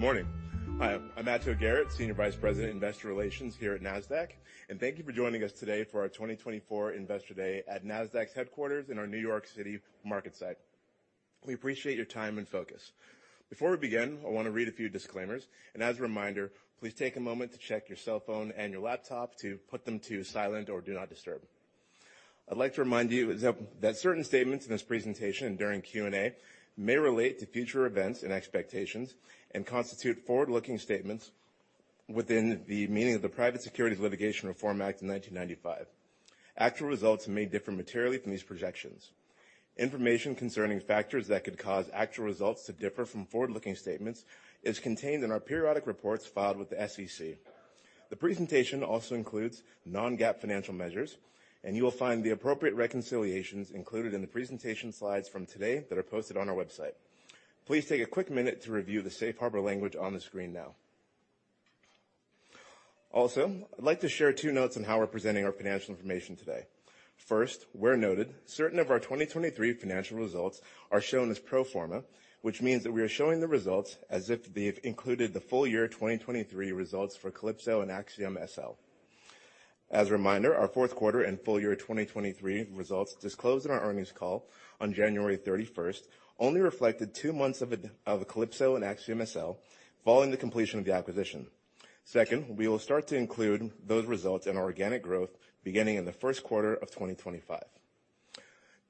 Good morning. Hi, I'm Ato Garrett, Senior Vice President, Investor Relations here at Nasdaq, and thank you for joining us today for our 2024 Investor Day at Nasdaq's headquarters in our New York City MarketSite. We appreciate your time and focus. Before we begin, I want to read a few disclaimers, and as a reminder, please take a moment to check your cell phone and your laptop to put them to silent or do not disturb. I'd like to remind you that certain statements in this presentation and during Q&A may relate to future events and expectations, and constitute forward-looking statements within the meaning of the Private Securities Litigation Reform Act of 1995. Actual results may differ materially from these projections. Information concerning factors that could cause actual results to differ from forward-looking statements is contained in our periodic reports filed with the SEC. The presentation also includes non-GAAP financial measures, and you will find the appropriate reconciliations included in the presentation slides from today that are posted on our website. Please take a quick minute to review the safe harbor language on the screen now. Also, I'd like to share two notes on how we're presenting our financial information today. First, where noted, certain of our 2023 financial results are shown as pro forma, which means that we are showing the results as if they've included the full year 2023 results for Calypso and AxiomSL. As a reminder, our fourth quarter and full year 2023 results disclosed in our earnings call on January 31st only reflected two months of Calypso and AxiomSL following the completion of the acquisition. Second, we will start to include those results in our organic growth beginning in the first quarter of 2025.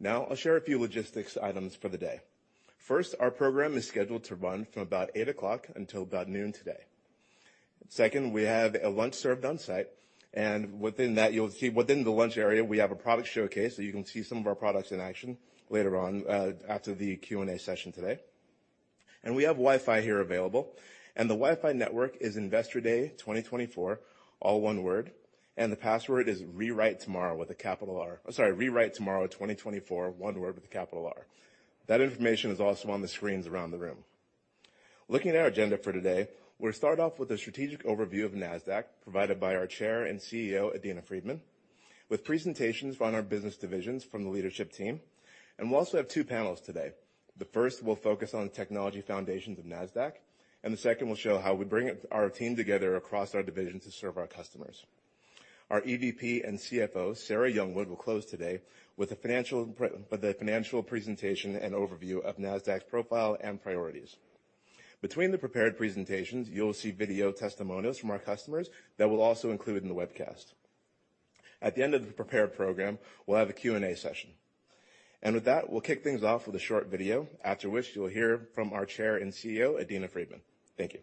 Now, I'll share a few logistics items for the day. First, our program is scheduled to run from about 8:00 A.M. until about 12:00 P.M. today. Second, we have a lunch served on-site, and within that, you'll see within the lunch area, we have a product showcase, so you can see some of our products in action later on, after the Q&A session today. And we have Wi-Fi here available, and the Wi-Fi network is Investor Day 2024, all one word, and the password is Rewrite Tomorrow with a capital R. I'm sorry, RewriteTomorrow2024, one word with a capital R. That information is also on the screens around the room. Looking at our agenda for today, we'll start off with a strategic overview of Nasdaq, provided by our Chair and CEO, Adena Friedman, with presentations on our business divisions from the leadership team. We'll also have two panels today. The first will focus on the technology foundations of Nasdaq, and the second will show how we bring our team together across our divisions to serve our customers. Our EVP and CFO, Sarah Youngwood, will close today with a financial presentation and overview of Nasdaq's profile and priorities. Between the prepared presentations, you'll see video testimonials from our customers that we'll also include in the webcast. At the end of the prepared program, we'll have a Q&A session. And with that, we'll kick things off with a short video, after which you'll hear from our Chair and CEO, Adena Friedman. Thank you.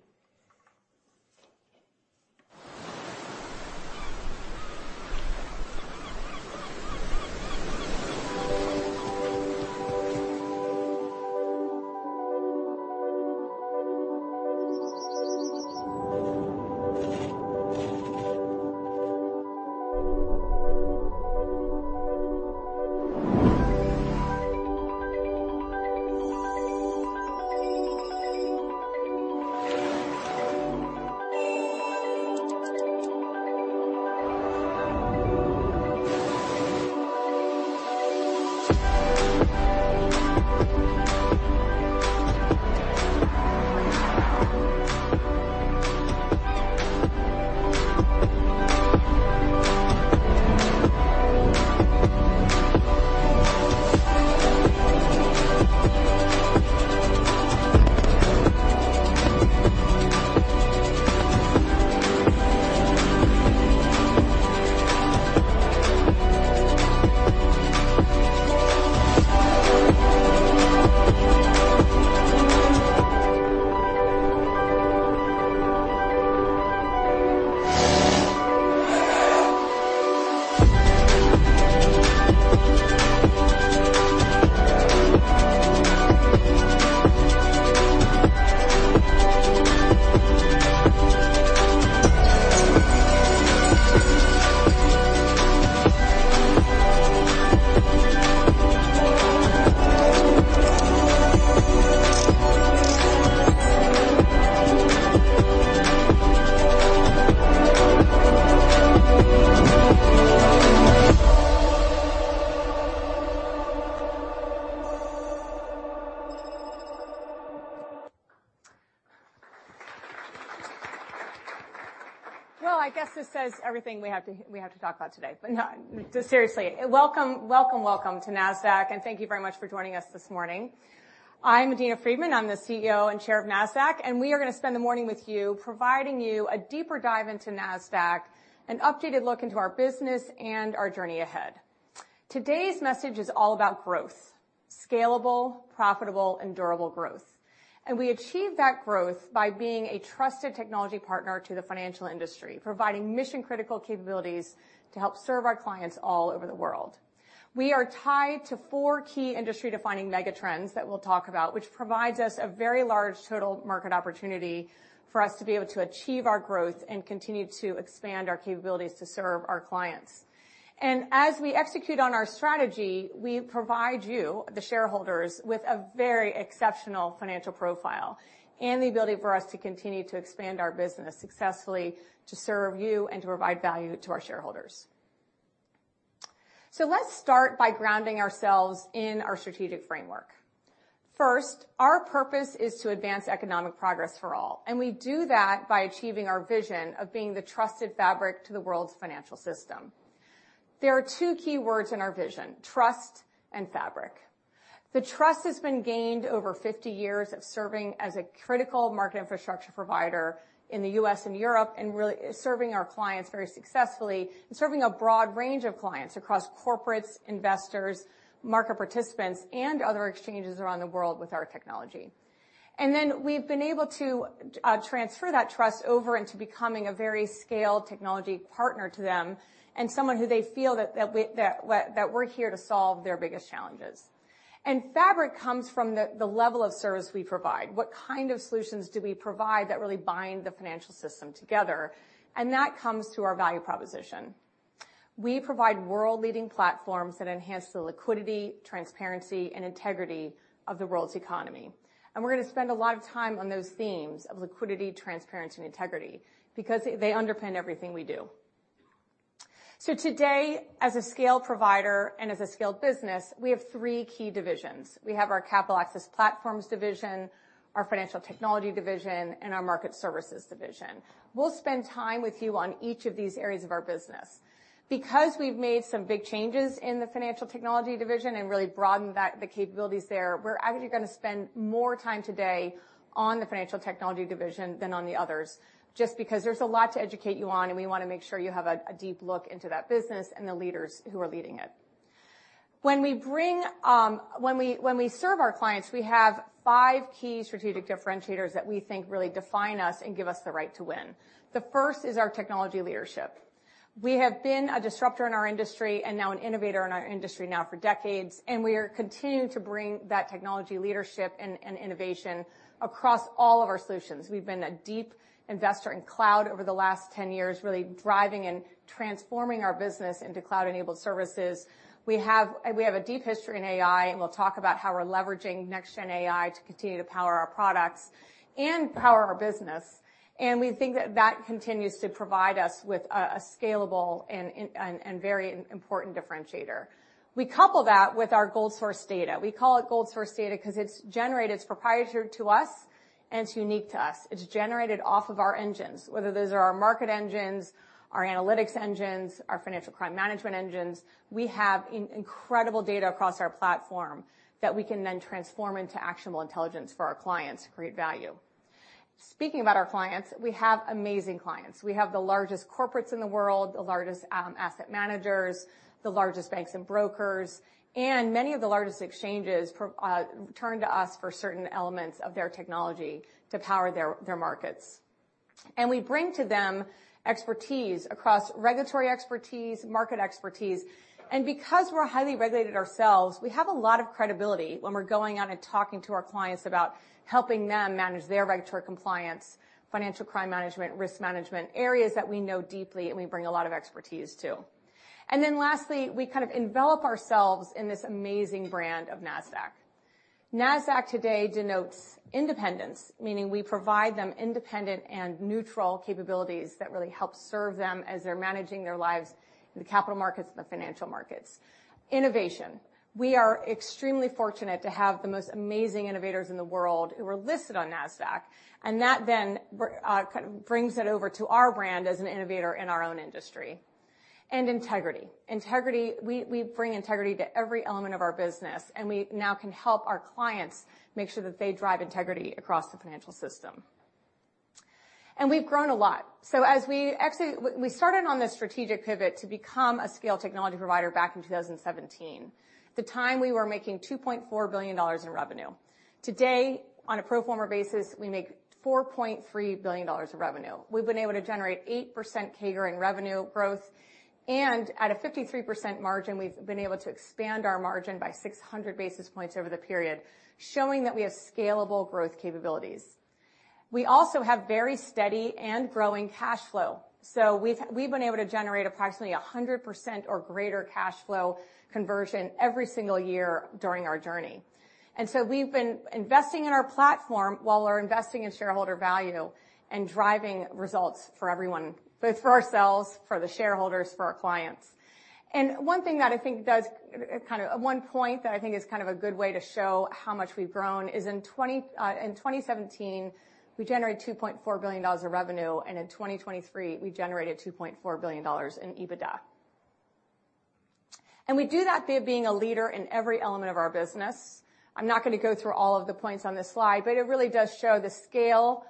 Well, I guess this says everything we have to, we have to talk about today. But no, just seriously, welcome, welcome, welcome to Nasdaq, and thank you very much for joining us this morning. I'm Adena Friedman. I'm the CEO and Chair of Nasdaq, and we are going to spend the morning with you, providing you a deeper dive into Nasdaq, an updated look into our business and our journey ahead. Today's message is all about growth, scalable, profitable, and durable growth. And we achieve that growth by being a trusted technology partner to the financial industry, providing mission-critical capabilities to help serve our clients all over the world. We are tied to four key industry-defining mega trends that we'll talk about, which provides us a very large total market opportunity for us to be able to achieve our growth and continue to expand our capabilities to serve our clients. As we execute on our strategy, we provide you, the shareholders, with a very exceptional financial profile and the ability for us to continue to expand our business successfully, to serve you, and to provide value to our shareholders. Let's start by grounding ourselves in our strategic framework. First, our purpose is to advance economic progress for all, and we do that by achieving our vision of being the trusted fabric to the world's financial system. There are two key words in our vision: trust and fabric. The trust has been gained over 50 years of serving as a critical market infrastructure provider in the U.S. and Europe, and really serving our clients very successfully, and serving a broad range of clients across corporates, investors, market participants, and other exchanges around the world with our technology. And then we've been able to transfer that trust over into becoming a very scaled technology partner to them, and someone who they feel that we’re here to solve their biggest challenges. And fabric comes from the level of service we provide. What kind of solutions do we provide that really bind the financial system together? And that comes to our value proposition. We provide world-leading platforms that enhance the liquidity, transparency, and integrity of the world's economy. And we're gonna spend a lot of time on those themes of liquidity, transparency, and integrity because they underpin everything we do. So today, as a scale provider and as a scale business, we have three key divisions. We have our Capital Access Platforms division, our Financial Technology division, and our Market Services division. We'll spend time with you on each of these areas of our business. Because we've made some big changes in the Financial Technology division and really broadened that, the capabilities there, we're actually gonna spend more time today on the Financial Technology division than on the others, just because there's a lot to educate you on, and we wanna make sure you have a deep look into that business and the leaders who are leading it. When we serve our clients, we have five key strategic differentiators that we think really define us and give us the right to win. The first is our technology leadership. We have been a disruptor in our industry and now an innovator in our industry for decades, and we are continuing to bring that technology leadership and innovation across all of our solutions. We've been a deep investor in cloud over the last 10 years, really driving and transforming our business into cloud-enabled services. We have, we have a deep history in AI, and we'll talk about how we're leveraging next-gen AI to continue to power our products and power our business. And we think that that continues to provide us with a scalable and very important differentiator. We couple that with our gold source data. We call it gold source data because it's generated, it's proprietary to us, and it's unique to us. It's generated off of our engines, whether those are our market engines, our analytics engines, our financial crime management engines. We have incredible data across our platform that we can then transform into actionable intelligence for our clients to create value. Speaking about our clients, we have amazing clients. We have the largest corporates in the world, the largest asset managers, the largest banks and brokers, and many of the largest exchanges turn to us for certain elements of their technology to power their markets. We bring to them expertise across regulatory expertise, market expertise. Because we're highly regulated ourselves, we have a lot of credibility when we're going out and talking to our clients about helping them manage their regulatory compliance, financial crime management, risk management, areas that we know deeply and we bring a lot of expertise to. Then lastly, we kind of envelop ourselves in this amazing brand of Nasdaq. Nasdaq today denotes independence, meaning we provide them independent and neutral capabilities that really help serve them as they're managing their lives in the capital markets and the financial markets. Innovation. We are extremely fortunate to have the most amazing innovators in the world who are listed on Nasdaq, and that then kind of brings it over to our brand as an innovator in our own industry. And integrity. Integrity, we bring integrity to every element of our business, and we now can help our clients make sure that they drive integrity across the financial system. And we've grown a lot. Actually, we started on this strategic pivot to become a scale technology provider back in 2017. At the time, we were making $2.4 billion in revenue. Today, on a pro forma basis, we make $4.3 billion of revenue. We've been able to generate 8% CAGR in revenue growth, and at a 53% margin, we've been able to expand our margin by 600 basis points over the period, showing that we have scalable growth capabilities. We also have very steady and growing cash flow. So we've been able to generate approximately 100% or greater cash flow conversion every single year during our journey. And so we've been investing in our platform while we're investing in shareholder value and driving results for everyone, both for ourselves, for the shareholders, for our clients. One point that I think is kind of a good way to show how much we've grown is in 2017, we generated $2.4 billion of revenue, and in 2023, we generated $2.4 billion in EBITDA. We do that via being a leader in every element of our business. I'm not gonna go through all of the points on this slide, but it really does show the scale,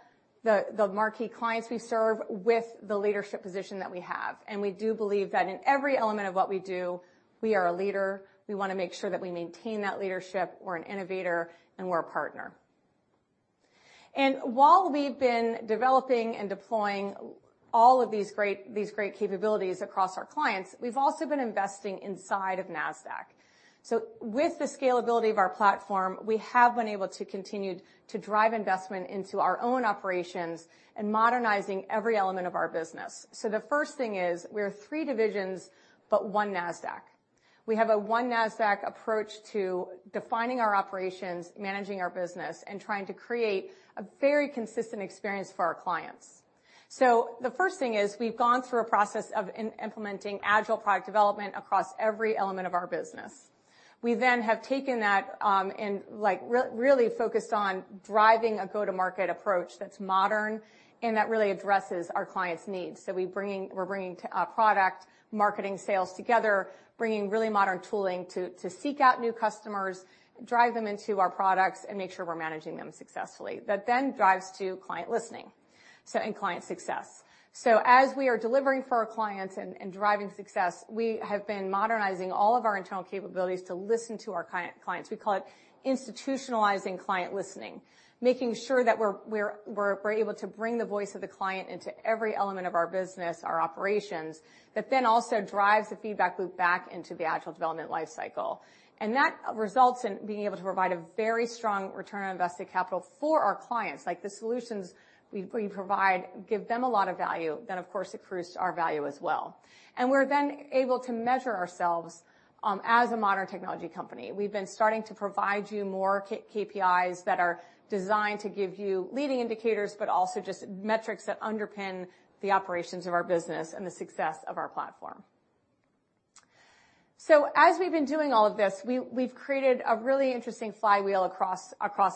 the marquee clients we serve with the leadership position that we have. We do believe that in every element of what we do, we are a leader. We wanna make sure that we maintain that leadership, we're an innovator, and we're a partner. And while we've been developing and deploying all of these great, these great capabilities across our clients, we've also been investing inside of Nasdaq. So with the scalability of our platform, we have been able to continue to drive investment into our own operations and modernizing every element of our business. So the first thing is we are three divisions, but One Nasdaq. We have a One Nasdaq approach to defining our operations, managing our business, and trying to create a very consistent experience for our clients. So the first thing is, we've gone through a process of implementing agile product development across every element of our business. We then have taken that, and like, really focused on driving a go-to-market approach that's modern and that really addresses our clients' needs. So we're bringing product, marketing, sales together, bringing really modern tooling to seek out new customers, drive them into our products, and make sure we're managing them successfully. That then drives to client listening so and client success. So as we are delivering for our clients and driving success, we have been modernizing all of our internal capabilities to listen to our clients. We call it institutionalizing client listening, making sure that we're able to bring the voice of the client into every element of our business, our operations, that then also drives the feedback loop back into the agile development lifecycle. And that results in being able to provide a very strong return on invested capital for our clients, like the solutions we provide give them a lot of value, then, of course, accrues to our value as well. And we're then able to measure ourselves as a modern technology company. We've been starting to provide you more KPIs that are designed to give you leading indicators, but also just metrics that underpin the operations of our business and the success of our platform. So as we've been doing all of this, we've created a really interesting flywheel across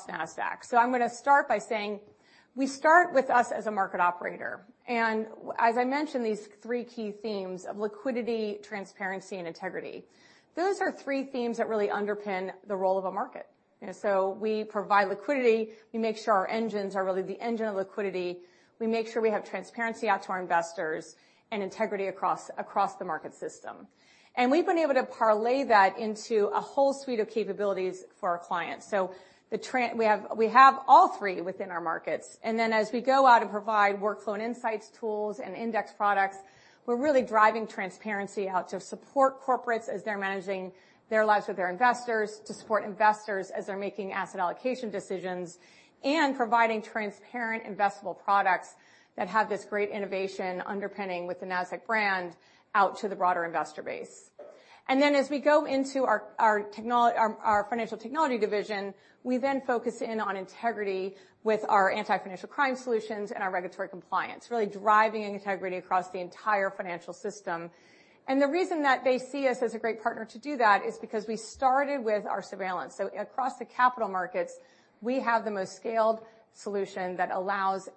Nasdaq. So I'm gonna start by saying, we start with us as a market operator, and as I mentioned, these three key themes of liquidity, transparency, and integrity. Those are three themes that really underpin the role of a market. You know, so we provide liquidity, we make sure our engines are really the engine of liquidity, we make sure we have transparency out to our investors, and integrity across the market system. And we've been able to parlay that into a whole suite of capabilities for our clients. So we have, we have all three within our markets, and then as we go out and provide workflow and insights, tools, and index products, we're really driving transparency out to support corporates as they're managing their lives with their investors, to support investors as they're making asset allocation decisions, and providing transparent, investable products that have this great innovation underpinning with the Nasdaq brand out to the broader investor base. And then, as we go into our, our our financial technology division, we then focus in on integrity with our anti-financial crime solutions and our regulatory compliance, really driving integrity across the entire financial system. And the reason that they see us as a great partner to do that is because we started with our surveillance. So across the capital markets, we have the most scaled solution that allows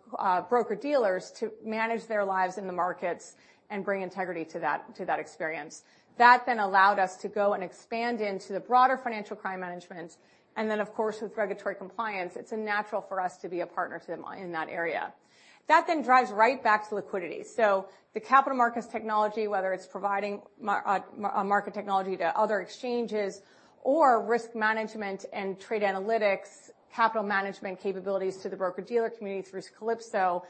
broker-dealers to manage their lives in the markets and bring integrity to that, to that experience. That then allowed us to go and expand into the broader financial crime management, and then, of course, with regulatory compliance, it's a natural for us to be a partner to them in that area. That then drives right back to liquidity. So the Capital Markets Technology, whether it's providing Market Technology to other exchanges or risk management and trade analytics, capital management capabilities to the broker-dealer community through Calypso,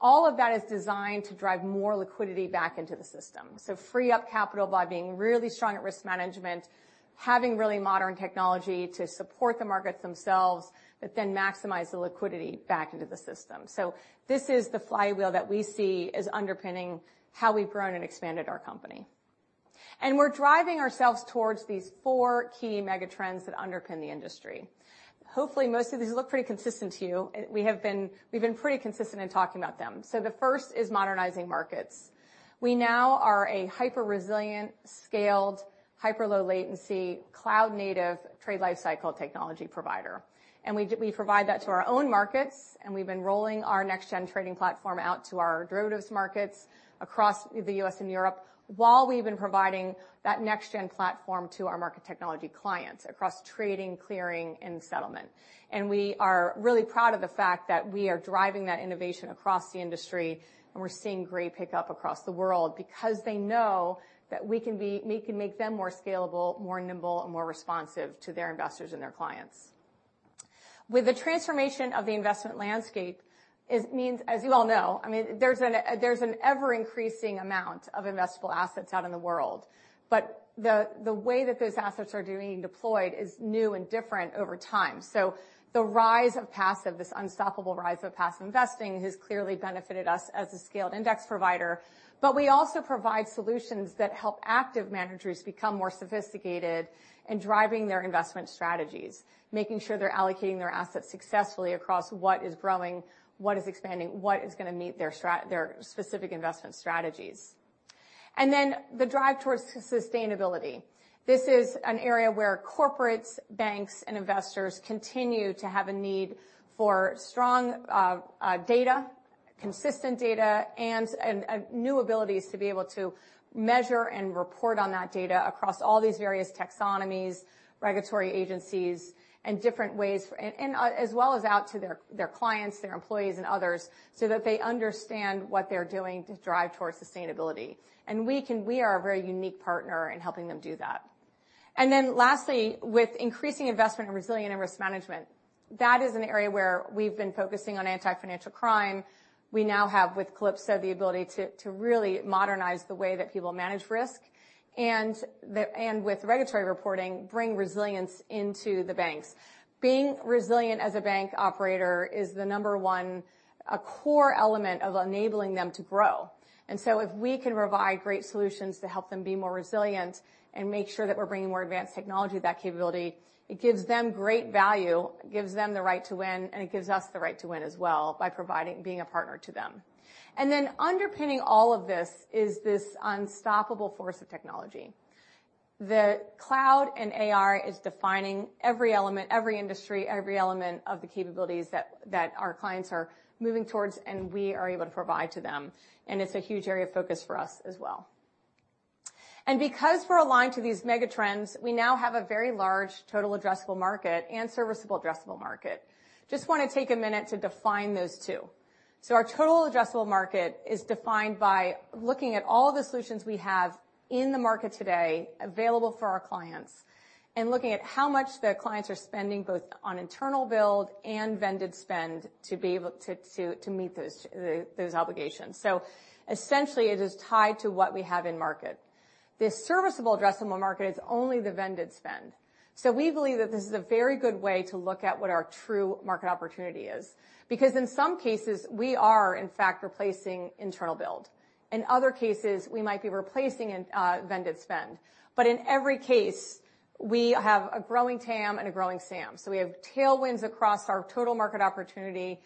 all of that is designed to drive more liquidity back into the system. So free up capital by being really strong at risk management, having really modern technology to support the markets themselves, but then maximize the liquidity back into the system. So this is the flywheel that we see as underpinning how we've grown and expanded our company. We're driving ourselves towards these four key megatrends that underpin the industry. Hopefully, most of these look pretty consistent to you. We have been pretty consistent in talking about them. The first is modernizing markets. We now are a hyper-resilient, scaled, hyper-low latency, cloud-native trade lifecycle technology provider. We provide that to our own markets, and we've been rolling our next-gen trading platform out to our derivatives markets across the U.S. and Europe, while we've been providing that next-gen platform to our market technology clients across trading, clearing, and settlement. And we are really proud of the fact that we are driving that innovation across the industry, and we're seeing great pickup across the world because they know that we can make them more scalable, more nimble, and more responsive to their investors and their clients. With the transformation of the investment landscape, it means, as you all know, I mean, there's an ever-increasing amount of investable assets out in the world. But the way that those assets are being deployed is new and different over time. So the rise of passive, this unstoppable rise of passive investing, has clearly benefited us as a scaled index provider. But we also provide solutions that help active managers become more sophisticated in driving their investment strategies, making sure they're allocating their assets successfully across what is growing, what is expanding, what is gonna meet their their specific investment strategies. And then the drive towards sustainability. This is an area where corporates, banks, and investors continue to have a need for strong, data, consistent data, and new abilities to be able to measure and report on that data across all these various taxonomies, regulatory agencies, and different ways for. And as well as out to their, their clients, their employees, and others, so that they understand what they're doing to drive towards sustainability. And we are a very unique partner in helping them do that. And then lastly, with increasing investment in resilience and risk management, that is an area where we've been focusing on anti-financial crime. We now have, with Calypso, the ability to really modernize the way that people manage risk, and with regulatory reporting, bring resilience into the banks. Being resilient as a bank operator is number one, a core element of enabling them to grow. And so if we can provide great solutions to help them be more resilient and make sure that we're bringing more advanced technology to that capability, it gives them great value, it gives them the right to win, and it gives us the right to win as well by providing, being a partner to them. And then underpinning all of this is this unstoppable force of technology.... The cloud and AR is defining every element, every industry, every element of the capabilities that our clients are moving towards, and we are able to provide to them, and it's a huge area of focus for us as well. And because we're aligned to these mega trends, we now have a very large total addressable market and serviceable addressable market. Just want to take a minute to define those two. So our total addressable market is defined by looking at all of the solutions we have in the market today available for our clients, and looking at how much the clients are spending, both on internal build and vended spend, to be able to meet those obligations. So essentially, it is tied to what we have in market. The serviceable addressable market is only the vended spend. So we believe that this is a very good way to look at what our true market opportunity is, because in some cases, we are, in fact, replacing internal build. In other cases, we might be replacing in, vended spend. But in every case, we have a growing TAM and a growing SAM. So we have tailwinds across our total market opportunity,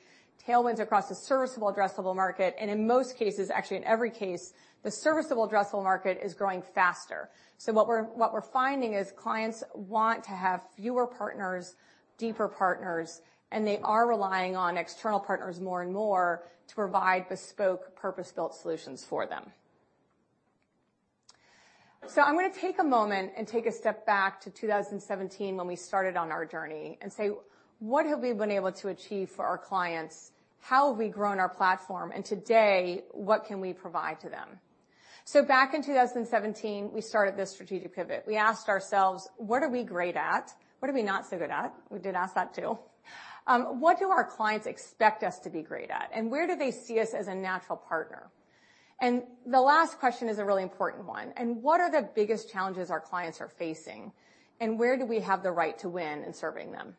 tailwinds across the serviceable addressable market, and in most cases, actually, in every case, the serviceable addressable market is growing faster. So what we're, what we're finding is clients want to have fewer partners, deeper partners, and they are relying on external partners more and more to provide bespoke, purpose-built solutions for them. So I'm gonna take a moment and take a step back to 2017 when we started on our journey, and say, what have we been able to achieve for our clients? How have we grown our platform? Today, what can we provide to them? Back in 2017, we started this strategic pivot. We asked ourselves: What are we great at? What are we not so good at? We did ask that, too. What do our clients expect us to be great at, and where do they see us as a natural partner? The last question is a really important one: What are the biggest challenges our clients are facing, and where do we have the right to win in serving them?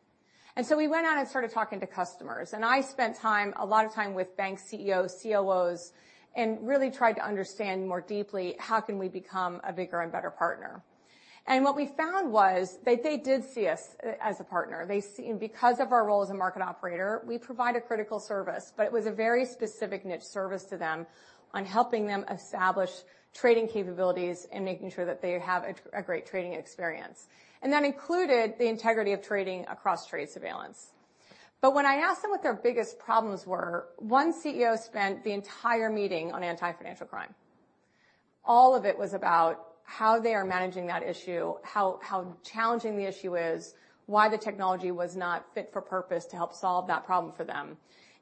We went out and started talking to customers, and I spent time, a lot of time with bank CEOs, COOs, and really tried to understand more deeply, how can we become a bigger and better partner? What we found was that they did see us as a partner. Because of our role as a market operator, we provide a critical service, but it was a very specific niche service to them on helping them establish trading capabilities and making sure that they have a great trading experience. And that included the integrity of trading across trade surveillance. But when I asked them what their biggest problems were, one CEO spent the entire meeting on anti-financial crime. All of it was about how they are managing that issue, how challenging the issue is, why the technology was not fit for purpose to help solve that problem for them.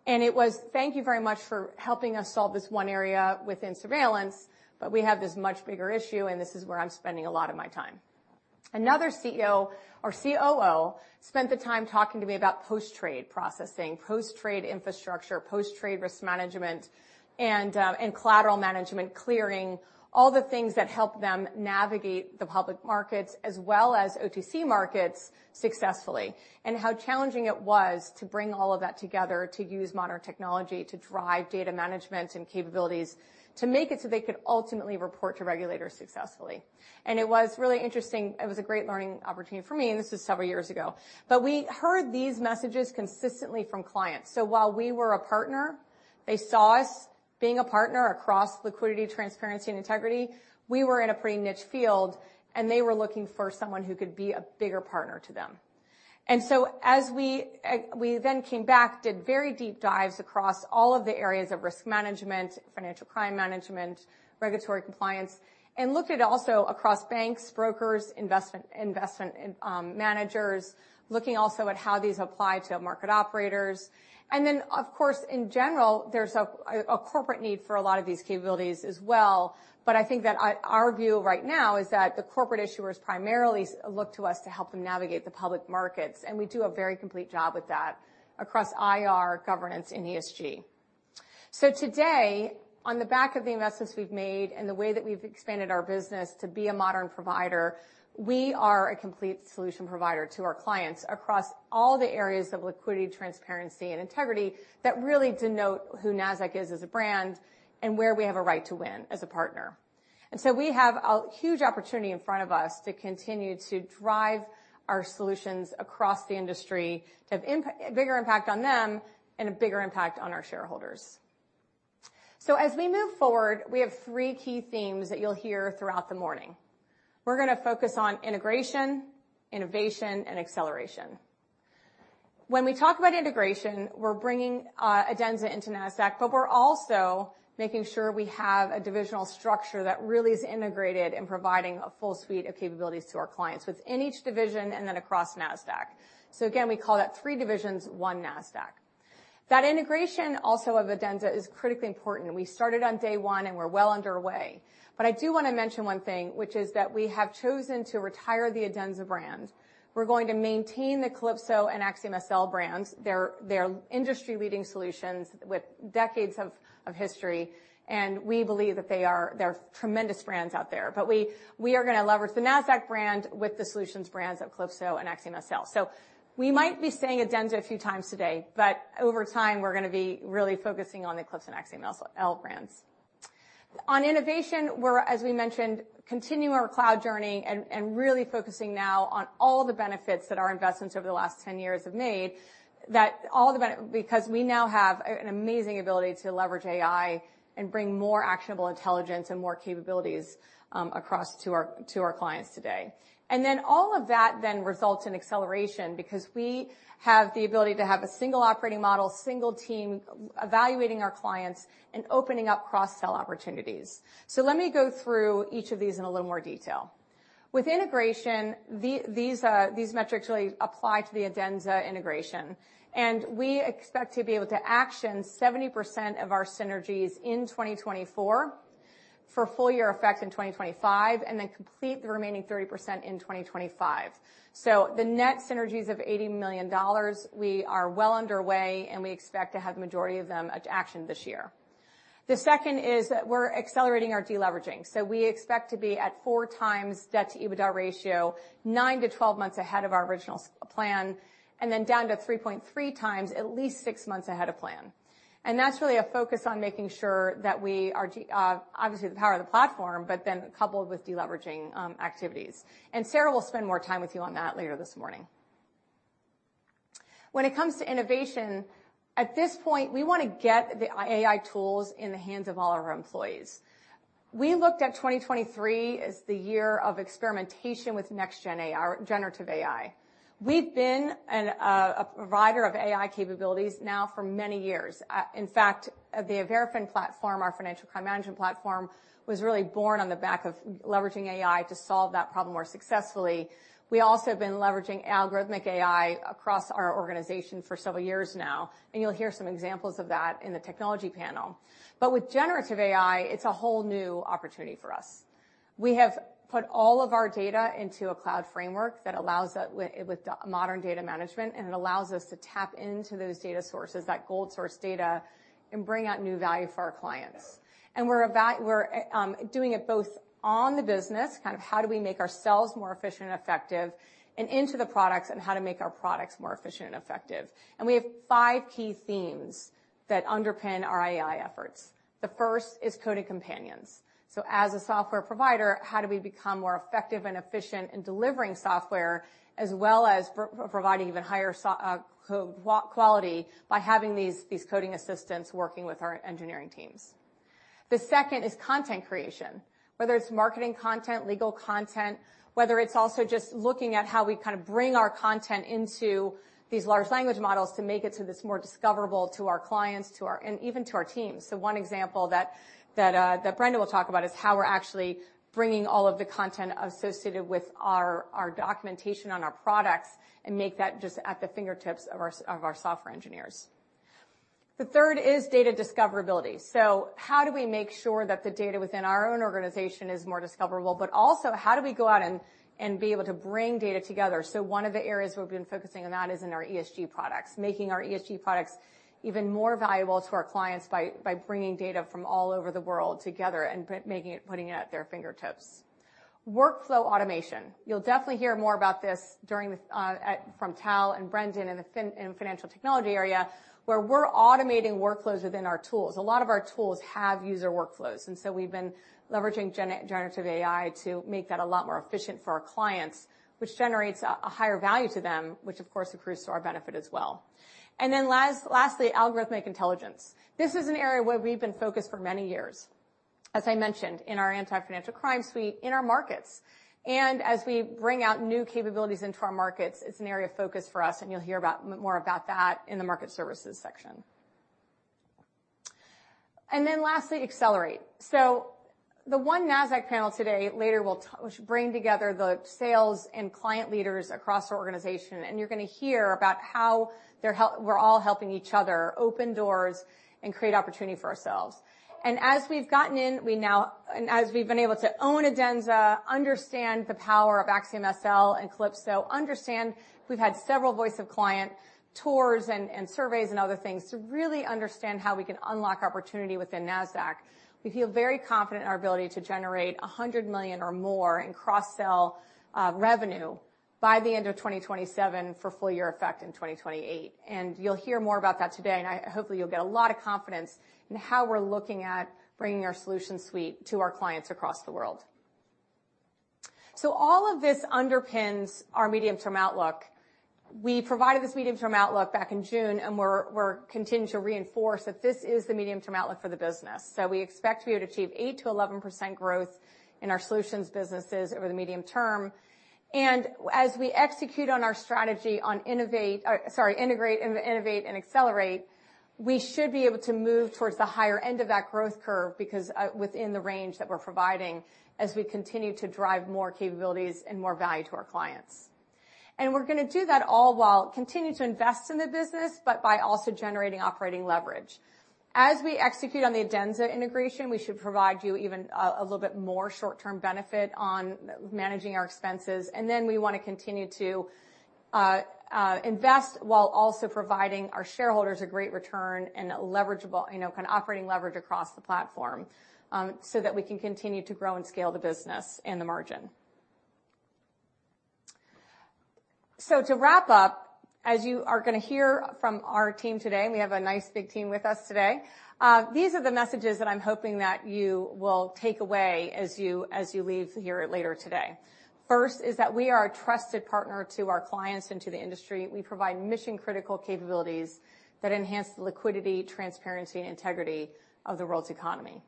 It was, "Thank you very much for helping us solve this one area within surveillance, but we have this much bigger issue, and this is where I'm spending a lot of my time." Another CEO or COO spent the time talking to me about post-trade processing, post-trade infrastructure, post-trade risk management, and and collateral management, clearing, all the things that help them navigate the public markets as well as OTC markets successfully, and how challenging it was to bring all of that together, to use modern technology to drive data management and capabilities, to make it so they could ultimately report to regulators successfully. It was really interesting. It was a great learning opportunity for me, and this is several years ago. We heard these messages consistently from clients. While we were a partner, they saw us being a partner across liquidity, transparency, and integrity. We were in a pretty niche field, and they were looking for someone who could be a bigger partner to them. So we then came back, did very deep dives across all of the areas of risk management, financial crime management, regulatory compliance, and looked at also across banks, brokers, investment managers, looking also at how these apply to market operators. Then, of course, in general, there's a corporate need for a lot of these capabilities as well. But I think that our view right now is that the corporate issuers primarily look to us to help them navigate the public markets, and we do a very complete job with that across IR governance and ESG. So today, on the back of the investments we've made and the way that we've expanded our business to be a modern provider, we are a complete solution provider to our clients across all the areas of liquidity, transparency, and integrity that really denote who Nasdaq is as a brand and where we have a right to win as a partner. And so we have a huge opportunity in front of us to continue to drive our solutions across the industry, to have a bigger impact on them and a bigger impact on our shareholders. So as we move forward, we have three key themes that you'll hear throughout the morning. We're gonna focus on integration, innovation, and acceleration. When we talk about integration, we're bringing Adenza into Nasdaq, but we're also making sure we have a divisional structure that really is integrated in providing a full suite of capabilities to our clients within each division and then across Nasdaq. So again, we call that three divisions, one Nasdaq. That integration also of Adenza is critically important. We started on day one, and we're well underway. But I do want to mention one thing, which is that we have chosen to retire the Adenza brand. We're going to maintain the Calypso and AxiomSL brands. They're industry-leading solutions with decades of history, and we believe that they're tremendous brands out there. But we are gonna leverage the Nasdaq brand with the solutions brands of Calypso and AxiomSL. So we might be saying Adenza a few times today, but over time, we're gonna be really focusing on the Calypso and AxiomSL brands. On innovation, we're, as we mentioned, continuing our cloud journey and really focusing now on all the benefits that our investments over the last 10 years have made, because we now have an amazing ability to leverage AI and bring more actionable intelligence and more capabilities across to our clients today. And then all of that then results in acceleration because we have the ability to have a single operating model, single team, evaluating our clients and opening up cross-sell opportunities. So let me go through each of these in a little more detail. With integration, these metrics really apply to the Adenza integration, and we expect to be able to action 70% of our synergies in 2024, for full year effect in 2025, and then complete the remaining 30% in 2025. So the net synergies of $80 million, we are well underway, and we expect to have the majority of them at action this year. The second is that we're accelerating our deleveraging. So we expect to be at 4x debt-to-EBITDA ratio, 9-12 months ahead of our original plan, and then down to 3.3x, at least 6 months ahead of plan. And that's really a focus on making sure that we are obviously, the power of the platform, but then coupled with deleveraging, activities. Sarah will spend more time with you on that later this morning. When it comes to innovation, at this point, we wanna get the AI tools in the hands of all our employees. We looked at 2023 as the year of experimentation with next-gen AI, generative AI. We've been a provider of AI capabilities now for many years. In fact, the Verafin platform, our financial crime management platform, was really born on the back of leveraging AI to solve that problem more successfully. We also have been leveraging algorithmic AI across our organization for several years now, and you'll hear some examples of that in the technology panel. But with generative AI, it's a whole new opportunity for us. We have put all of our data into a cloud framework that allows us, with modern data management, and it allows us to tap into those data sources, that gold source data, and bring out new value for our clients. And we're doing it both on the business, kind of how do we make ourselves more efficient and effective, and into the products, and how to make our products more efficient and effective. And we have five key themes that underpin our AI efforts. The first is coding companions. So as a software provider, how do we become more effective and efficient in delivering software, as well as providing even higher code quality by having these coding assistants working with our engineering teams? The second is content creation, whether it's marketing content, legal content, whether it's also just looking at how we kind of bring our content into these large language models to make it so that it's more discoverable to our clients, to our... and even to our teams. So one example that Brenda will talk about is how we're actually bringing all of the content associated with our documentation on our products and make that just at the fingertips of our software engineers. The third is data discoverability. So how do we make sure that the data within our own organization is more discoverable, but also, how do we go out and be able to bring data together? So one of the areas we've been focusing on that is in our ESG products, making our ESG products even more valuable to our clients by bringing data from all over the world together and putting it at their fingertips. Workflow automation. You'll definitely hear more about this from Tal and Brenda in the financial technology area, where we're automating workflows within our tools. A lot of our tools have user workflows, and so we've been leveraging generative AI to make that a lot more efficient for our clients, which generates a higher value to them, which, of course, accrues to our benefit as well. And then lastly, algorithmic intelligence. This is an area where we've been focused for many years, as I mentioned, in our anti-financial crime suite, in our markets. And as we bring out new capabilities into our markets, it's an area of focus for us, and you'll hear about more about that in the market services section. And then lastly, accelerate. So the One Nasdaq panel today, later, we'll, which will bring together the sales and client leaders across our organization, and you're gonna hear about how we're all helping each other open doors and create opportunity for ourselves. And as we've gotten in, we now... And as we've been able to own Adenza, understand the power of AxiomSL and Calypso, understand we've had several voice-of-client tours and, and surveys, and other things to really understand how we can unlock opportunity within Nasdaq. We feel very confident in our ability to generate $100 million or more in cross-sell revenue by the end of 2027, for full year effect in 2028. You'll hear more about that today, and hopefully, you'll get a lot of confidence in how we're looking at bringing our solution suite to our clients across the world. So all of this underpins our medium-term outlook. We provided this medium-term outlook back in June, and we're continuing to reinforce that this is the medium-term outlook for the business. So we expect to be able to achieve 8%-11% growth in our solutions businesses over the medium term. And as we execute on our strategy on integrate, innovate, and accelerate, we should be able to move towards the higher end of that growth curve because within the range that we're providing, as we continue to drive more capabilities and more value to our clients. And we're gonna do that all while continuing to invest in the business, but by also generating operating leverage. As we execute on the Adenza integration, we should provide you even a little bit more short-term benefit on managing our expenses, and then we wanna continue to invest while also providing our shareholders a great return and a leverageable, you know, kind of operating leverage across the platform, so that we can continue to grow and scale the business and the margin. So to wrap up, as you are going to hear from our team today, we have a nice, big team with us today. These are the messages that I'm hoping that you will take away as you leave here later today. First is that we are a trusted partner to our clients and to the industry. We provide mission-critical capabilities that enhance the liquidity, transparency, and integrity of the world's economy.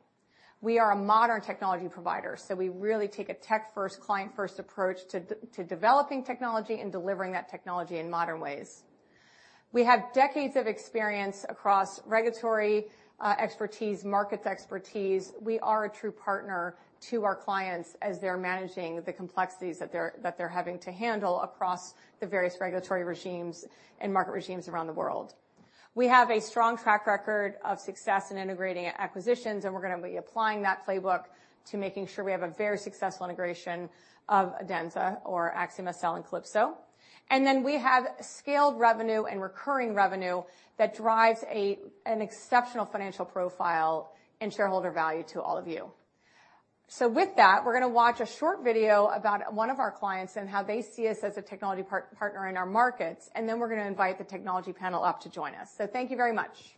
We are a modern technology provider, so we really take a tech-first, client-first approach to developing technology and delivering that technology in modern ways. We have decades of experience across regulatory expertise, markets expertise. We are a true partner to our clients as they're managing the complexities that they're having to handle across the various regulatory regimes and market regimes around the world. We have a strong track record of success in integrating acquisitions, and we're gonna be applying that playbook to making sure we have a very successful integration of Adenza or AxiomSL and Calypso. We have scaled revenue and recurring revenue that drives an exceptional financial profile and shareholder value to all of you. So with that, we're gonna watch a short video about one of our clients and how they see us as a technology partner in our markets, and then we're gonna invite the technology panel up to join us. So thank you very much.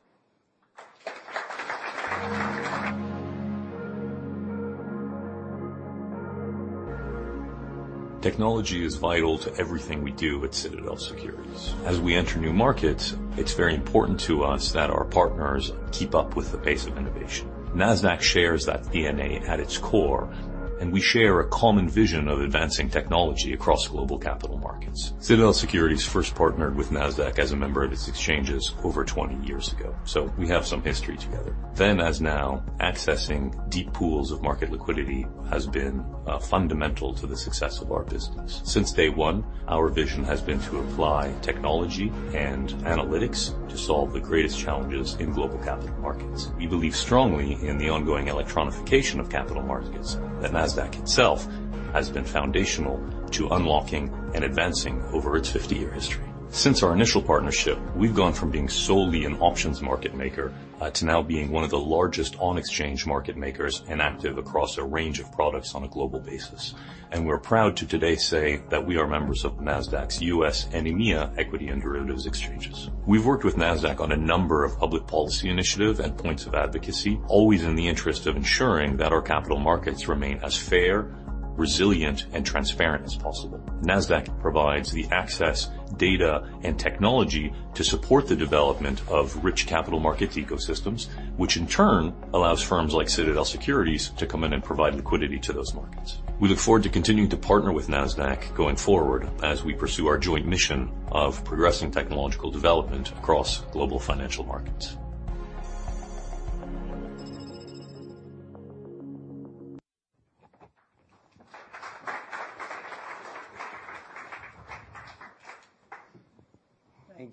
Technology is vital to everything we do at Citadel Securities. As we enter new markets, it's very important to us that our partners keep up with the pace of innovation. Nasdaq shares that DNA at its core, and we share a common vision of advancing technology across global capital markets. Citadel Securities first partnered with Nasdaq as a member of its exchanges over 20 years ago, so we have some history together. Then, as now, accessing deep pools of market liquidity has been fundamental to the success of our business. Since day one, our vision has been to apply technology and analytics to solve the greatest challenges in global capital markets. We believe strongly in the ongoing electronification of capital markets, that Nasdaq itself has been foundational to unlocking and advancing over its 50-year history. Since our initial partnership, we've gone from being solely an options market maker to now being one of the largest on-exchange market makers and active across a range of products on a global basis. And we're proud to today say that we are members of the Nasdaq's U.S. and EMEA Equity and Derivatives exchanges. We've worked with Nasdaq on a number of public policy initiatives and points of advocacy, always in the interest of ensuring that our capital markets remain as fair, resilient, and transparent as possible. Nasdaq provides the access, data, and technology to support the development of rich capital markets ecosystems, which in turn allows firms like Citadel Securities to come in and provide liquidity to those markets. We look forward to continuing to partner with Nasdaq going forward as we pursue our joint mission of progressing technological development across global financial markets.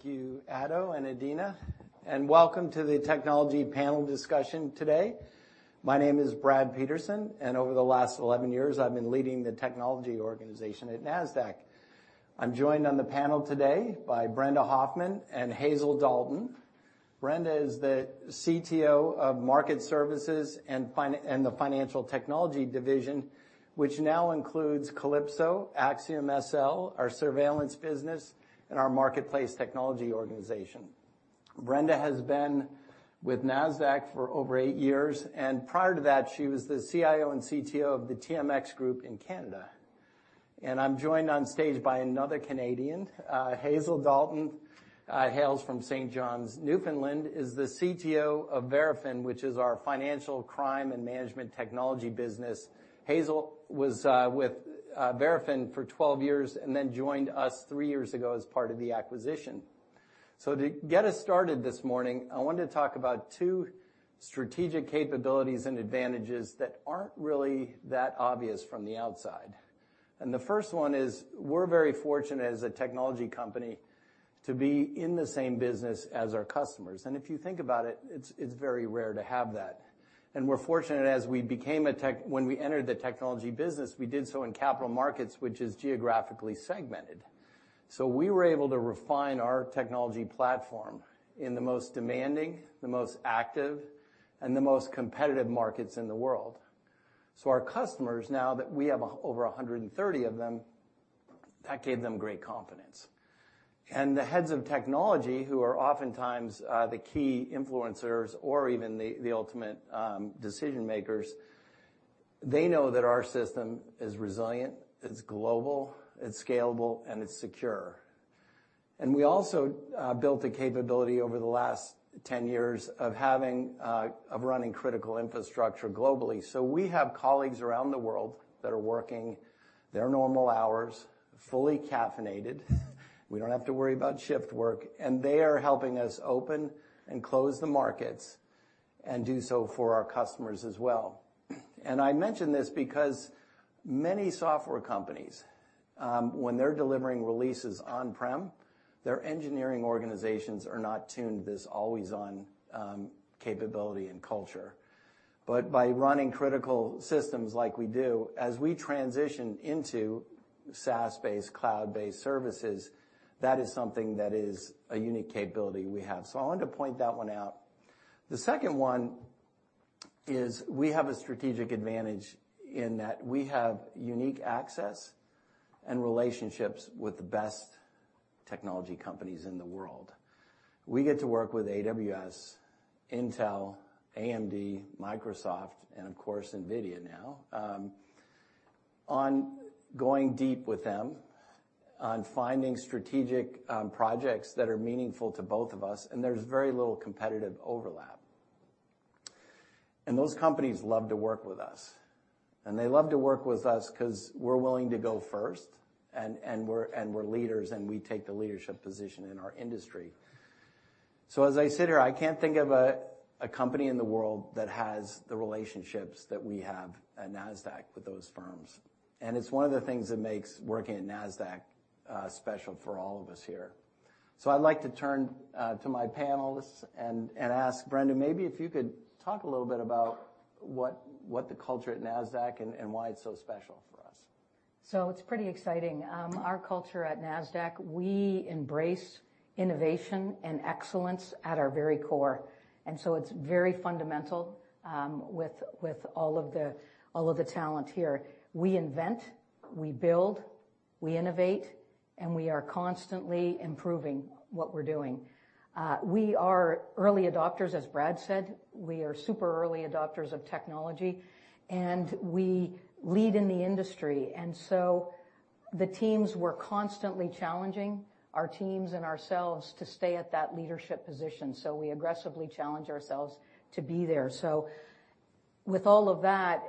Thank you, Ato, and Adena, and welcome to the technology panel discussion today. My name is Brad Peterson, and over the last 11 years, I've been leading the technology organization at Nasdaq. I'm joined on the panel today by Brenda Hoffman and Hazel Dalton. Brenda is the CTO of Market Services and Financial Technology Division, which now includes Calypso, AxiomSL, our surveillance business, and our marketplace technology organization. Brenda has been with Nasdaq for over 8 years, and prior to that, she was the CIO and CTO of the TMX Group in Canada. I'm joined on stage by another Canadian, Hazel Dalton, hails from St. John's, Newfoundland, is the CTO of Verafin, which is our financial crime and management technology business. Hazel was with Verafin for 12 years and then joined us 3 years ago as part of the acquisition. So to get us started this morning, I wanted to talk about two strategic capabilities and advantages that aren't really that obvious from the outside. And the first one is we're very fortunate as a technology company to be in the same business as our customers. And if you think about it, it's, it's very rare to have that. And we're fortunate as we became a tech... When we entered the technology business, we did so in capital markets, which is geographically segmented. So we were able to refine our technology platform in the most demanding, the most active, and the most competitive markets in the world. So our customers, now that we have over 130 of them, that gave them great confidence. The heads of technology, who are oftentimes the key influencers or even the ultimate decision makers, they know that our system is resilient, it's global, it's scalable, and it's secure. We also built a capability over the last 10 years of running critical infrastructure globally. We have colleagues around the world that are working their normal hours, fully caffeinated. We don't have to worry about shift work, and they are helping us open and close the markets and do so for our customers as well. I mention this because many software companies, when they're delivering releases on-prem, their engineering organizations are not tuned to this always-on capability and culture. By running critical systems like we do, as we transition into SaaS-based, cloud-based services, that is something that is a unique capability we have. So I wanted to point that one out. The second one is we have a strategic advantage in that we have unique access and relationships with the best technology companies in the world. We get to work with AWS, Intel, AMD, Microsoft, and of course, NVIDIA now, on going deep with them, on finding strategic projects that are meaningful to both of us, and there's very little competitive overlap. And those companies love to work with us, and they love to work with us 'cause we're willing to go first, and we're leaders, and we take the leadership position in our industry. So as I sit here, I can't think of a company in the world that has the relationships that we have at Nasdaq with those firms, and it's one of the things that makes working at Nasdaq special for all of us here. So I'd like to turn to my panelists and ask, Brenda, maybe if you could talk a little bit about what the culture at Nasdaq and why it's so special for us. So it's pretty exciting. Our culture at Nasdaq, we embrace innovation and excellence at our very core, and so it's very fundamental with all of the talent here. We invent, we build, we innovate, and we are constantly improving what we're doing. We are early adopters, as Brad said. We are super early adopters of technology, and we lead in the industry, and so the teams, we're constantly challenging our teams and ourselves to stay at that leadership position. So we aggressively challenge ourselves to be there. So with all of that,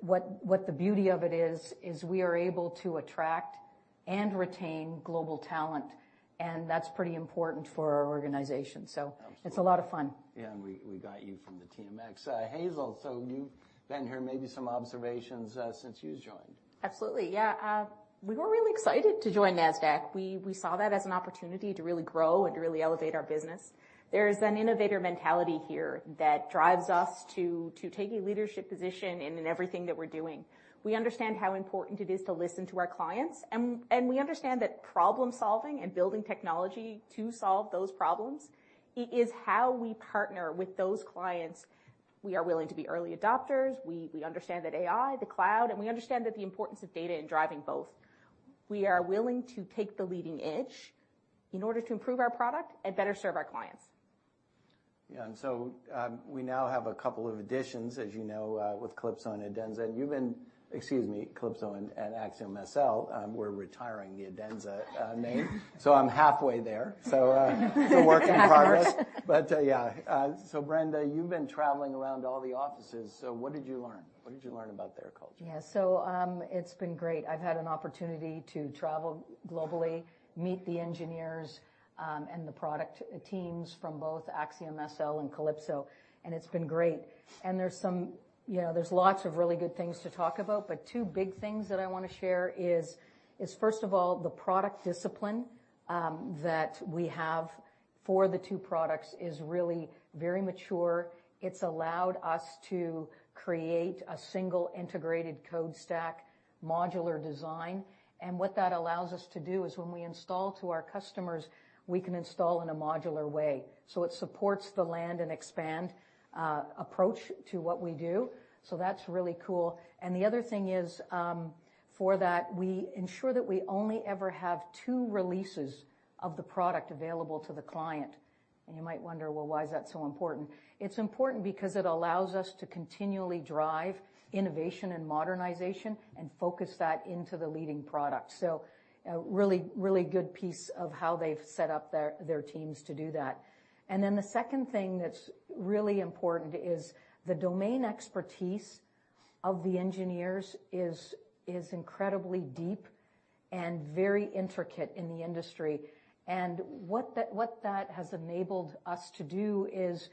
what the beauty of it is, is we are able to attract and retain global talent, and that's pretty important for our organization. So- Absolutely. It's a lot of fun. Yeah, and we got you from the TMX. Hazel, so you've been here. Maybe some observations, since you joined. Absolutely. Yeah, we were really excited to join Nasdaq. We saw that as an opportunity to really grow and to really elevate our business. There's an innovator mentality here that drives us to take a leadership position in everything that we're doing. We understand how important it is to listen to our clients, and we understand that problem-solving and building technology to solve those problems is how we partner with those clients. We are willing to be early adopters. We understand that AI, the cloud, and we understand that the importance of data in driving both. We are willing to take the leading edge in order to improve our product and better serve our clients. Yeah, and so, we now have a couple of additions, as you know, with Calypso and Adenza. Excuse me, Calypso and AxiomSL. We're retiring the Adenza name. So I'm halfway there, so, still a work in progress. Halfway. But, yeah. So Brenda, you've been traveling around to all the offices, so what did you learn? What did you learn about their culture? Yeah. So, it's been great. I've had an opportunity to travel globally, meet the engineers, and the product teams from both AxiomSL and Calypso, and it's been great. And there's, you know, lots of really good things to talk about, but two big things that I wanna share is, first of all, the product discipline that we have for the two products is really very mature. It's allowed us to create a single integrated code stack, modular design, and what that allows us to do is when we install to our customers, we can install in a modular way. So it supports the land and expand approach to what we do, so that's really cool. And the other thing is, for that, we ensure that we only ever have two releases of the product available to the client. You might wonder: Well, why is that so important? It's important because it allows us to continually drive innovation and modernization and focus that into the leading product. A really, really good piece of how they've set up their teams to do that. Then the second thing that's really important is the domain expertise of the engineers is incredibly deep and very intricate in the industry. And what that has enabled us to do is,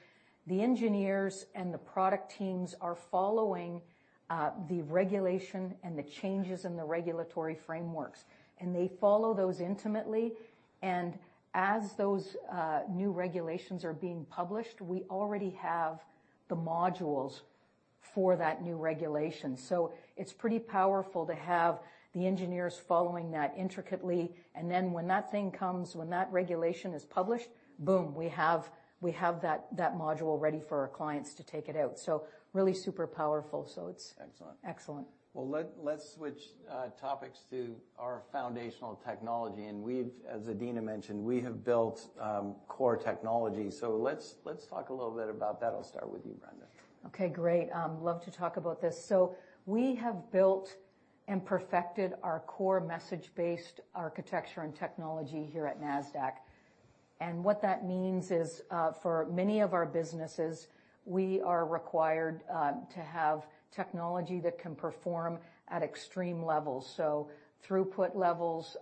the engineers and the product teams are following the regulation and the changes in the regulatory frameworks, and they follow those intimately. As those new regulations are being published, we already have the modules for that new regulation. So it's pretty powerful to have the engineers following that intricately, and then when that thing comes, when that regulation is published, boom, we have, we have that, that module ready for our clients to take it out. So really super powerful. So it's- Excellent. Excellent. Well, let's switch topics to our foundational technology, and we've... As Adena mentioned, we have built core technology. So let's talk a little bit about that. I'll start with you, Brenda. Okay, great. Love to talk about this. So we have built and perfected our core message-based architecture and technology here at Nasdaq.... And what that means is, for many of our businesses, we are required to have technology that can perform at extreme levels. So throughput levels,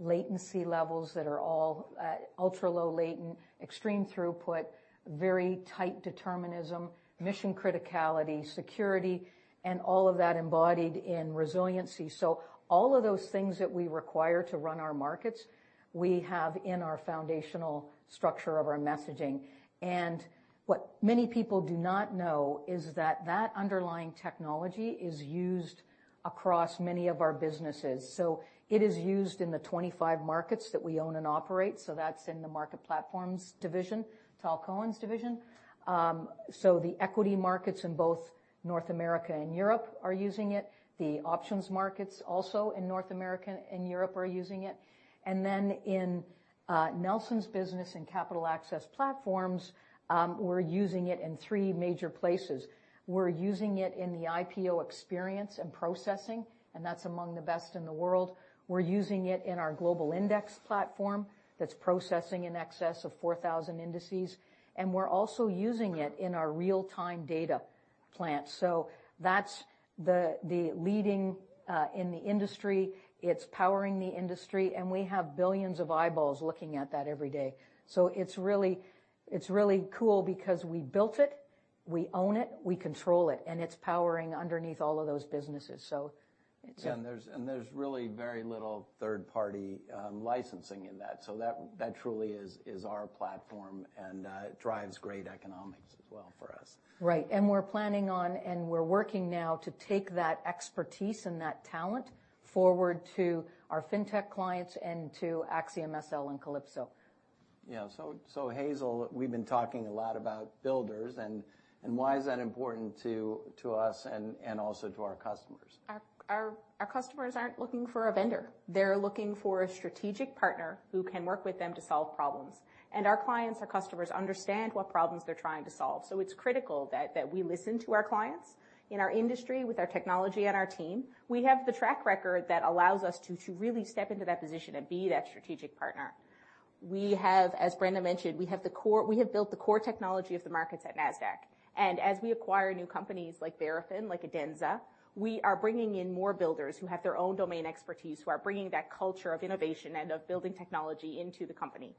latency levels that are all, ultra-low latent, extreme throughput, very tight determinism, mission criticality, security, and all of that embodied in resiliency. So all of those things that we require to run our markets, we have in our foundational structure of our messaging. And what many people do not know is that that underlying technology is used across many of our businesses. So it is used in the 25 markets that we own and operate, so that's in the Market Platforms division, Tal Cohen's division. So the equity markets in both North America and Europe are using it. The options markets also in North America and Europe are using it. And then in Nelson's business and Capital Access Platforms, we're using it in three major places. We're using it in the IPO experience and processing, and that's among the best in the world. We're using it in our global index platform, that's processing in excess of 4,000 indices, and we're also using it in our real-time data plant. So that's the leading in the industry, it's powering the industry, and we have billions of eyeballs looking at that every day. So it's really, it's really cool because we built it, we own it, we control it, and it's powering underneath all of those businesses. So it's- Yeah, and there's really very little third-party licensing in that, so that truly is our platform, and it drives great economics as well for us. Right. And we're planning on, and we're working now to take that expertise and that talent forward to our fintech clients and to AxiomSL and Calypso. Yeah. So, Hazel, we've been talking a lot about builders, and why is that important to us and also to our customers? Our customers aren't looking for a vendor. They're looking for a strategic partner who can work with them to solve problems. Our clients, our customers, understand what problems they're trying to solve, so it's critical that we listen to our clients. In our industry, with our technology and our team, we have the track record that allows us to really step into that position and be that strategic partner. As Brenda mentioned, we have built the core technology of the markets at Nasdaq. As we acquire new companies like Verafin, like Adenza, we are bringing in more builders who have their own domain expertise, who are bringing that culture of innovation and of building technology into the company.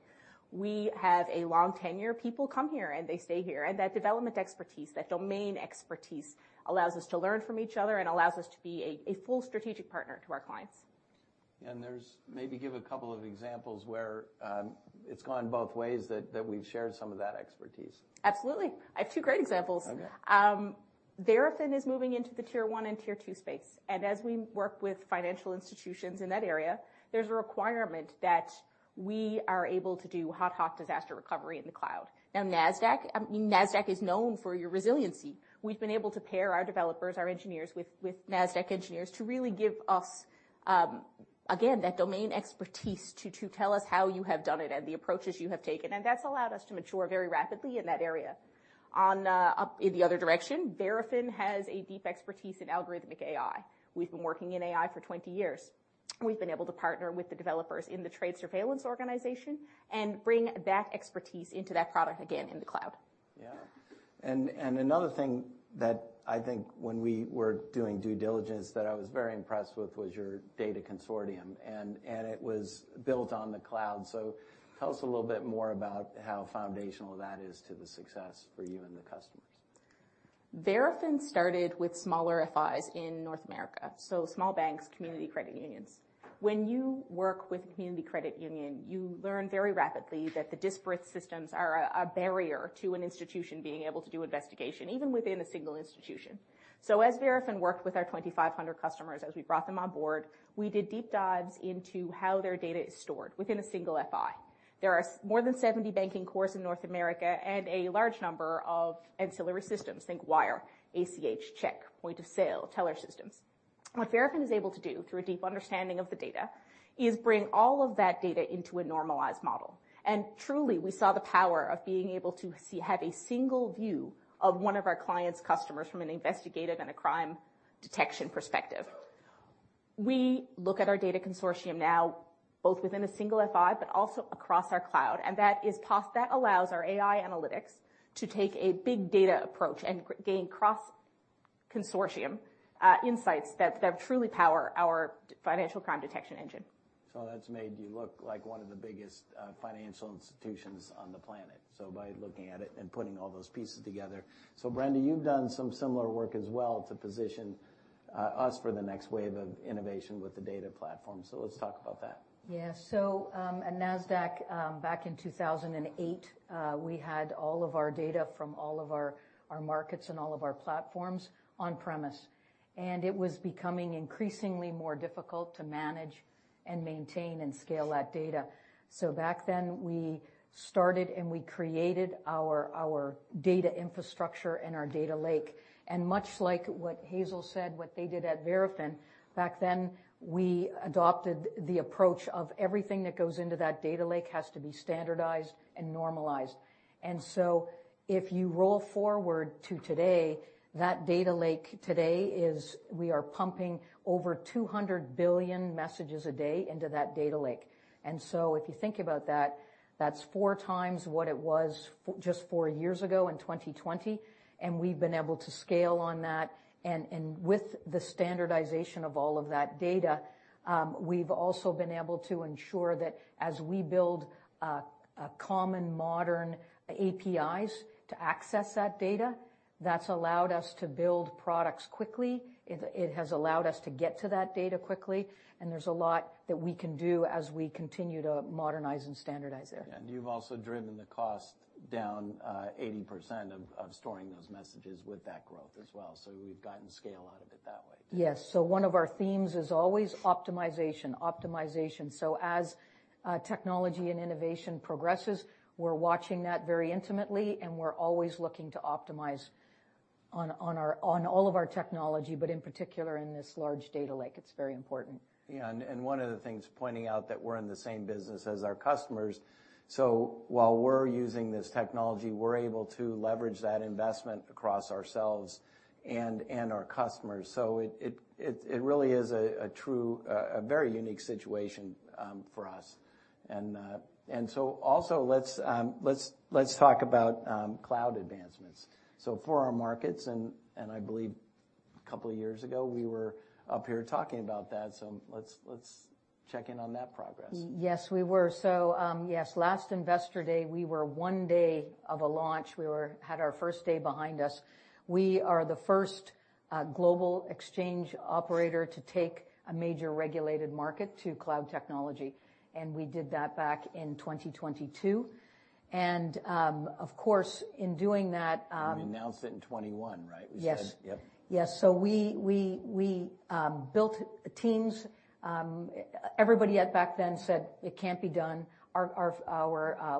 We have a long tenure. People come here, and they stay here, and that development expertise, that domain expertise, allows us to learn from each other and allows us to be a full strategic partner to our clients. There's... Maybe give a couple of examples where it's gone both ways that we've shared some of that expertise. Absolutely. I have two great examples. Okay. Verafin is moving into the tier one and tier two space, and as we work with financial institutions in that area, there's a requirement that we are able to do ad hoc disaster recovery in the cloud. Now, Nasdaq, I mean, Nasdaq is known for your resiliency. We've been able to pair our developers, our engineers, with Nasdaq engineers to really give us, again, that domain expertise to tell us how you have done it and the approaches you have taken, and that's allowed us to mature very rapidly in that area. On, up in the other direction, Verafin has a deep expertise in algorithmic AI. We've been working in AI for 20 years. We've been able to partner with the developers in the trade surveillance organization and bring that expertise into that product again in the cloud. Yeah. And another thing that I think when we were doing due diligence that I was very impressed with was your data consortium, and it was built on the cloud. So tell us a little bit more about how foundational that is to the success for you and the customers. Verafin started with smaller FIs in North America, so small banks, community credit unions. When you work with a community credit union, you learn very rapidly that the disparate systems are a barrier to an institution being able to do investigation, even within a single institution. So as Verafin worked with our 2,500 customers, as we brought them on board, we did deep dives into how their data is stored within a single FI. There are more than 70 banking cores in North America and a large number of ancillary systems, think wire, ACH, check, point of sale, teller systems. What Verafin is able to do, through a deep understanding of the data, is bring all of that data into a normalized model. And truly, we saw the power of being able to have a single view of one of our client's customers from an investigative and a crime detection perspective. We look at our data consortium now, both within a single FI, but also across our cloud, and that allows our AI analytics to take a big data approach and gain cross consortium insights that truly power our financial crime detection engine. So that's made you look like one of the biggest, financial institutions on the planet, so by looking at it and putting all those pieces together. So, Brenda, you've done some similar work as well to position us for the next wave of innovation with the data platform. So let's talk about that. Yeah. So, at Nasdaq, back in 2008, we had all of our data from all of our, our markets and all of our platforms on premise, and it was becoming increasingly more difficult to manage and maintain and scale that data. So back then, we started, and we created our, our data infrastructure and our data lake... and much like what Hazel said, what they did at Verafin, back then, we adopted the approach of everything that goes into that data lake has to be standardized and normalized. And so if you roll forward to today, that data lake today is, we are pumping over 200 billion messages a day into that data lake. And so if you think about that, that's 4 times what it was just four years ago in 2020, and we've been able to scale on that. With the standardization of all of that data, we've also been able to ensure that as we build a common, modern APIs to access that data, that's allowed us to build products quickly. It has allowed us to get to that data quickly, and there's a lot that we can do as we continue to modernize and standardize there. Yeah, and you've also driven the cost down 80% of storing those messages with that growth as well. So we've gotten scale out of it that way. Yes. So one of our themes is always optimization, optimization. So as technology and innovation progresses, we're watching that very intimately, and we're always looking to optimize on all of our technology, but in particular, in this large data lake, it's very important. Yeah, and one of the things pointing out that we're in the same business as our customers. So while we're using this technology, we're able to leverage that investment across ourselves and our customers. So it's really a true, a very unique situation for us. And so also, let's talk about cloud advancements. So for our markets, and I believe a couple of years ago, we were up here talking about that, so let's check in on that progress. Yes, we were. So, yes, last Investor Day, we were one day of a launch. We had our first day behind us. We are the first global exchange operator to take a major regulated market to cloud technology, and we did that back in 2022. And, of course, in doing that, We announced it in 2021, right? Yes. Yep. Yes. So we built teams. Everybody back then said it can't be done. Our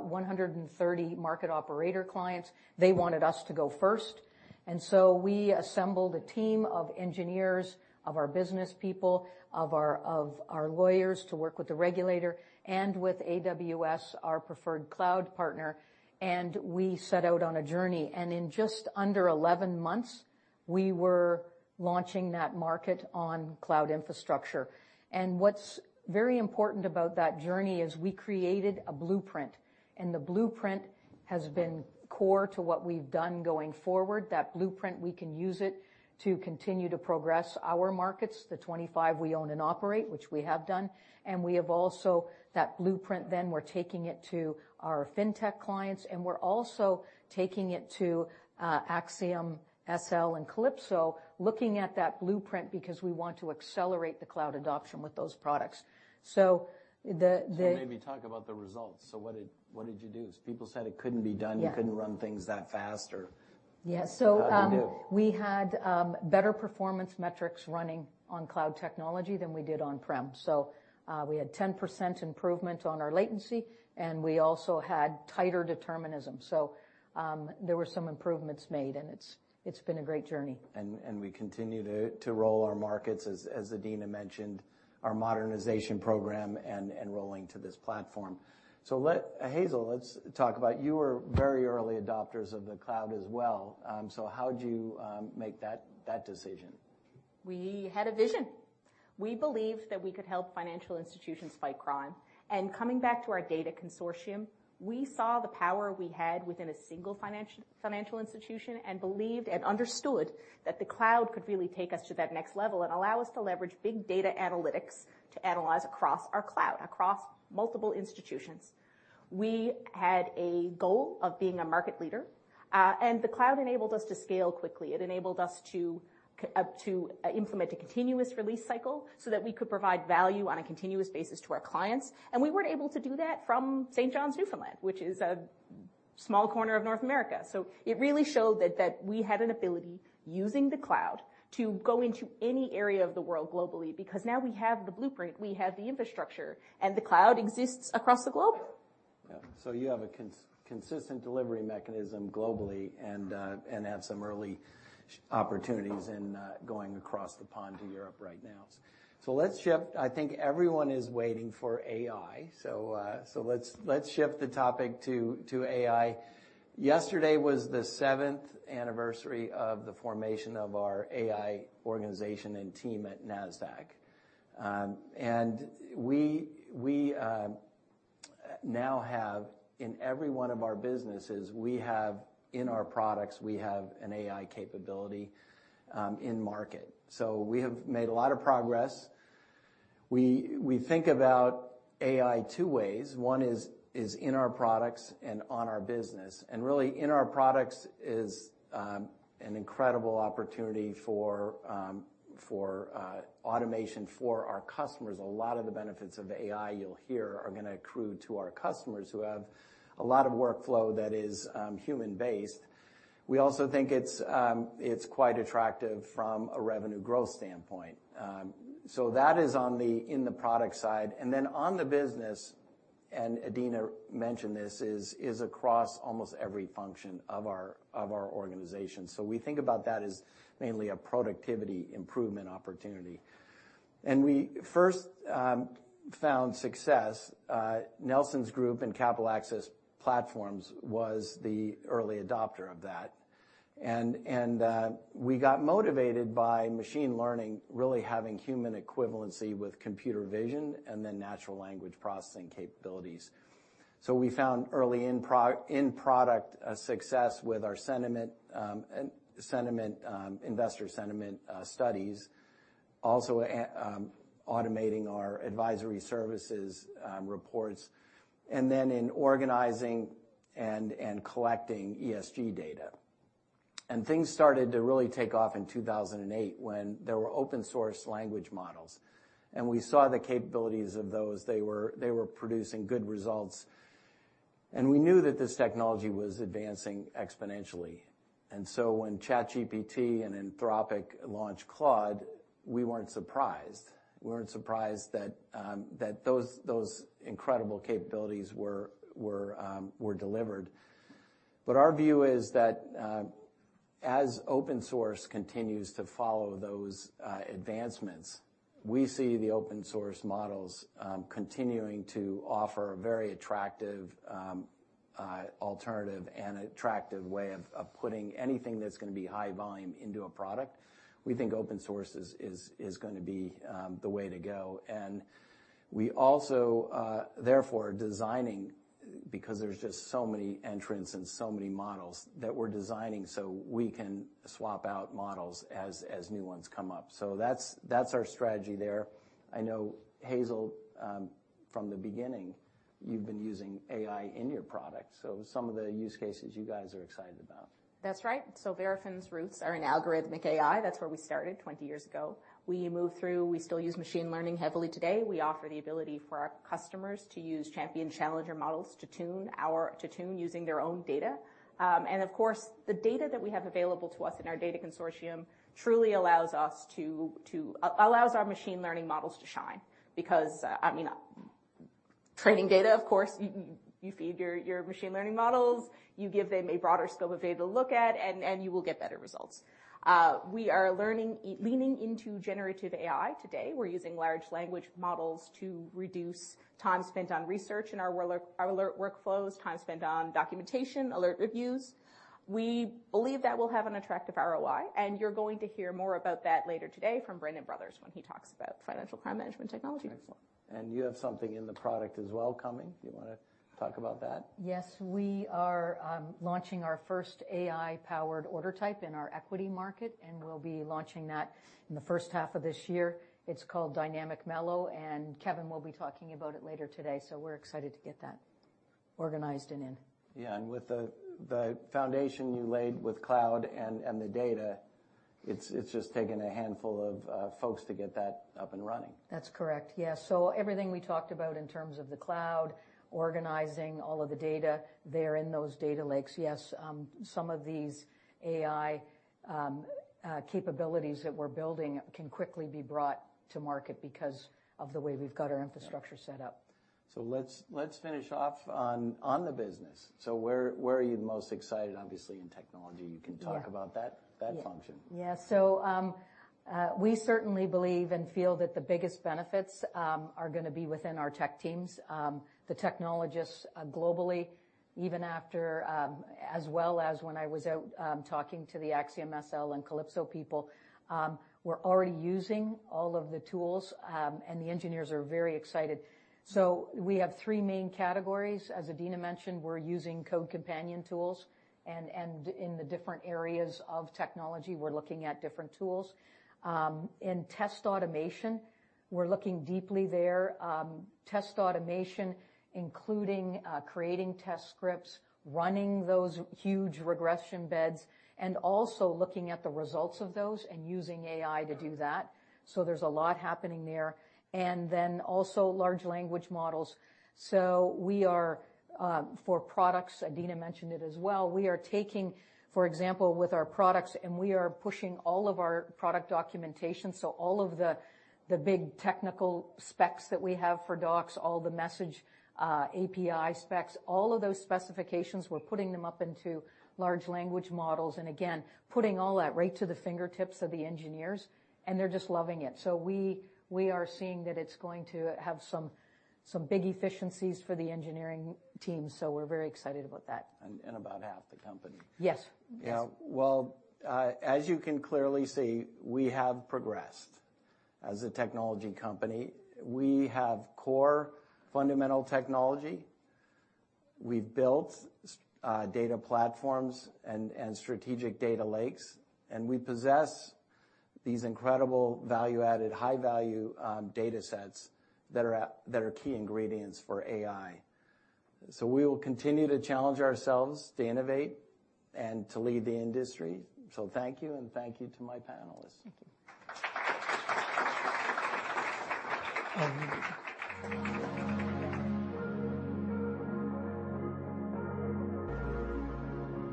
130 market operator clients, they wanted us to go first. And so we assembled a team of engineers, of our business people, of our lawyers to work with the regulator and with AWS, our preferred cloud partner, and we set out on a journey. And in just under 11 months, we were launching that market on cloud infrastructure. And what's very important about that journey is we created a blueprint, and the blueprint has been core to what we've done going forward. That blueprint, we can use it to continue to progress our markets, the 25 we own and operate, which we have done. And we have also that blueprint, then we're taking it to our fintech clients, and we're also taking it to AxiomSL and Calypso, looking at that blueprint because we want to accelerate the cloud adoption with those products. So the Maybe talk about the results. What did you do? People said it couldn't be done. Yeah. You couldn't run things that fast or... Yeah. So how did you do? So, we had better performance metrics running on cloud technology than we did on-prem. So, we had 10% improvement on our latency, and we also had tighter determinism. So, there were some improvements made, and it's been a great journey. We continue to roll our markets, as Adena mentioned, our modernization program and rolling to this platform. So Hazel, let's talk about... You were very early adopters of the cloud as well. So how'd you make that decision? We had a vision. We believed that we could help financial institutions fight crime. And coming back to our data consortium, we saw the power we had within a single financial, financial institution and believed and understood that the cloud could really take us to that next level and allow us to leverage big data analytics to analyze across our cloud, across multiple institutions. We had a goal of being a market leader, and the cloud enabled us to scale quickly. It enabled us to implement a continuous release cycle so that we could provide value on a continuous basis to our clients. And we weren't able to do that from St. John's, Newfoundland, which is a small corner of North America. It really showed that we had an ability, using the cloud, to go into any area of the world globally, because now we have the blueprint, we have the infrastructure, and the cloud exists across the globe. Yeah. So you have a consistent delivery mechanism globally and have some early opportunities in going across the pond to Europe right now. So let's shift. I think everyone is waiting for AI. So let's shift the topic to AI. Yesterday was the seventh anniversary of the formation of our AI organization and team at Nasdaq. And we now have, in every one of our businesses, we have, in our products, we have an AI capability in market. So we have made a lot of progress. We think about AI two ways. One is in our products and on our business. And really, in our products is an incredible opportunity for automation for our customers. A lot of the benefits of AI you'll hear are gonna accrue to our customers, who have a lot of workflow that is human-based. We also think it's quite attractive from a revenue growth standpoint. So that is in the product side. And then on the business and Adena mentioned this, is across almost every function of our organization. So we think about that as mainly a productivity improvement opportunity. And we first found success, Nelson's group in Capital Access Platforms was the early adopter of that. And we got motivated by machine learning, really having human equivalency with computer vision and then natural language processing capabilities. So we found early in product success with our investor sentiment studies, also automating our advisory services reports, and then in organizing and collecting ESG data. Things started to really take off in 2008 when there were open-source language models, and we saw the capabilities of those. They were producing good results, and we knew that this technology was advancing exponentially. So when ChatGPT and Anthropic launched Claude, we weren't surprised. We weren't surprised that those incredible capabilities were delivered. But our view is that as open source continues to follow those advancements, we see the open-source models continuing to offer a very attractive alternative and attractive way of putting anything that's gonna be high volume into a product. We think open source is gonna be the way to go. And we also therefore are designing because there's just so many entrants and so many models, that we're designing so we can swap out models as new ones come up. So that's our strategy there. I know, Hazel, from the beginning, you've been using AI in your product. So some of the use cases you guys are excited about. That's right. So Verafin's roots are in algorithmic AI. That's where we started 20 years ago. We moved through. We still use machine learning heavily today. We offer the ability for our customers to use champion-challenger models to tune our--to tune using their own data. And of course, the data that we have available to us in our data consortium truly allows us to allows our machine learning models to shine. Because, I mean, training data, of course, you feed your machine learning models, you give them a broader scope of data to look at, and you will get better results. We are leaning into generative AI today. We're using large language models to reduce time spent on research in our alert, our alert workflows, time spent on documentation, alert reviews. We believe that will have an attractive ROI, and you're going to hear more about that later today from Brendan Brothers when he talks about Financial Crime Management Technology. Excellent. And you have something in the product as well coming. Do you wanna talk about that? Yes, we are launching our first AI-powered order type in our equity market, and we'll be launching that in the first half of this year. It's called Dynamic M-ELO, and Kevin will be talking about it later today, so we're excited to get that organized and in. Yeah, and with the foundation you laid with cloud and the data, it's just taken a handful of folks to get that up and running. That's correct. Yes. So everything we talked about in terms of the cloud, organizing all of the data there in those data lakes, yes, some of these AI capabilities that we're building can quickly be brought to market because of the way we've got our infrastructure set up. So let's finish off on the business. Where are you most excited, obviously, in technology? You can talk- Yeah... about that, that function. Yeah. So, we certainly believe and feel that the biggest benefits are gonna be within our tech teams. The technologists globally, even after... as well as when I was out talking to the AxiomSL and Calypso people, we're already using all of the tools, and the engineers are very excited. So we have three main categories. As Adena mentioned, we're using code companion tools, and in the different areas of technology, we're looking at different tools. In test automation, we're looking deeply there, test automation, including creating test scripts, running those huge regression beds, and also looking at the results of those and using AI to do that. So there's a lot happening there. And then also large language models. So we are, for products, Adena mentioned it as well, we are taking, for example, with our products, and we are pushing all of our product documentation, so all of the, the big technical specs that we have for docs, all the message API specs, all of those specifications, we're putting them up into large language models, and again, putting all that right to the fingertips of the engineers, and they're just loving it. So we are seeing that it's going to have some big efficiencies for the engineering team, so we're very excited about that. about half the company. Yes. Yeah. Well, as you can clearly see, we have progressed as a technology company. We have core fundamental technology. We've built data platforms and strategic data lakes, and we possess these incredible value-added, high-value datasets that are key ingredients for AI. So we will continue to challenge ourselves to innovate and to lead the industry. So thank you, and thank you to my panelists....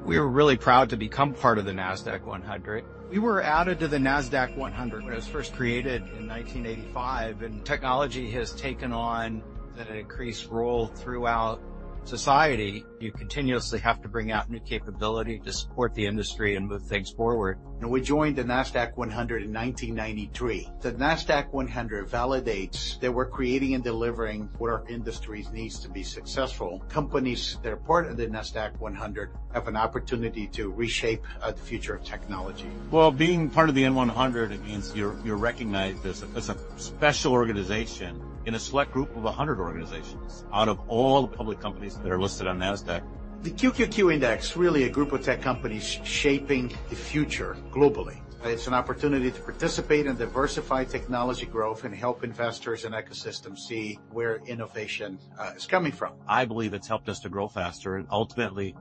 We are really proud to become part of the Nasdaq 100. We were added to the Nasdaq 100 when it was first created in 1985, and technology has taken on an increased role throughout society. You continuously have to bring out new capability to support the industry and move things forward. We joined the Nasdaq 100 in 1993. The Nasdaq 100 validates that we're creating and delivering what our industries needs to be successful. Companies that are part of the Nasdaq 100 have an opportunity to reshape the future of technology. Well, being part of the Nasdaq 100, it means you're recognized as a special organization in a select group of 100 organizations out of all the public companies that are listed on Nasdaq. The QQQ index, really a group of tech companies shaping the future globally. It's an opportunity to participate in diversified technology growth and help investors and ecosystems see where innovation is coming from. I believe it's helped us to grow faster and ultimately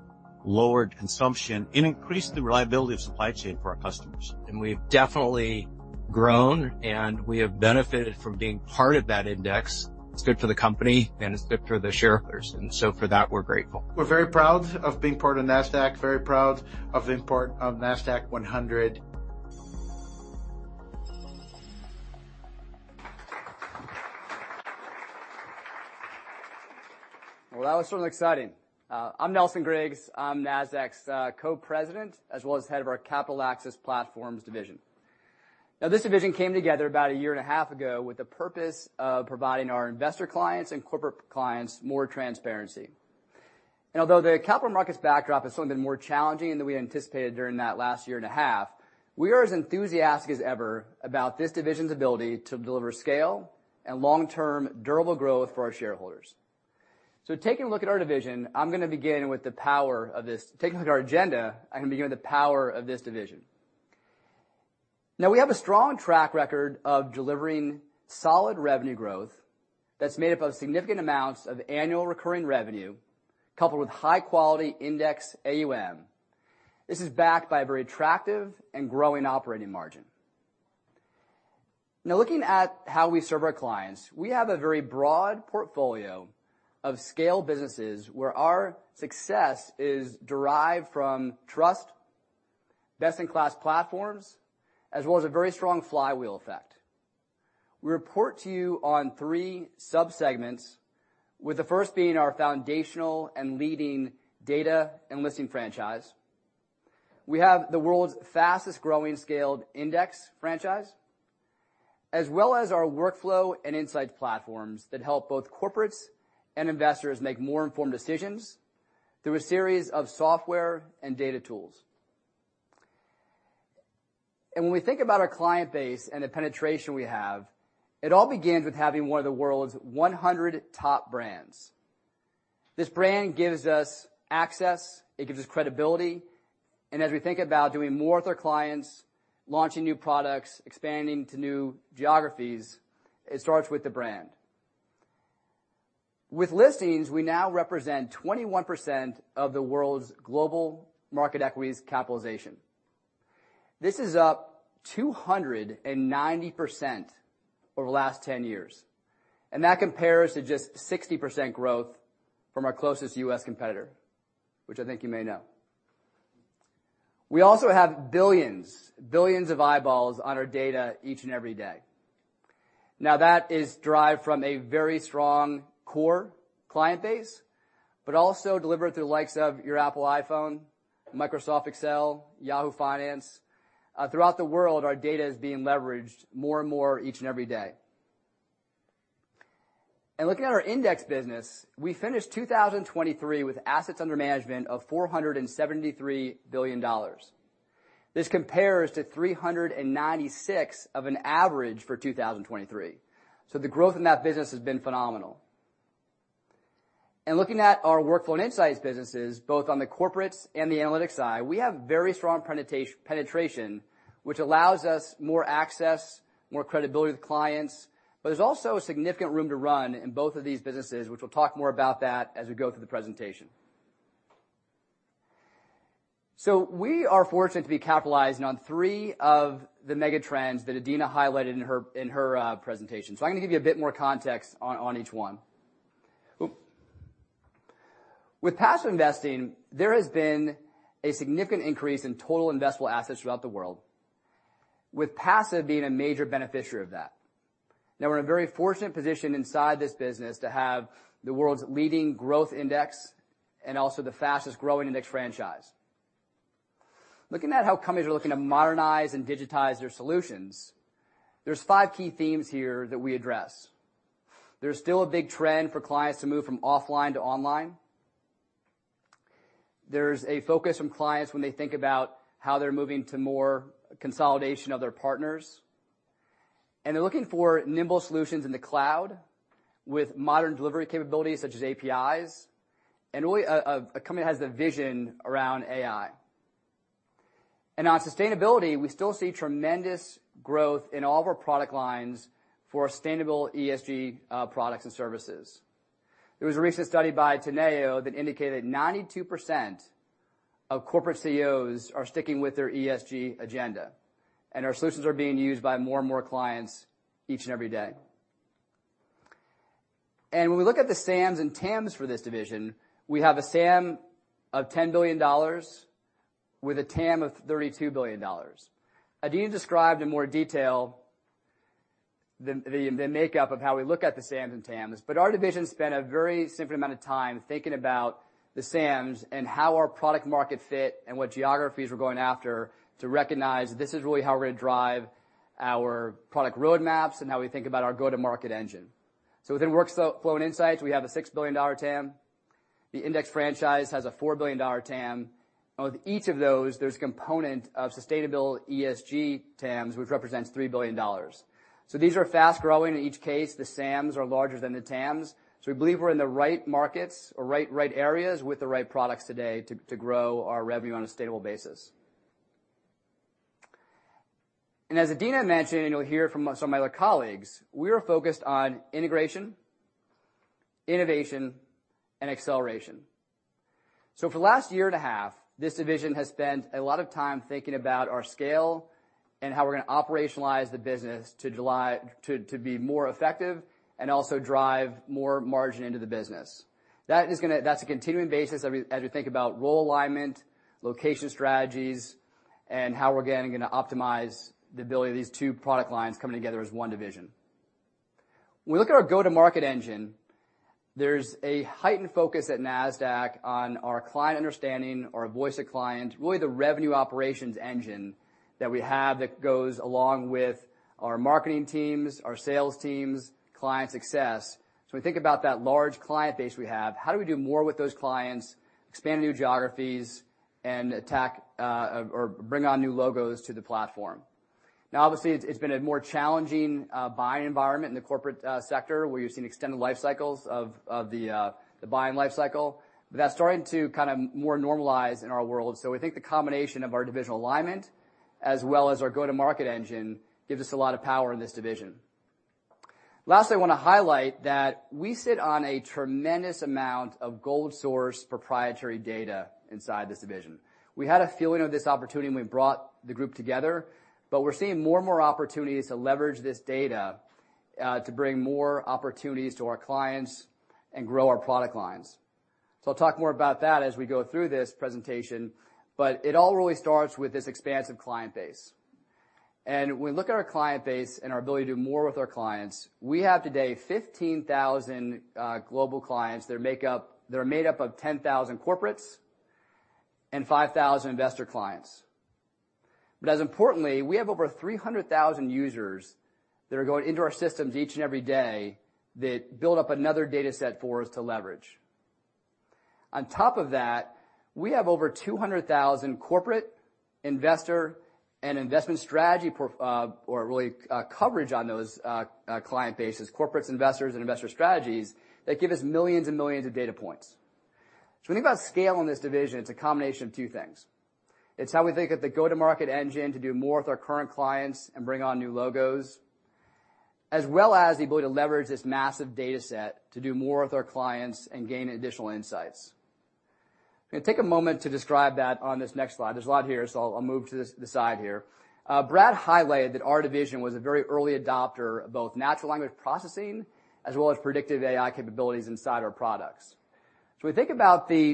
lowered consumption and increased the reliability of supply chain for our customers. We've definitely grown, and we have benefited from being part of that index. It's good for the company, and it's good for the shareholders, and so for that, we're grateful. We're very proud of being part of Nasdaq, very proud of being part of Nasdaq 100. Well, that was really exciting. I'm Nelson Griggs. I'm Nasdaq's co-president, as well as head of our Capital Access Platforms division. Now, this division came together about a year and a half ago with the purpose of providing our investor clients and corporate clients more transparency. Although the capital markets backdrop has somewhat been more challenging than we anticipated during that last year and a half, we are as enthusiastic as ever about this division's ability to deliver scale and long-term, durable growth for our shareholders. Taking a look at our agenda, I'm gonna begin with the power of this division. Now, we have a strong track record of delivering solid revenue growth that's made up of significant amounts of annual recurring revenue, coupled with high-quality index AUM. This is backed by a very attractive and growing operating margin. Now, looking at how we serve our clients, we have a very broad portfolio of scale businesses, where our success is derived from trust, best-in-class platforms, as well as a very strong flywheel effect. We report to you on three subsegments, with the first being our foundational and leading data and listing franchise. We have the world's fastest-growing scaled index franchise, as well as our workflow and insight platforms that help both corporates and investors make more informed decisions through a series of software and data tools. And when we think about our client base and the penetration we have, it all begins with having one of the world's 100 top brands. This brand gives us access, it gives us credibility, and as we think about doing more with our clients, launching new products, expanding to new geographies, it starts with the brand. With listings, we now represent 21% of the world's global market equities capitalization. This is up 290% over the last 10 years, and that compares to just 60% growth from our closest US competitor, which I think you may know. We also have billions, billions of eyeballs on our data each and every day. Now, that is derived from a very strong core client base, but also delivered through the likes of your Apple iPhone, Microsoft Excel, Yahoo Finance. Throughout the world, our data is being leveraged more and more each and every day. Looking at our index business, we finished 2023 with assets under management of $473 billion. This compares to $396 billion average for 2023. So the growth in that business has been phenomenal. Looking at our workflow and insights businesses, both on the corporates and the analytics side, we have very strong penetration, which allows us more access, more credibility with clients, but there's also a significant room to run in both of these businesses, which we'll talk more about that as we go through the presentation. So we are fortunate to be capitalizing on three of the mega trends that Adena highlighted in her presentation. So I'm gonna give you a bit more context on each one. With passive investing, there has been a significant increase in total investable assets throughout the world, with passive being a major beneficiary of that. Now, we're in a very fortunate position inside this business to have the world's leading growth index and also the fastest-growing index franchise. Looking at how companies are looking to modernize and digitize their solutions, there's five key themes here that we address. There's still a big trend for clients to move from offline to online. There's a focus from clients when they think about how they're moving to more consolidation of their partners. And they're looking for nimble solutions in the cloud with modern delivery capabilities, such as APIs, and really, a, a company that has the vision around AI. And on sustainability, we still see tremendous growth in all of our product lines for sustainable ESG products and services. There was a recent study by Teneo that indicated 92% of corporate CEOs are sticking with their ESG agenda, and our solutions are being used by more and more clients each and every day. And when we look at the SAMs and TAMs for this division, we have a SAM of $10 billion with a TAM of $32 billion. Adena described in more detail the makeup of how we look at the SAMs and TAMs, but our division spent a very significant amount of time thinking about the SAMs and how our product market fit and what geographies we're going after to recognize this is really how we're gonna drive our product roadmaps and how we think about our go-to-market engine. So within workflow and insights, we have a $6 billion TAM. The index franchise has a $4 billion TAM, and with each of those, there's a component of sustainable ESG TAMs, which represents $3 billion. So these are fast-growing. In each case, the SAMs are larger than the TAMs, so we believe we're in the right markets or right, right areas with the right products today to, to grow our revenue on a stable basis. And as Adena mentioned, and you'll hear from some of my other colleagues, we are focused on integration, innovation, and acceleration. So for the last year and a half, this division has spent a lot of time thinking about our scale and how we're gonna operationalize the business to, to be more effective and also drive more margin into the business. That is gonna... That's a continuing basis as we think about role alignment, location strategies, and how we're again gonna optimize the ability of these two product lines coming together as one division. When we look at our go-to-market engine, there's a heightened focus at Nasdaq on our client understanding, our voice of client, really the revenue operations engine that we have that goes along with our marketing teams, our sales teams, client success. So we think about that large client base we have. How do we do more with those clients, expand new geographies, and attack, or bring on new logos to the platform? Now, obviously, it's been a more challenging buying environment in the corporate sector, where you've seen extended life cycles of the buying life cycle, but that's starting to kind of more normalize in our world. So we think the combination of our divisional alignment, as well as our go-to-market engine, gives us a lot of power in this division. Lastly, I wanna highlight that we sit on a tremendous amount of gold source proprietary data inside this division. We had a feeling of this opportunity, and we brought the group together, but we're seeing more and more opportunities to leverage this data to bring more opportunities to our clients and grow our product lines. So I'll talk more about that as we go through this presentation, but it all really starts with this expansive client base. And when we look at our client base and our ability to do more with our clients, we have today 15,000 global clients that are made up of 10,000 corporates and 5,000 investor clients. But as importantly, we have over 300,000 users that are going into our systems each and every day, that build up another data set for us to leverage. On top of that, we have over 200,000 corporate, investor, and investment strategy, or really, coverage on those client bases, corporates, investors, and investor strategies that give us millions and millions of data points. So when you think about scale in this division, it's a combination of two things. It's how we think of the go-to-market engine to do more with our current clients and bring on new logos, as well as the ability to leverage this massive data set to do more with our clients and gain additional insights. I'm gonna take a moment to describe that on this next slide. There's a lot here, so I'll move to the side here. Brad highlighted that our division was a very early adopter of both natural language processing, as well as predictive AI capabilities inside our products. So we think about the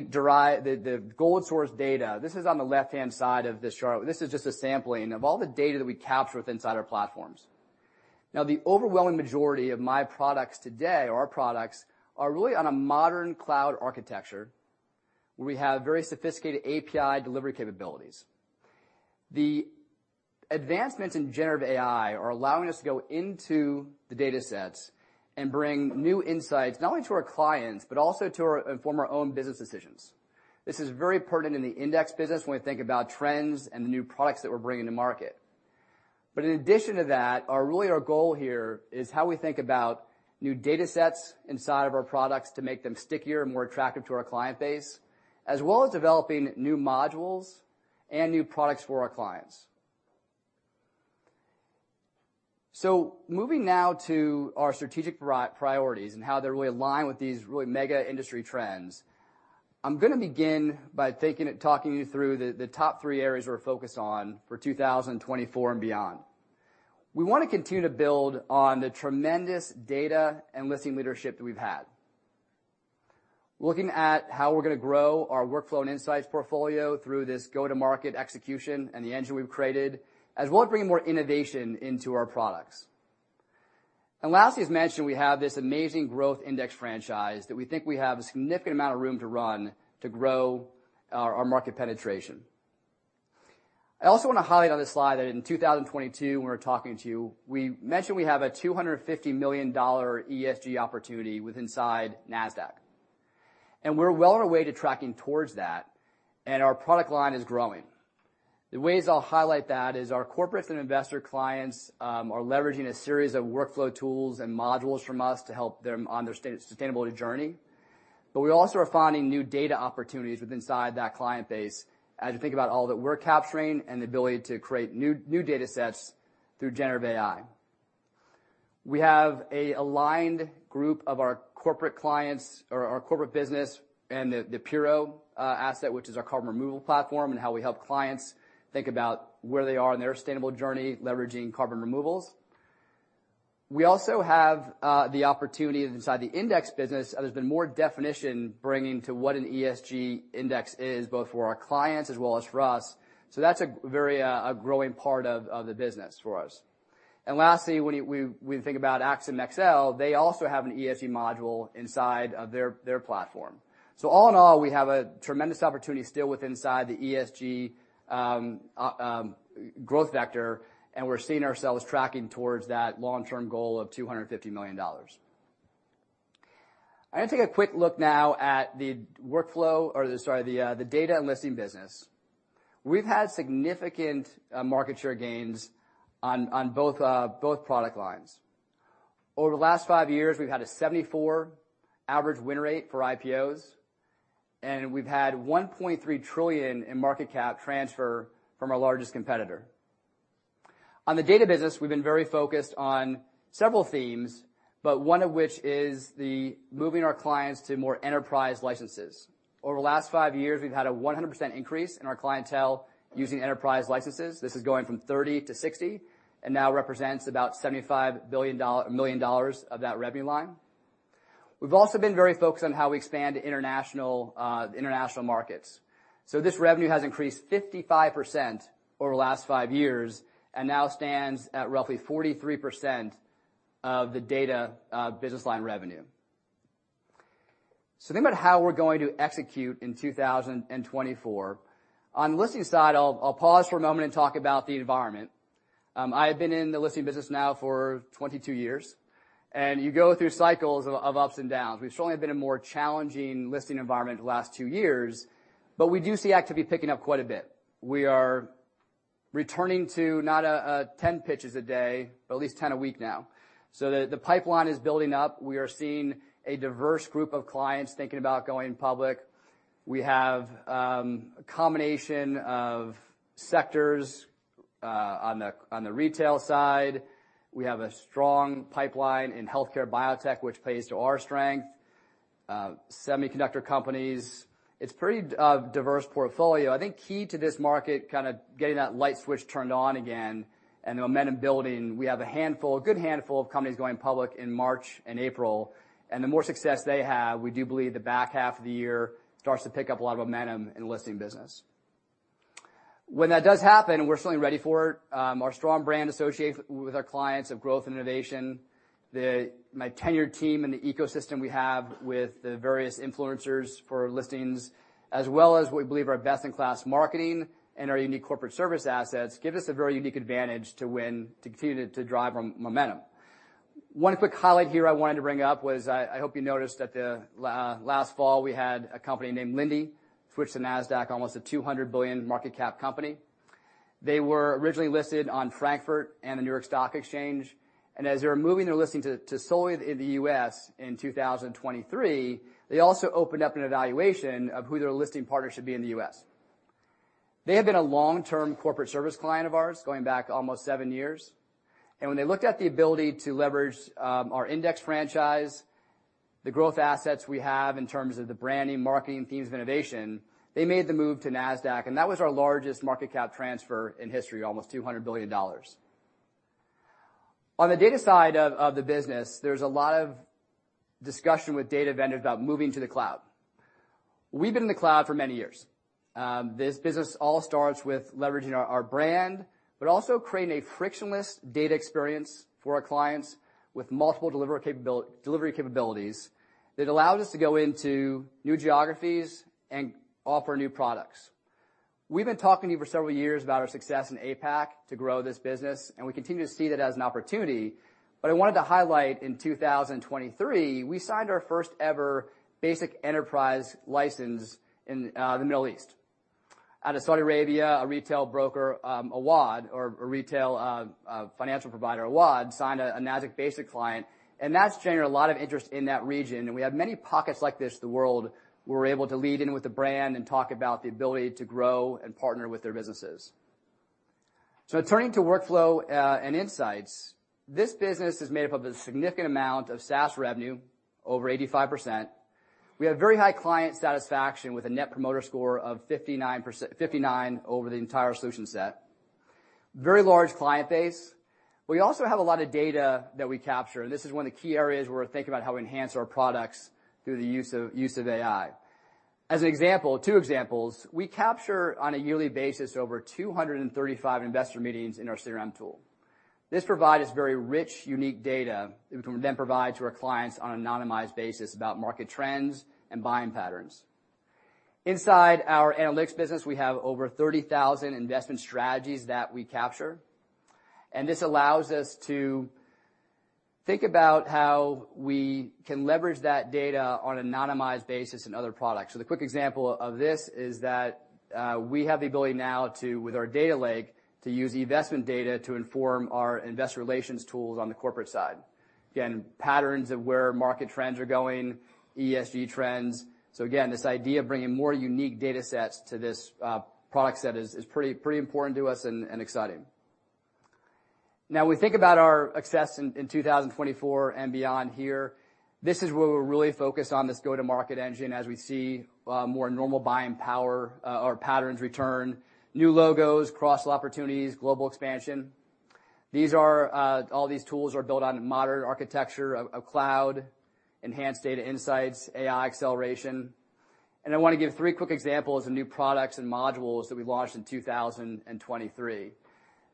gold source data. This is on the left-hand side of this chart. This is just a sampling of all the data that we capture with inside our platforms. Now, the overwhelming majority of my products today, or our products, are really on a modern cloud architecture, where we have very sophisticated API delivery capabilities. The advancements in generative AI are allowing us to go into the data sets and bring new insights not only to our clients, but also to inform our own business decisions. This is very pertinent in the index business when we think about trends and the new products that we're bringing to market. But in addition to that, our really our goal here is how we think about new data sets inside of our products to make them stickier and more attractive to our client base, as well as developing new modules and new products for our clients. So moving now to our strategic priorities and how they're really aligned with these really mega industry trends. I'm gonna begin by talking you through the top three areas we're focused on for 2024 and beyond. We wanna continue to build on the tremendous data and listing leadership that we've had. Looking at how we're gonna grow our workflow and insights portfolio through this go-to-market execution and the engine we've created, as well as bringing more innovation into our products. And lastly, as mentioned, we have this amazing growth index franchise that we think we have a significant amount of room to run to grow our, our market penetration. I also wanna highlight on this slide that in 2022, when we were talking to you, we mentioned we have a $250 million ESG opportunity with inside Nasdaq, and we're well on our way to tracking towards that, and our product line is growing. The ways I'll highlight that is our corporates and investor clients are leveraging a series of workflow tools and modules from us to help them on their sustainable journey. But we also are finding new data opportunities with inside that client base as you think about all that we're capturing and the ability to create new, new data sets through generative AI. We have a aligned group of our corporate clients or our corporate business and the, the Puro asset, which is our carbon removal platform, and how we help clients think about where they are in their sustainable journey, leveraging carbon removals. We also have the opportunity inside the index business. There's been more definition bringing to what an ESG index is, both for our clients as well as for us. So that's a very, a growing part of the business for us. And lastly, when you-- we, we think about AxiomSL, they also have an ESG module inside of their, their platform. So all in all, we have a tremendous opportunity still within the ESG growth vector, and we're seeing ourselves tracking towards that long-term goal of $250 million. I'm gonna take a quick look now at the data and listing business. We've had significant market share gains on both product lines. Over the last five years, we've had a 74% average win rate for IPOs, and we've had $1.3 trillion in market cap transfer from our largest competitor. On the data business, we've been very focused on several themes, but one of which is moving our clients to more enterprise licenses. Over the last five years, we've had a 100% increase in our clientele using enterprise licenses. This is going from 30 to 60 and now represents about $75 million of that revenue line. We've also been very focused on how we expand to international, international markets. So this revenue has increased 55% over the last 5 years and now stands at roughly 43% of the data, business line revenue. So think about how we're going to execute in 2024. On the listing side, I'll, I'll pause for a moment and talk about the environment. I've been in the listing business now for 22 years, and you go through cycles of, of ups and downs. We've certainly been in a more challenging listing environment the last 2 years, but we do see activity picking up quite a bit. We are returning to not a, ten pitches a day, but at least 10 a week now. So the pipeline is building up. We are seeing a diverse group of clients thinking about going public. We have a combination of sectors on the retail side. We have a strong pipeline in healthcare biotech, which plays to our strength. Semiconductor companies. It's pretty diverse portfolio. I think key to this market, kind of getting that light switch turned on again and the momentum building, we have a handful, a good handful of companies going public in March and April. And the more success they have, we do believe the back half of the year starts to pick up a lot of momentum in listing business. When that does happen, we're certainly ready for it. Our strong brand associated with our clients of growth and innovation, the my tenured team and the ecosystem we have with the various influencers for listings, as well as we believe our best-in-class marketing and our unique corporate service assets, give us a very unique advantage to win, to continue to drive momentum. One quick highlight here I wanted to bring up was I hope you noticed that the last fall, we had a company named Linde switched to Nasdaq, almost a $200 billion market cap company. They were originally listed on Frankfurt and the New York Stock Exchange, and as they were moving their listing to solely in the US in 2023, they also opened up an evaluation of who their listing partner should be in the US. They have been a long-term corporate service client of ours, going back almost seven years. And when they looked at the ability to leverage our index franchise, the growth assets we have in terms of the branding, marketing, themes of innovation, they made the move to Nasdaq, and that was our largest market cap transfer in history, almost $200 billion. On the data side of the business, there's a lot of discussion with data vendors about moving to the cloud. We've been in the cloud for many years. This business all starts with leveraging our brand, but also creating a frictionless data experience for our clients with multiple deliver capability-- delivery capabilities that allows us to go into new geographies and offer new products. We've been talking to you for several years about our success in APAC to grow this business, and we continue to see that as an opportunity. But I wanted to highlight in 2023, we signed our first ever Basic enterprise license in the Middle East. Out of Saudi Arabia, a retail broker, Awaed, or a retail financial provider, Awad, signed a Nasdaq Basic client, and that's generated a lot of interest in that region. And we have many pockets like this in the world. We're able to lead in with the brand and talk about the ability to grow and partner with their businesses. So turning to workflow and insights, this business is made up of a significant amount of SaaS revenue, over 85%. We have very high client satisfaction with a net promoter score of 59%—59 over the entire solution set. Very large client base. We also have a lot of data that we capture, and this is one of the key areas where we're thinking about how we enhance our products through the use of AI. As an example, two examples, we capture on a yearly basis over 235 investor meetings in our CRM tool. This provides very rich, unique data that we can then provide to our clients on an anonymized basis about market trends and buying patterns. Inside our analytics business, we have over 30,000 investment strategies that we capture, and this allows us to think about how we can leverage that data on an anonymized basis in other products. So the quick example of this is that, we have the ability now to, with our data lake, to use investment data to inform our investor relations tools on the corporate side. Again, patterns of where market trends are going, ESG trends. So again, this idea of bringing more unique data sets to this, product set is, is pretty, pretty important to us and, and exciting. Now, we think about our success in, in 2024 and beyond here. This is where we're really focused on this go-to-market engine as we see, more normal buying power, or patterns return, new logos, cross-sell opportunities, global expansion. These are, all these tools are built on a modern architecture of, of cloud, enhanced data insights, AI acceleration. I want to give three quick examples of new products and modules that we launched in 2023.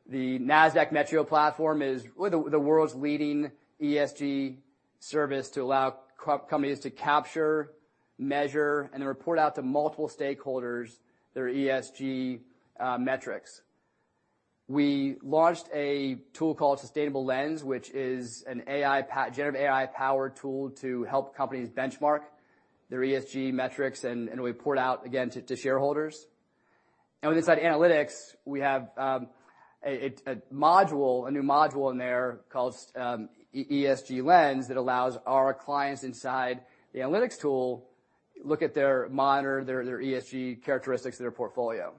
The Nasdaq Metrio platform is one of the world's leading ESG service to allow companies to capture, measure, and report out to multiple stakeholders their ESG metrics. We launched a tool called Sustainable Lens, which is a generative AI-powered tool to help companies benchmark their ESG metrics and report out again to shareholders. And with inside analytics, we have a module, a new module in there called ESG Lens, that allows our clients inside the analytics tool look at, monitor their ESG characteristics of their portfolio.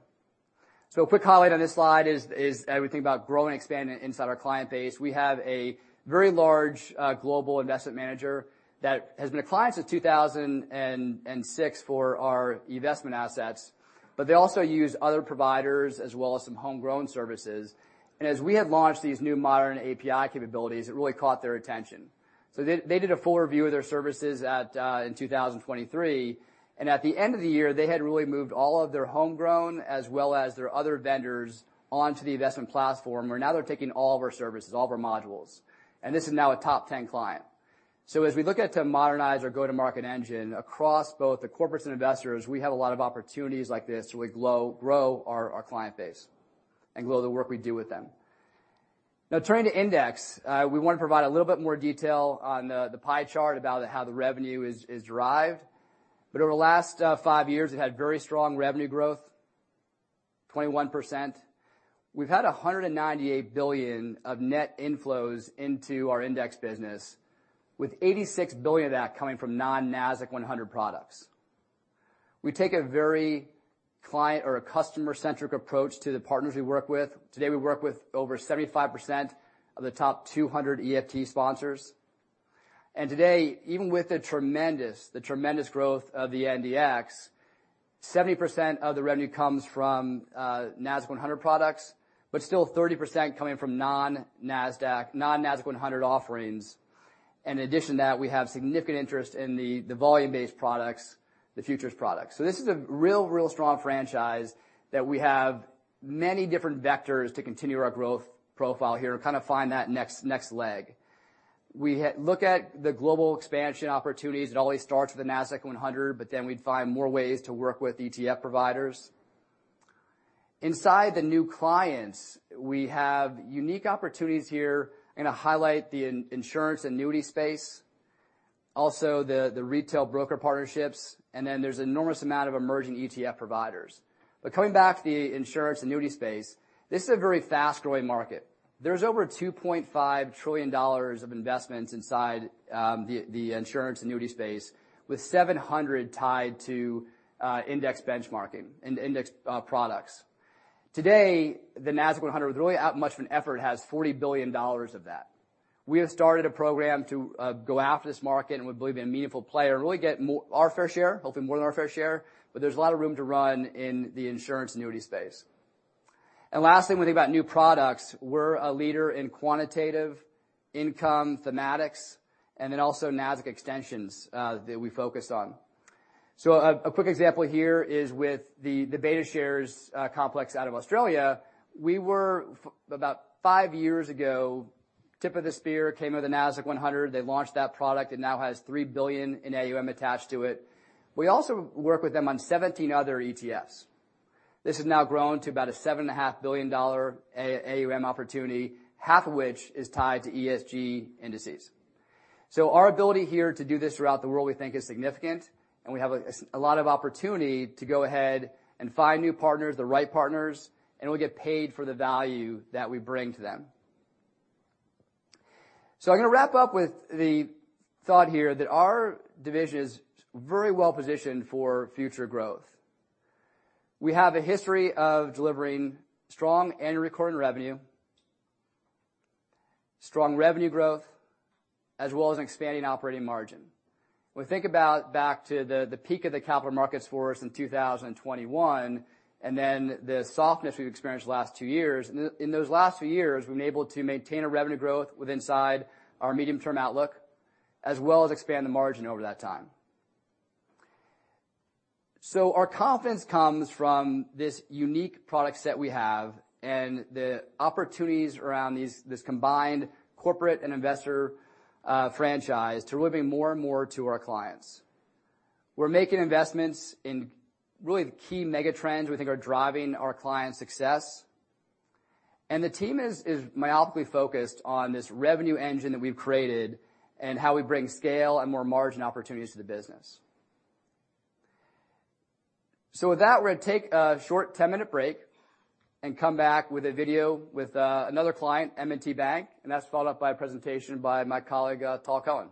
So a quick highlight on this slide is as we think about grow and expanding inside our client base, we have a very large global investment manager that has been a client since 2006 for our investment assets, but they also use other providers as well as some homegrown services. And as we have launched these new modern API capabilities, it really caught their attention. So they did a full review of their services in 2023, and at the end of the year, they had really moved all of their homegrown as well as their other vendors onto the investment platform, where now they're taking all of our services, all of our modules. And this is now a top ten client. So as we look at to modernize our go-to-market engine across both the corporates and investors, we have a lot of opportunities like this to really grow our client base and grow the work we do with them. Now, turning to index, we want to provide a little bit more detail on the pie chart about how the revenue is derived. But over the last five years, it had very strong revenue growth, 21%. We've had $198 billion of net inflows into our index business, with $86 billion of that coming from non-Nasdaq 100 products. We take a very client- or customer-centric approach to the partners we work with. Today, we work with over 75% of the top 200 ETF sponsors. Today, even with the tremendous growth of the NDX, 70% of the revenue comes from Nasdaq 100 products, but still 30% coming from non-Nasdaq, non-Nasdaq 100 offerings. In addition to that, we have significant interest in the volume-based products, the futures products. So this is a real, real strong franchise that we have many different vectors to continue our growth profile here and kind of find that next, next leg. We look at the global expansion opportunities. It always starts with the Nasdaq 100, but then we'd find more ways to work with ETF providers. Inside the new clients, we have unique opportunities here. I'm gonna highlight the insurance annuity space, also the retail broker partnerships, and then there's enormous amount of emerging ETF providers. But coming back to the insurance annuity space, this is a very fast-growing market. There's over $2.5 trillion of investments inside the insurance annuity space, with $700 billion tied to index benchmarking and index products. Today, the Nasdaq 100, with really not much of an effort, has $40 billion of that. We have started a program to go after this market, and we believe, be a meaningful player and really get more... our fair share, hopefully more than our fair share, but there's a lot of room to run in the insurance annuity space. And lastly, when we think about new products, we're a leader in quantitative income thematics and then also Nasdaq extensions that we focus on. So a quick example here is with the BetaShares complex out of Australia. We were about 5 years ago tip of the spear came with the Nasdaq 100. They launched that product. It now has $3 billion in AUM attached to it. We also work with them on 17 other ETFs. This has now grown to about a $7.5 billion AUM opportunity, half of which is tied to ESG indices. So our ability here to do this throughout the world, we think, is significant, and we have a lot of opportunity to go ahead and find new partners, the right partners, and we get paid for the value that we bring to them. So I'm gonna wrap up with the thought here that our division is very well-positioned for future growth. We have a history of delivering strong annual recurring revenue, strong revenue growth, as well as expanding operating margin. When we think about back to the peak of the capital markets for us in 2021, and then the softness we've experienced the last two years, in those last few years, we've been able to maintain a revenue growth within our medium-term outlook, as well as expand the margin over that time. So our confidence comes from this unique product set we have and the opportunities around this combined corporate and investor franchise to really bring more and more to our clients. We're making investments in really the key mega trends we think are driving our clients' success. And the team is myopically focused on this revenue engine that we've created and how we bring scale and more margin opportunities to the business. So with that, we're going to take a short 10-minute break and come back with a video with another client, M&T Bank, and that's followed up by a presentation by my colleague, Tal Cohen.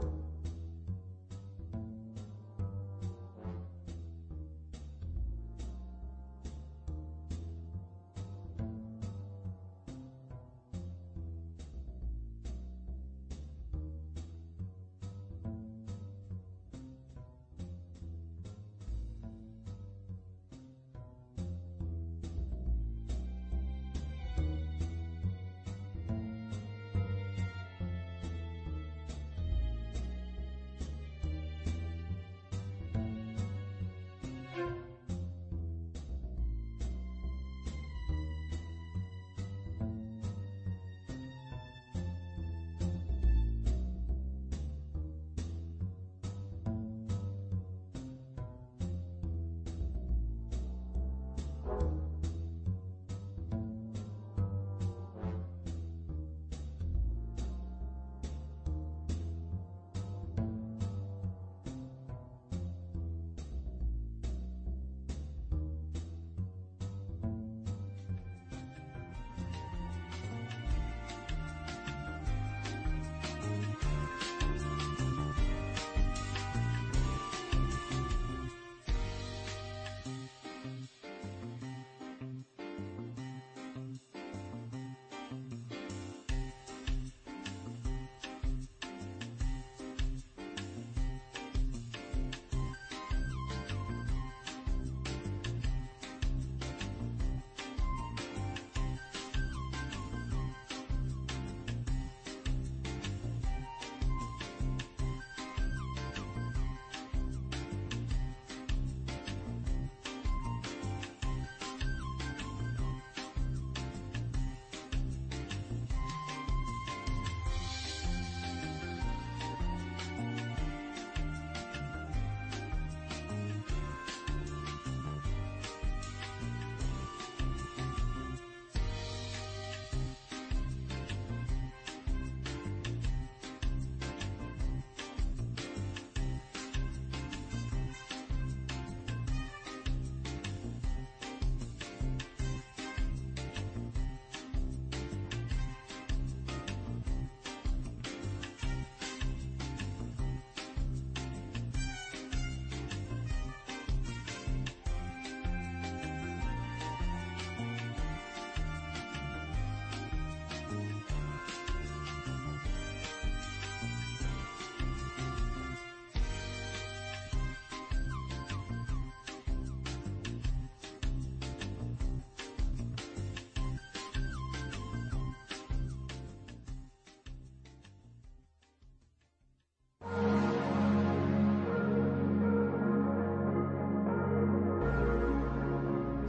Thank you.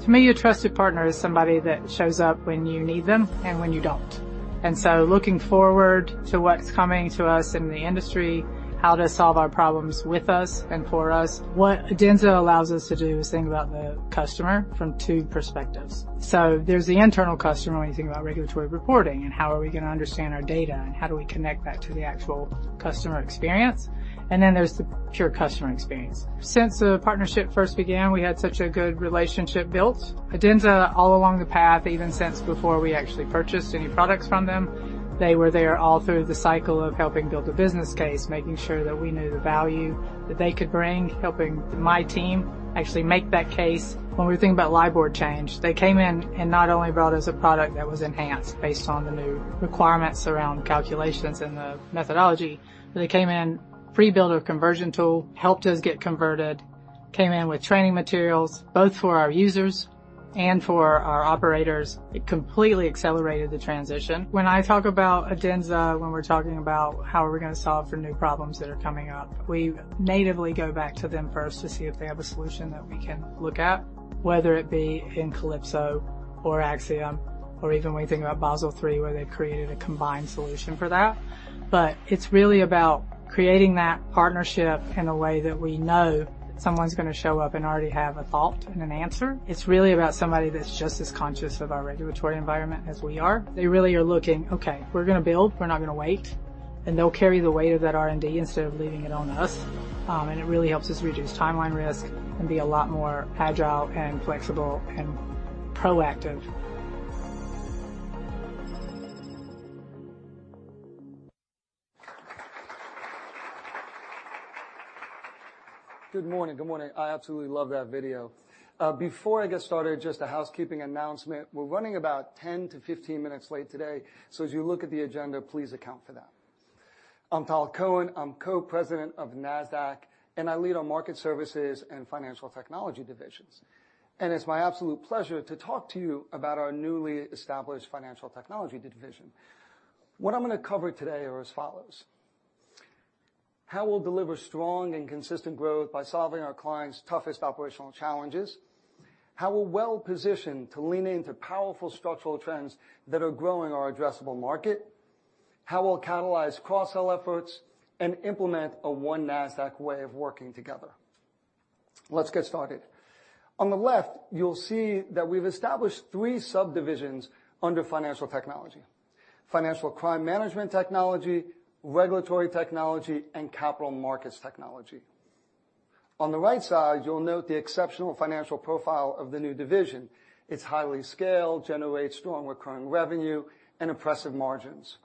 To me, a trusted partner is somebody that shows up when you need them and when you don't. So looking forward to what's coming to us in the industry, how to solve our problems with us and for us. What Adenza allows us to do is think about the customer from two perspectives. So there's the internal customer when you think about regulatory reporting and how are we going to understand our data, and how do we connect that to the actual customer experience? And then there's the pure customer experience. Since the partnership first began, we had such a good relationship built. Adenza, all along the path, even since before we actually purchased any products from them, they were there all through the cycle of helping build a business case, making sure that we knew the value that they could bring, helping my team actually make that case. When we were thinking about LIBOR change, they came in and not only brought us a product that was enhanced based on the new requirements around calculations and the methodology, but they came in, pre-built a conversion tool, helped us get converted, came in with training materials, both for our users and for our operators. It completely accelerated the transition. When I talk about Adenza, when we're talking about how are we going to solve for new problems that are coming up, we natively go back to them first to see if they have a solution that we can look at, whether it be in Calypso or Axiom, or even when you think about Basel III, where they created a combined solution for that. But it's really about creating that partnership in a way that we know someone's gonna show up and already have a thought and an answer. It's really about somebody that's just as conscious of our regulatory environment as we are. They really are looking, "Okay, we're gonna build. We're not gonna wait." And they'll carry the weight of that R&D instead of leaving it on us. And it really helps us reduce timeline risk and be a lot more agile and flexible and proactive. Good morning. Good morning. I absolutely love that video. Before I get started, just a housekeeping announcement. We're running about 10-15 minutes late today, so as you look at the agenda, please account for that. I'm Tal Cohen, Co-President of Nasdaq, and I lead our Market Services and Financial Technology divisions. It's my absolute pleasure to talk to you about our newly established Financial Technology division. What I'm gonna cover today are as follows: How we'll deliver strong and consistent growth by solving our clients' toughest operational challenges. How we're well-positioned to lean into powerful structural trends that are growing our addressable market. How we'll catalyze cross-sell efforts and implement a one Nasdaq way of working together. Let's get started. On the left, you'll see that we've established three subdivisions under financial technology: financial crime management technology, Regulatory Technology, and Capital Markets Technology. On the right side, you'll note the exceptional financial profile of the new division. It's highly scaled, generates strong recurring revenue and impressive margins.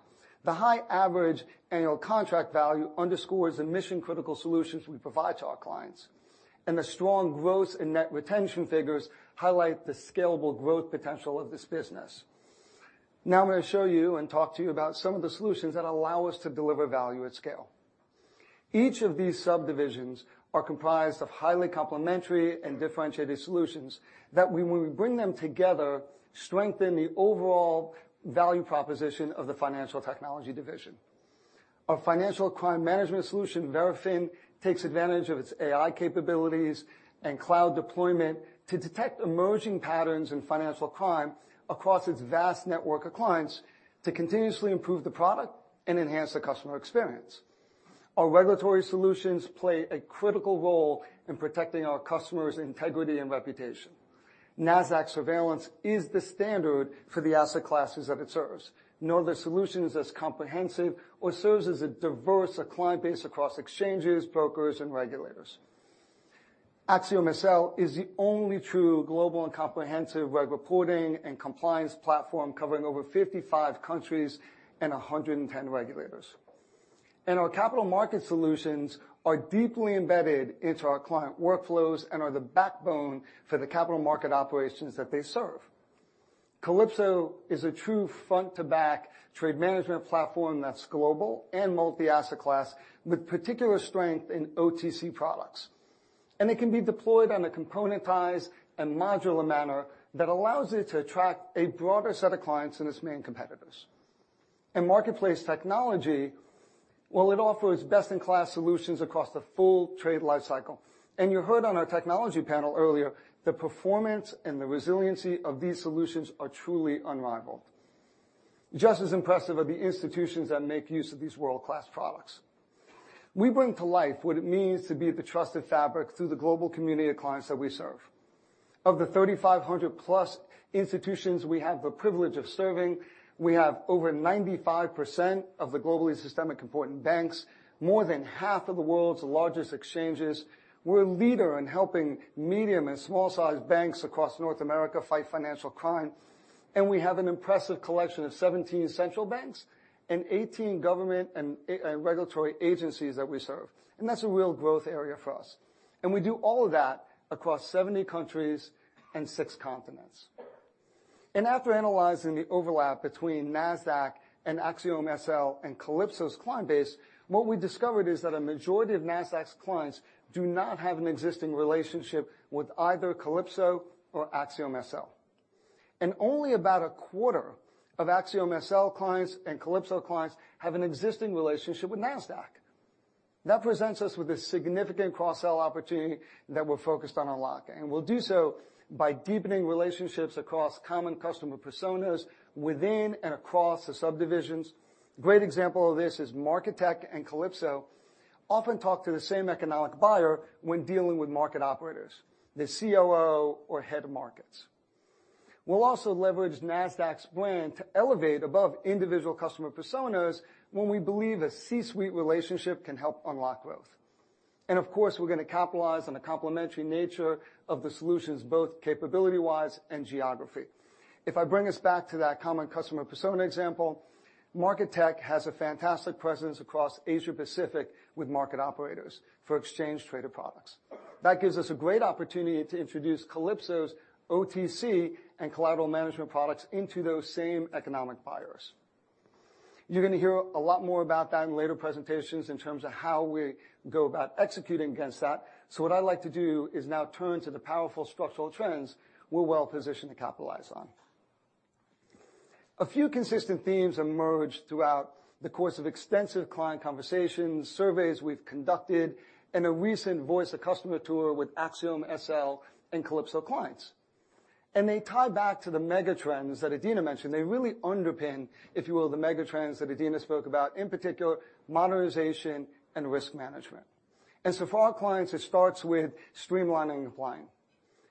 The high average annual contract value underscores the mission-critical solutions we provide to our clients, and the strong growth and net retention figures highlight the scalable growth potential of this business. Now, I'm gonna show you and talk to you about some of the solutions that allow us to deliver value at scale. Each of these subdivisions are comprised of highly complementary and differentiated solutions that, when we bring them together, strengthen the overall value proposition of the Financial Technology division. Our financial crime management solution, Verafin, takes advantage of its AI capabilities and cloud deployment to detect emerging patterns in financial crime across its vast network of clients, to continuously improve the product and enhance the customer experience. Our regulatory solutions play a critical role in protecting our customers' integrity and reputation. Nasdaq Surveillance is the standard for the asset classes that it serves. No other solution is as comprehensive or serves as a diverse a client base across exchanges, brokers, and regulators. AxiomSL is the only true global and comprehensive reg reporting and compliance platform, covering over 55 countries and 110 regulators. Our capital market solutions are deeply embedded into our client workflows and are the backbone for the capital market operations that they serve. Calypso is a true front-to-back trade management platform that's global and multi-asset class, with particular strength in OTC products. It can be deployed on a componentized and modular manner that allows it to attract a broader set of clients than its main competitors. Marketplace technology, well, it offers best-in-class solutions across the full trade life cycle. You heard on our technology panel earlier, the performance and the resiliency of these solutions are truly unrivaled. Just as impressive are the institutions that make use of these world-class products. We bring to life what it means to be the trusted fabric through the global community of clients that we serve. Of the 3,500+ institutions we have the privilege of serving, we have over 95% of the globally systemic important banks, more than half of the world's largest exchanges. We're a leader in helping medium and small-sized banks across North America fight financial crime, and we have an impressive collection of 17 central banks and 18 government and regulatory agencies that we serve. That's a real growth area for us. We do all of that across 70 countries and six continents. After analyzing the overlap between Nasdaq and AxiomSL and Calypso's client base, what we discovered is that a majority of Nasdaq's clients do not have an existing relationship with either Calypso or AxiomSL. Only about a quarter of AxiomSL clients and Calypso clients have an existing relationship with Nasdaq. That presents us with a significant cross-sell opportunity that we're focused on unlocking, and we'll do so by deepening relationships across common customer personas within and across the subdivisions. A great example of this is market technology and Calypso often talk to the same economic buyer when dealing with market operators, the COO or head of markets. We'll also leverage Nasdaq's brand to elevate above individual customer personas when we believe a C-suite relationship can help unlock growth. Of course, we're gonna capitalize on the complementary nature of the solutions, both capability-wise and geography. If I bring us back to that common customer persona example, Market Tech has a fantastic presence across Asia Pacific with market operators for exchange traded products. That gives us a great opportunity to introduce Calypso's OTC and collateral management products into those same economic buyers. You're gonna hear a lot more about that in later presentations in terms of how we go about executing against that. So what I'd like to do is now turn to the powerful structural trends we're well positioned to capitalize on. A few consistent themes emerged throughout the course of extensive client conversations, surveys we've conducted, and a recent Voice of Customer tour with AxiomSL and Calypso clients. And they tie back to the megatrends that Adena mentioned. They really underpin, if you will, the megatrends that Adena spoke about, in particular, modernization and risk management. For our clients, it starts with streamlining and complying.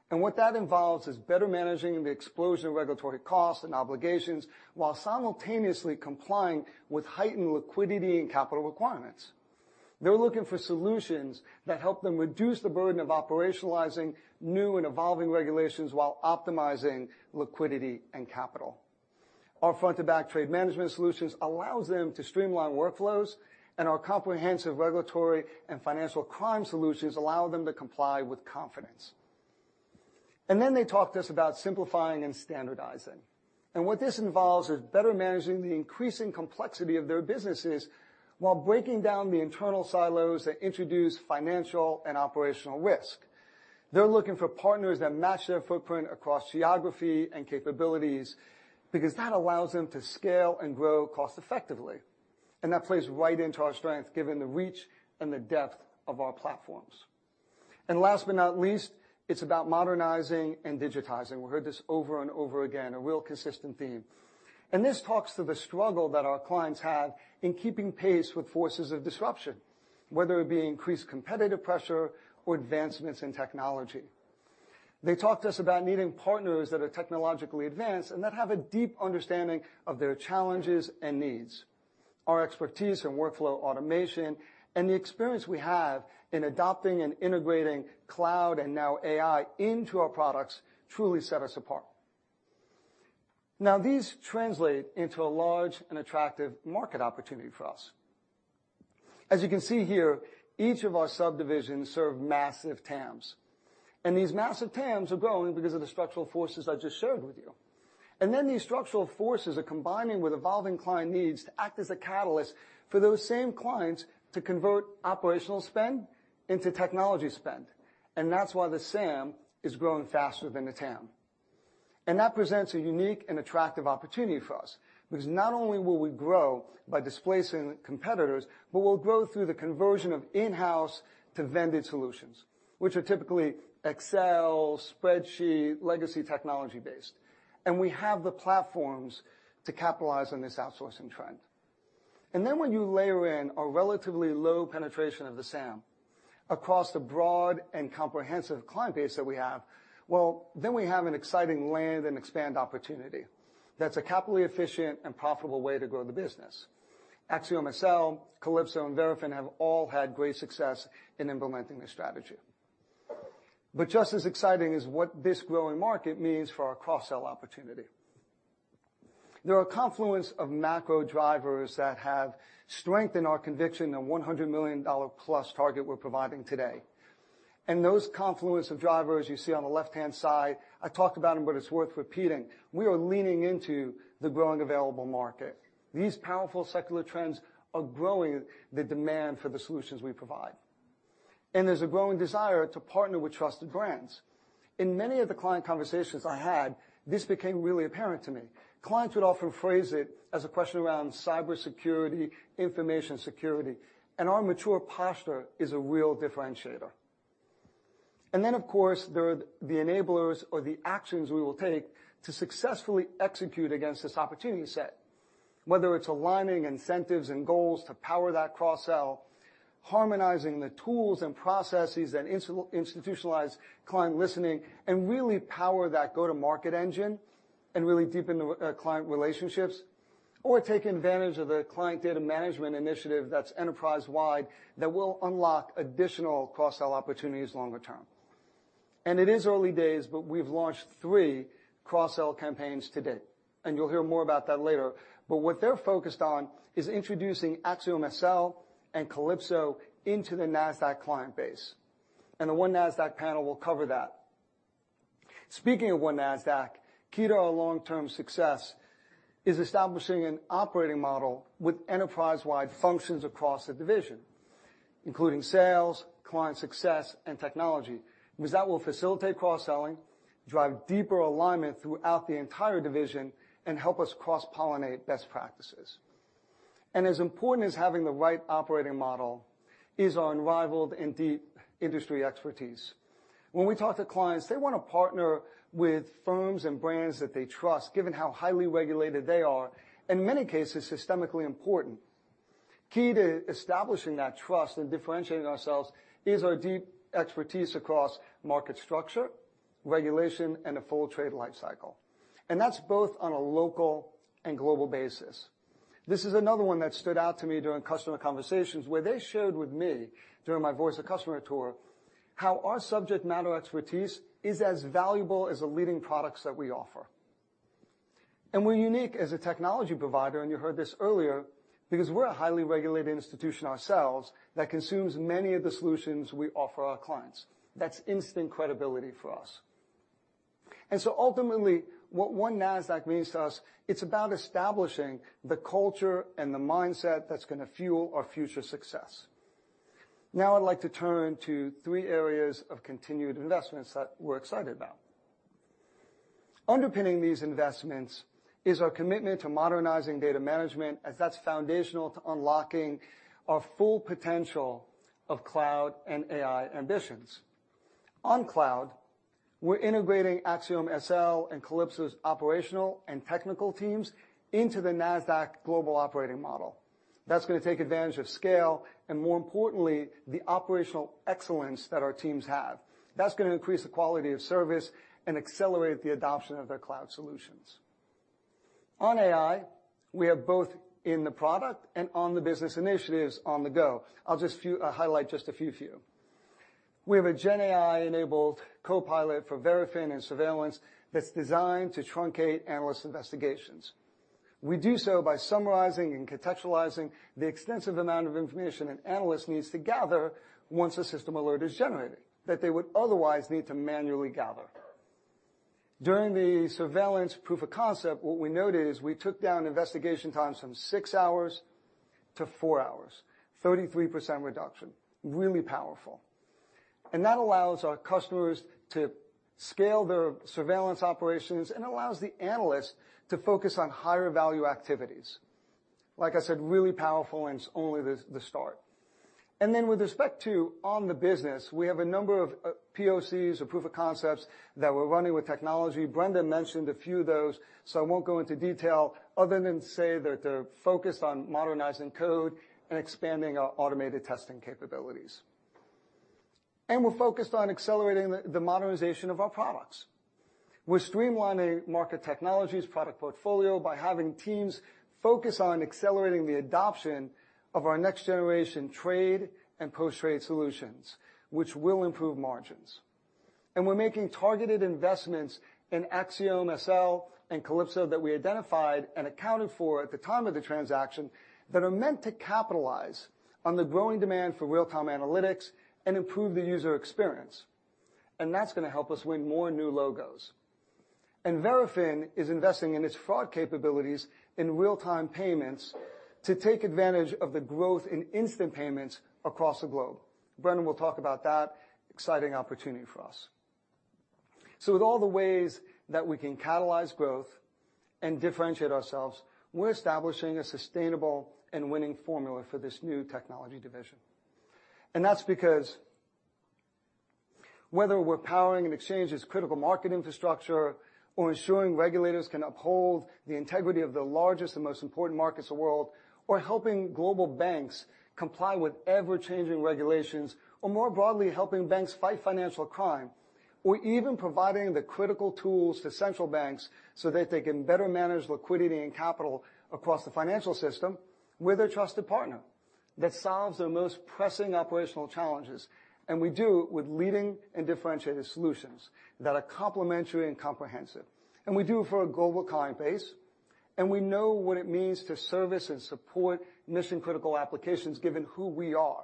What that involves is better managing the explosion of regulatory costs and obligations while simultaneously complying with heightened liquidity and capital requirements. They're looking for solutions that help them reduce the burden of operationalizing new and evolving regulations while optimizing liquidity and capital. Our front-to-back trade management solutions allows them to streamline workflows, and our comprehensive regulatory and financial crime solutions allow them to comply with confidence. Then they talked to us about simplifying and standardizing. What this involves is better managing the increasing complexity of their businesses while breaking down the internal silos that introduce financial and operational risk. They're looking for partners that match their footprint across geography and capabilities, because that allows them to scale and grow cost-effectively. That plays right into our strength, given the reach and the depth of our platforms. Last but not least, it's about modernizing and digitizing. We heard this over and over again, a real consistent theme. This talks to the struggle that our clients have in keeping pace with forces of disruption, whether it be increased competitive pressure or advancements in technology. They talked to us about needing partners that are technologically advanced and that have a deep understanding of their challenges and needs. Our expertise in workflow automation and the experience we have in adopting and integrating cloud, and now AI, into our products truly set us apart. Now, these translate into a large and attractive market opportunity for us. As you can see here, each of our subdivisions serve massive TAMs, and these massive TAMs are growing because of the structural forces I just shared with you. Then these structural forces are combining with evolving client needs to act as a catalyst for those same clients to convert operational spend into technology spend. That's why the SAM is growing faster than the TAM. That presents a unique and attractive opportunity for us, because not only will we grow by displacing competitors, but we'll grow through the conversion of in-house to vended solutions, which are typically Excel, spreadsheet, legacy technology-based, and we have the platforms to capitalize on this outsourcing trend. And then when you layer in a relatively low penetration of the SAM across the broad and comprehensive client base that we have, well, then we have an exciting land and expand opportunity that's a capitally efficient and profitable way to grow the business. AxiomSL, Calypso, and Verafin have all had great success in implementing this strategy. But just as exciting is what this growing market means for our cross-sell opportunity. There are a confluence of macro drivers that have strengthened our conviction, the $100 million-plus target we're providing today. And those confluence of drivers you see on the left-hand side, I talked about them, but it's worth repeating. We are leaning into the growing available market. These powerful secular trends are growing the demand for the solutions we provide, and there's a growing desire to partner with trusted brands. In many of the client conversations I had, this became really apparent to me. Clients would often phrase it as a question around cybersecurity, information security, and our mature posture is a real differentiator. And then, of course, there are the enablers or the actions we will take to successfully execute against this opportunity set, whether it's aligning incentives and goals to power that cross-sell, harmonizing the tools and processes that institutionalize client listening, and really power that go-to-market engine and really deepen the client relationships, or taking advantage of the client data management initiative that's enterprise-wide, that will unlock additional cross-sell opportunities longer term. And it is early days, but we've launched three cross-sell campaigns to date, and you'll hear more about that later. But what they're focused on is introducing AxiomSL and Calypso into the Nasdaq client base, and the One Nasdaq panel will cover that. Speaking of One Nasdaq, key to our long-term success is establishing an operating model with enterprise-wide functions across the division, including sales, client success, and technology, because that will facilitate cross-selling, drive deeper alignment throughout the entire division, and help us cross-pollinate best practices. As important as having the right operating model is our unrivaled and deep industry expertise. When we talk to clients, they want to partner with firms and brands that they trust, given how highly regulated they are, in many cases, systemically important. Key to establishing that trust and differentiating ourselves is our deep expertise across market structure, regulation, and a full trade life cycle. And that's both on a local and global basis. This is another one that stood out to me during customer conversations, where they shared with me, during my Voice of Customer tour, how our subject matter expertise is as valuable as the leading products that we offer. And we're unique as a technology provider, and you heard this earlier, because we're a highly regulated institution ourselves that consumes many of the solutions we offer our clients. That's instant credibility for us. And so ultimately, what One Nasdaq means to us, it's about establishing the culture and the mindset that's gonna fuel our future success. Now, I'd like to turn to three areas of continued investments that we're excited about. Underpinning these investments is our commitment to modernizing data management, as that's foundational to unlocking our full potential of cloud and AI ambitions. On cloud, we're integrating AxiomSL and Calypso's operational and technical teams into the Nasdaq global operating model. That's gonna take advantage of scale, and more importantly, the operational excellence that our teams have. That's gonna increase the quality of service and accelerate the adoption of their cloud solutions. On AI, we have both in the product and on the business initiatives on the go. I'll highlight just a few for you. We have a GenAI-enabled copilot for Verafin and surveillance that's designed to truncate analyst investigations. We do so by summarizing and contextualizing the extensive amount of information an analyst needs to gather once a system alert is generated, that they would otherwise need to manually gather. During the surveillance proof of concept, what we noted is we took down investigation times from 6 hours to 4 hours, 33% reduction. Really powerful. And that allows our customers to scale their surveillance operations and allows the analysts to focus on higher-value activities. Like I said, really powerful, and it's only the start. Then with respect to on the business, we have a number of POCs, or proof of concepts, that we're running with technology. Brendan mentioned a few of those, so I won't go into detail other than say that they're focused on modernizing code and expanding our automated testing capabilities. We're focused on accelerating the modernization of our products. We're streamlining market technologies, product portfolio by having teams focus on accelerating the adoption of our next-generation trade and post-trade solutions, which will improve margins. We're making targeted investments in AxiomSL and Calypso that we identified and accounted for at the time of the transaction, that are meant to capitalize on the growing demand for real-time analytics and improve the user experience, and that's gonna help us win more new logos. Verafin is investing in its fraud capabilities in real-time payments to take advantage of the growth in instant payments across the globe. Brendan will talk about that exciting opportunity for us. With all the ways that we can catalyze growth and differentiate ourselves, we're establishing a sustainable and winning formula for this new technology division. That's because whether we're powering an exchange's critical market infrastructure, or ensuring regulators can uphold the integrity of the largest and most important markets of the world, or helping global banks comply with ever-changing regulations, or more broadly, helping banks fight financial crime, or even providing the critical tools to central banks so that they can better manage liquidity and capital across the financial system, we're their trusted partner that solves their most pressing operational challenges, and we do it with leading and differentiated solutions that are complementary and comprehensive. And we do it for a global client base, and we know what it means to service and support mission-critical applications, given who we are,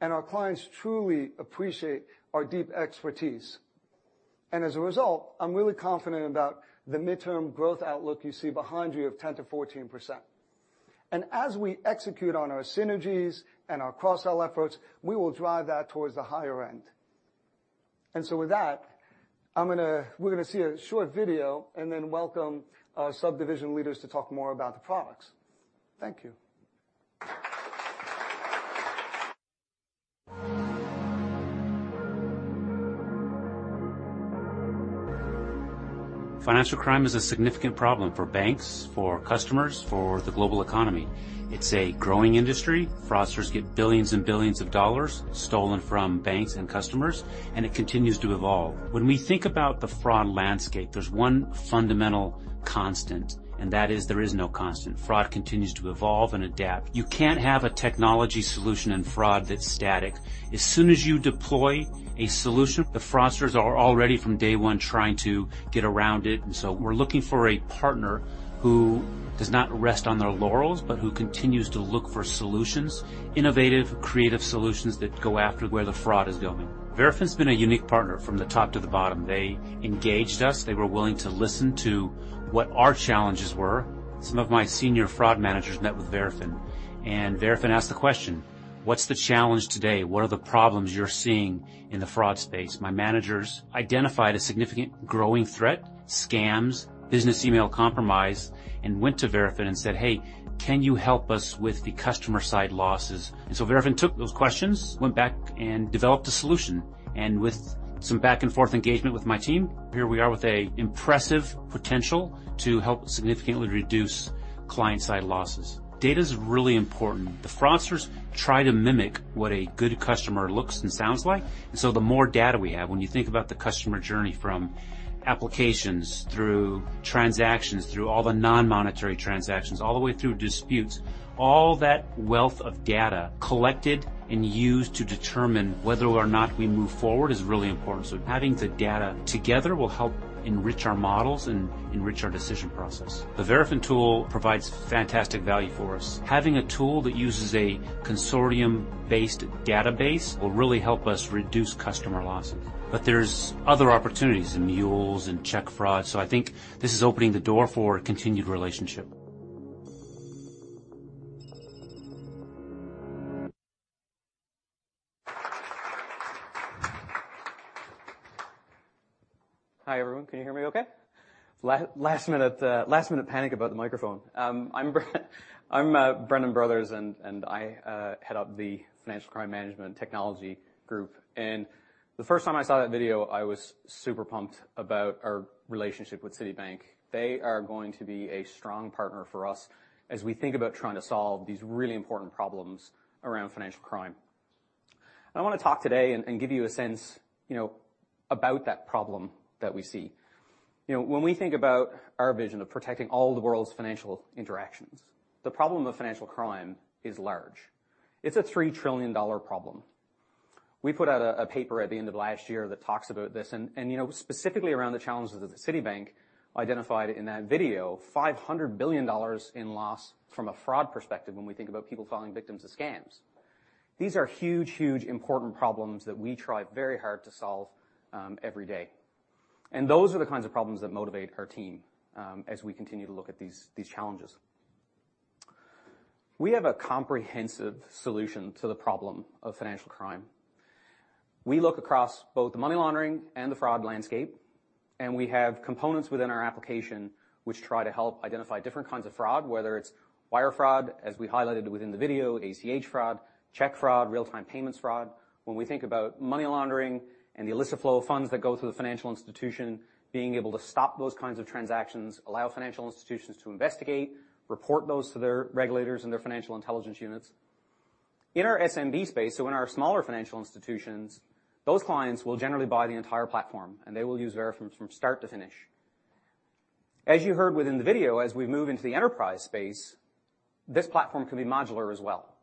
and our clients truly appreciate our deep expertise. And as a result, I'm really confident about the midterm growth outlook you see behind you of 10%-14%. And as we execute on our synergies and our cross-sell efforts, we will drive that towards the higher end. And so with that, I'm gonna... We're gonna see a short video and then welcome our subdivision leaders to talk more about the products. Thank you. Financial crime is a significant problem for banks, for customers, for the global economy. It's a growing industry. Fraudsters get $billions and $billions stolen from banks and customers, and it continues to evolve. When we think about the fraud landscape, there's one fundamental constant, and that is, there is no constant. Fraud continues to evolve and adapt. You can't have a technology solution in fraud that's static. As soon as you deploy a solution, the fraudsters are already, from day one, trying to get around it. And so we're looking for a partner who does not rest on their laurels, but who continues to look for solutions, innovative, creative solutions that go after where the fraud is going. Verafin's been a unique partner from the top to the bottom. They engaged us. They were willing to listen to what our challenges were. Some of my senior fraud managers met with Verafin, and Verafin asked the question: "What's the challenge today? What are the problems you're seeing in the fraud space?" My managers identified a significant growing threat, scams, business email compromise, and went to Verafin and said, "Hey, can you help us with the customer-side losses?" And so Verafin took those questions, went back and developed a solution, and with some back-and-forth engagement with my team, here we are with an impressive potential to help significantly reduce client-side losses. Data's really important. The fraudsters try to mimic what a good customer looks and sounds like, and so the more data we have, when you think about the customer journey, from applications, through transactions, through all the non-monetary transactions, all the way through disputes, all that wealth of data collected and used to determine whether or not we move forward is really important. So having the data together will help enrich our models and enrich our decision process. The Verafin tool provides fantastic value for us. Having a tool that uses a consortium-based database will really help us reduce customer losses, but there's other opportunities in mules and check fraud, so I think this is opening the door for a continued relationship. ...Hi, everyone. Can you hear me okay? Last minute panic about the microphone. I'm Brendan Brothers, and I head up the Financial Crime Management Technology Group. And the first time I saw that video, I was super pumped about our relationship with Citibank. They are going to be a strong partner for us as we think about trying to solve these really important problems around financial crime. I wanna talk today and give you a sense, you know, about that problem that we see. You know, when we think about our vision of protecting all the world's financial interactions, the problem of financial crime is large. It's a $3 trillion problem. We put out a paper at the end of last year that talks about this and, you know, specifically around the challenges that Citibank identified in that video, $500 billion in loss from a fraud perspective when we think about people falling victims to scams. These are huge, huge, important problems that we try very hard to solve every day. And those are the kinds of problems that motivate our team as we continue to look at these challenges. We have a comprehensive solution to the problem of financial crime. We look across both the money laundering and the fraud landscape, and we have components within our application which try to help identify different kinds of fraud, whether it's wire fraud, as we highlighted within the video, ACH fraud, check fraud, real-time payments fraud. When we think about money laundering and the illicit flow of funds that go through the financial institution, being able to stop those kinds of transactions, allow financial institutions to investigate, report those to their regulators and their financial intelligence units. In our SMB space, so in our smaller financial institutions, those clients will generally buy the entire platform, and they will use Verafin from start to finish. As you heard within the video, as we move into the enterprise space, this platform can be modular as well.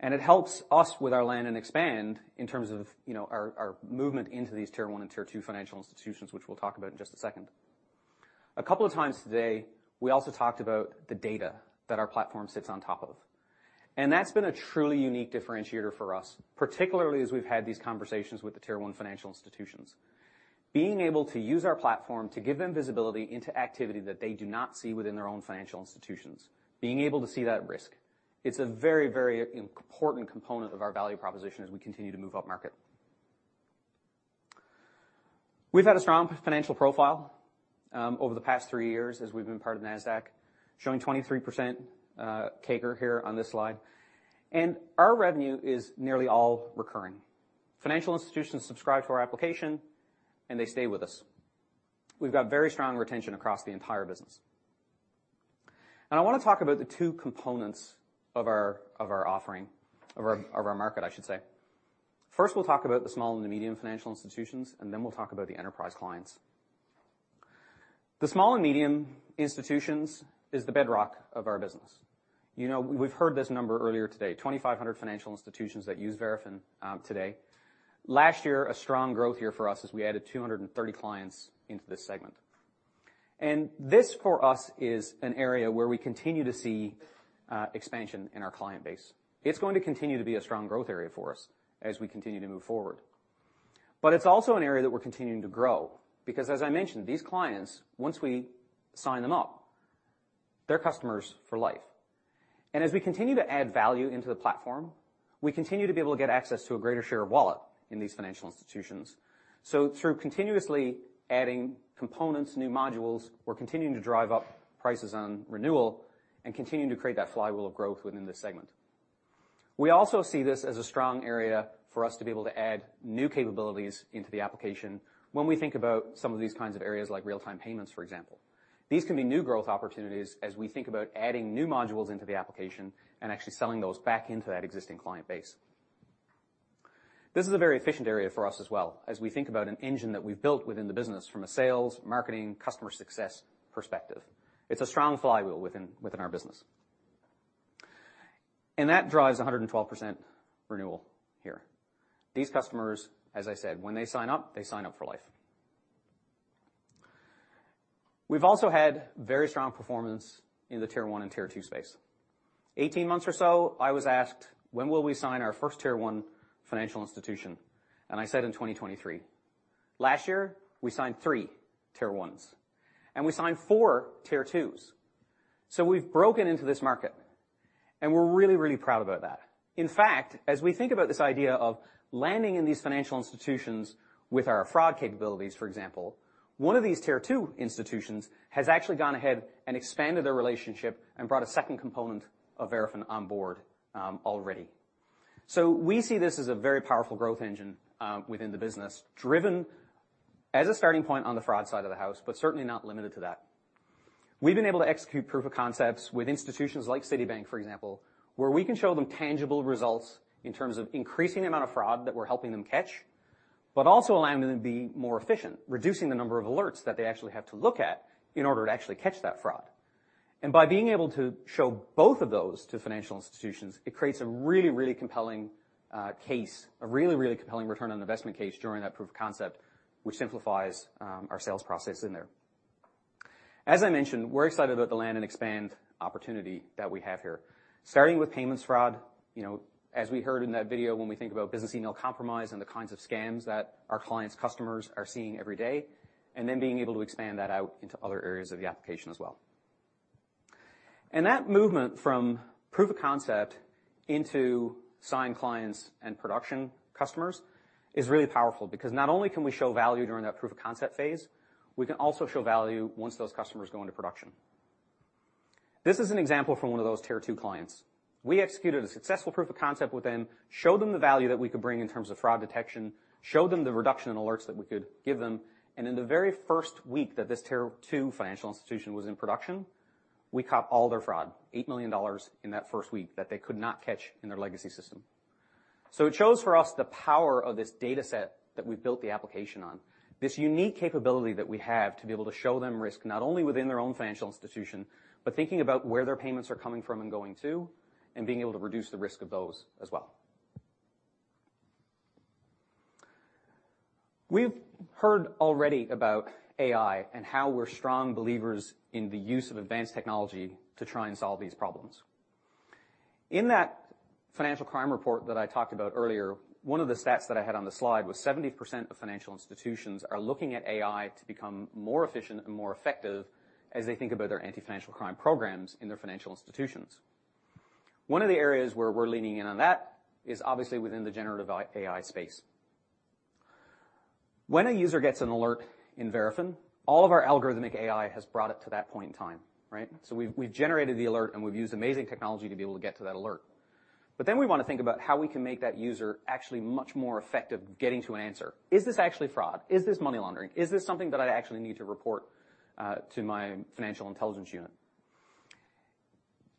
It helps us with our land and expand in terms of, you know, our, our movement into these tier one and tier two financial institutions, which we'll talk about in just a second. A couple of times today, we also talked about the data that our platform sits on top of, and that's been a truly unique differentiator for us, particularly as we've had these conversations with the tier one financial institutions. Being able to use our platform to give them visibility into activity that they do not see within their own financial institutions, being able to see that risk, it's a very, very important component of our value proposition as we continue to move upmarket. We've had a strong financial profile over the past three years as we've been part of Nasdaq, showing 23% CAGR here on this slide, and our revenue is nearly all recurring. Financial institutions subscribe to our application, and they stay with us. We've got very strong retention across the entire business. I wanna talk about the two components of our, of our offering, of our, of our market, I should say. First, we'll talk about the small and the medium financial institutions, and then we'll talk about the enterprise clients. The small and medium institutions is the bedrock of our business. You know, we've heard this number earlier today, 2,500 financial institutions that use Verafin today. Last year, a strong growth year for us as we added 230 clients into this segment. And this, for us, is an area where we continue to see expansion in our client base. It's going to continue to be a strong growth area for us as we continue to move forward. But it's also an area that we're continuing to grow because, as I mentioned, these clients, once we sign them up, they're customers for life. As we continue to add value into the platform, we continue to be able to get access to a greater share of wallet in these financial institutions. Through continuously adding components, new modules, we're continuing to drive up prices on renewal and continuing to create that flywheel of growth within this segment. We also see this as a strong area for us to be able to add new capabilities into the application when we think about some of these kinds of areas, like real-time payments, for example. These can be new growth opportunities as we think about adding new modules into the application and actually selling those back into that existing client base. This is a very efficient area for us as well, as we think about an engine that we've built within the business from a sales, marketing, customer success perspective. It's a strong flywheel within our business. And that drives 112% renewal here. These customers, as I said, when they sign up, they sign up for life. We've also had very strong performance in the tier one and tier two space. 18 months or so, I was asked, "When will we sign our first tier one financial institution?" And I said, "In 2023." Last year, we signed 3 tier ones, and we signed 4 tier twos. So we've broken into this market, and we're really, really proud about that. In fact, as we think about this idea of landing in these financial institutions with our fraud capabilities, for example, one of these tier two institutions has actually gone ahead and expanded their relationship and brought a second component of Verafin on board already. So we see this as a very powerful growth engine within the business, driven as a starting point on the fraud side of the house, but certainly not limited to that. We've been able to execute proof of concepts with institutions like Citibank, for example, where we can show them tangible results in terms of increasing the amount of fraud that we're helping them catch, but also allowing them to be more efficient, reducing the number of alerts that they actually have to look at in order to actually catch that fraud. And by being able to show both of those to financial institutions, it creates a really, really compelling case, a really, really compelling return on investment case during that proof of concept, which simplifies our sales process in there. As I mentioned, we're excited about the land and expand opportunity that we have here. Starting with payments fraud, you know, as we heard in that video, when we think about business email compromise and the kinds of scams that our clients' customers are seeing every day, and then being able to expand that out into other areas of the application as well. That movement from proof of concept into signed clients and production customers is really powerful because not only can we show value during that proof of concept phase, we can also show value once those customers go into production. This is an example from one of those Tier Two clients. We executed a successful proof of concept with them, showed them the value that we could bring in terms of fraud detection, showed them the reduction in alerts that we could give them, and in the very first week that this Tier Two financial institution was in production, we caught all their fraud, $8 million in that first week that they could not catch in their legacy system. So it shows for us the power of this data set that we've built the application on, this unique capability that we have to be able to show them risk, not only within their own financial institution, but thinking about where their payments are coming from and going to, and being able to reduce the risk of those as well. We've heard already about AI and how we're strong believers in the use of advanced technology to try and solve these problems. In that financial crime report that I talked about earlier, one of the stats that I had on the slide was 70% of financial institutions are looking at AI to become more efficient and more effective as they think about their anti-financial crime programs in their financial institutions. One of the areas where we're leaning in on that is obviously within the generative AI space. When a user gets an alert in Verafin, all of our algorithmic AI has brought it to that point in time, right? So we've, we've generated the alert, and we've used amazing technology to be able to get to that alert. But then we wanna think about how we can make that user actually much more effective getting to an answer. Is this actually fraud? Is this money laundering? Is this something that I'd actually need to report to my financial intelligence unit?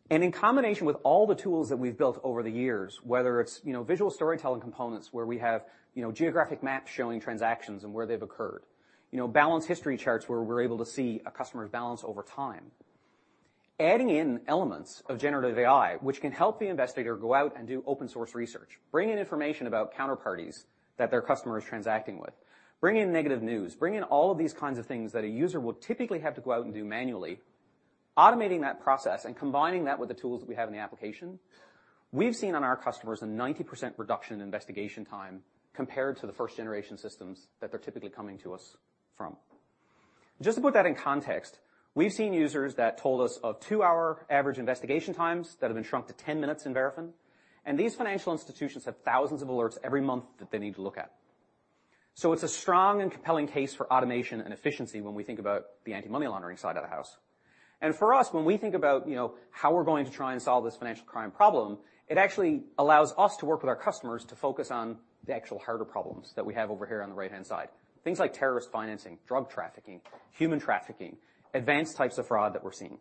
In combination with all the tools that we've built over the years, whether it's, you know, visual storytelling components, where we have, you know, geographic maps showing transactions and where they've occurred, you know, balance history charts, where we're able to see a customer's balance over time, adding in elements of generative AI, which can help the investigator go out and do open-source research, bring in information about counterparties that their customer is transacting with, bring in negative news, bring in all of these kinds of things that a user would typically have to go out and do manually, automating that process and combining that with the tools that we have in the application, we've seen on our customers a 90% reduction in investigation time compared to the first-generation systems that they're typically coming to us from. Just to put that in context, we've seen users that told us of 2-hour average investigation times that have been shrunk to 10 minutes in Verafin, and these financial institutions have thousands of alerts every month that they need to look at. So it's a strong and compelling case for automation and efficiency when we think about the anti-money laundering side of the house. And for us, when we think about, you know, how we're going to try and solve this financial crime problem, it actually allows us to work with our customers to focus on the actual harder problems that we have over here on the right-hand side. Things like terrorist financing, drug trafficking, human trafficking, advanced types of fraud that we're seeing.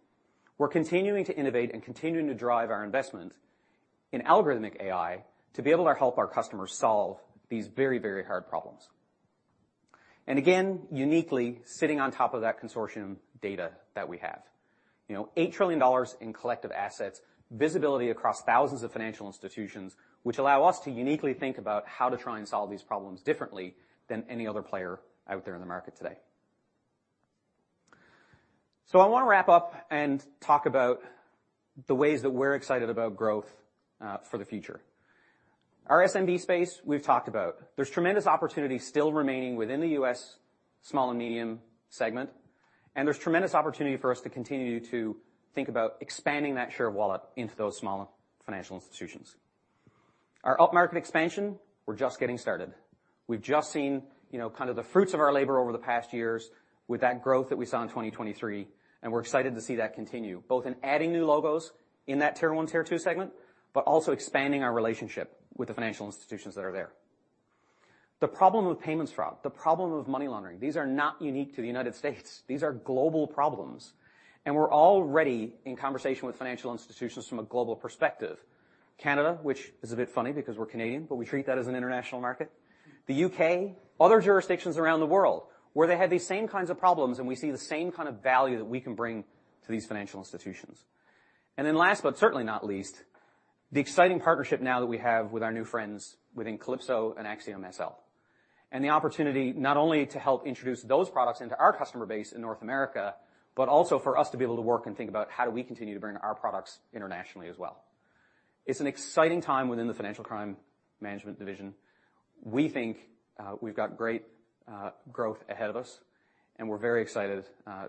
We're continuing to innovate and continuing to drive our investment in algorithmic AI to be able to help our customers solve these very, very hard problems. And again, uniquely sitting on top of that consortium data that we have. You know, $8 trillion in collective assets, visibility across thousands of financial institutions, which allow us to uniquely think about how to try and solve these problems differently than any other player out there in the market today. So I wanna wrap up and talk about the ways that we're excited about growth for the future. Our SMB space, we've talked about. There's tremendous opportunity still remaining within the U.S. small and medium segment, and there's tremendous opportunity for us to continue to think about expanding that share of wallet into those smaller financial institutions. Our upmarket expansion, we're just getting started. We've just seen, you know, kind of the fruits of our labor over the past years with that growth that we saw in 2023, and we're excited to see that continue, both in adding new logos in that Tier One, Tier Two segment, but also expanding our relationship with the financial institutions that are there. The problem with payments fraud, the problem with money laundering, these are not unique to the United States. These are global problems, and we're already in conversation with financial institutions from a global perspective. Canada, which is a bit funny because we're Canadian, but we treat that as an international market, the U.K., other jurisdictions around the world, where they have these same kinds of problems, and we see the same kind of value that we can bring to these financial institutions. And then last, but certainly not least, the exciting partnership now that we have with our new friends within Calypso and AxiomSL, and the opportunity not only to help introduce those products into our customer base in North America, but also for us to be able to work and think about how do we continue to bring our products internationally as well. It's an exciting time within the Financial Crime Management Division. We think, we've got great, growth ahead of us, and we're very excited,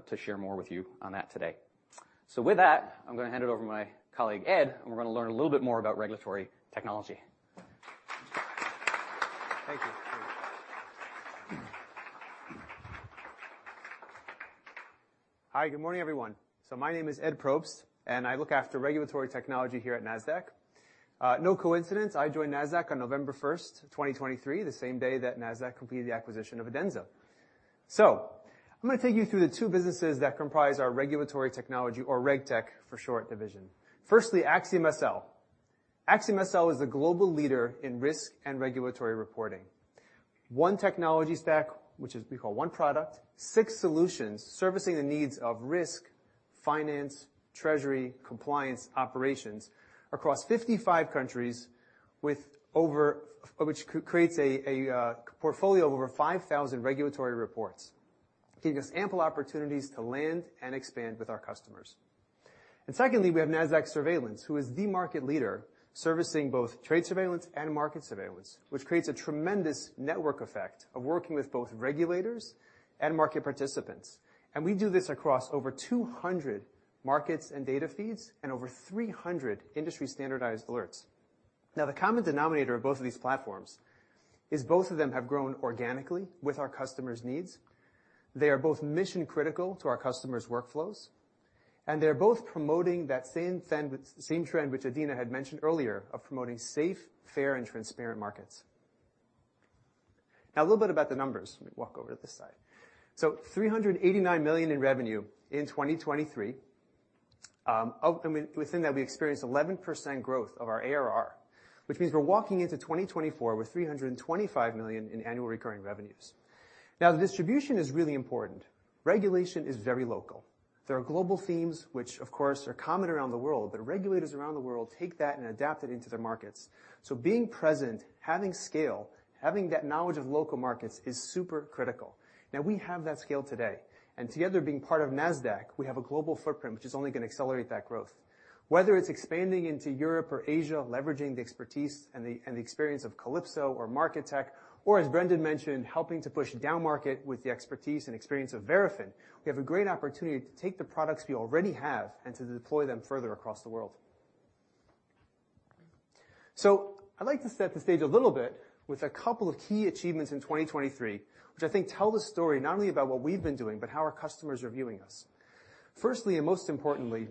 to share more with you on that today. So with that, I'm gonna hand it over to my colleague, Ed, and we're gonna learn a little bit more about regulatory technology. Thank you. Hi, good morning, everyone. So my name is Ed Probst, and I look after Regulatory Technology here at Nasdaq. No coincidence, I joined Nasdaq on November 1, 2023, the same day that Nasdaq completed the acquisition of Adenza. So I'm gonna take you through the two businesses that comprise our Regulatory Technology or RegTech, for short, division. Firstly, AxiomSL. AxiomSL is the global leader in risk and regulatory reporting. One technology stack, which is... we call one product, six solutions, servicing the needs of risk, finance, treasury, compliance, operations across 55 countries, which creates a portfolio of over 5,000 regulatory reports, giving us ample opportunities to land and expand with our customers. And secondly, we have Nasdaq Surveillance, who is the market leader servicing both trade surveillance and market surveillance, which creates a tremendous network effect of working with both regulators and market participants. We do this across over 200 markets and data feeds and over 300 industry-standardized alerts... Now, the common denominator of both of these platforms is both of them have grown organically with our customers' needs. They are both mission-critical to our customers' workflows, and they're both promoting that same trend, the same trend, which Adena had mentioned earlier, of promoting safe, fair, and transparent markets. Now, a little bit about the numbers. Let me walk over to this side. So $389 million in revenue in 2023. Ultimately, within that, we experienced 11% growth of our ARR, which means we're walking into 2024 with $325 million in annual recurring revenues. Now, the distribution is really important. Regulation is very local. There are global themes which, of course, are common around the world, but regulators around the world take that and adapt it into their markets. So being present, having scale, having that knowledge of local markets is super critical. Now, we have that scale today, and together, being part of Nasdaq, we have a global footprint, which is only going to accelerate that growth. Whether it's expanding into Europe or Asia, leveraging the expertise and the experience of Calypso or Market Tech, or, as Brendan mentioned, helping to push downmarket with the expertise and experience of Verafin, we have a great opportunity to take the products we already have and to deploy them further across the world. So I'd like to set the stage a little bit with a couple of key achievements in 2023, which I think tell the story not only about what we've been doing but how our customers are viewing us. Firstly, and most importantly,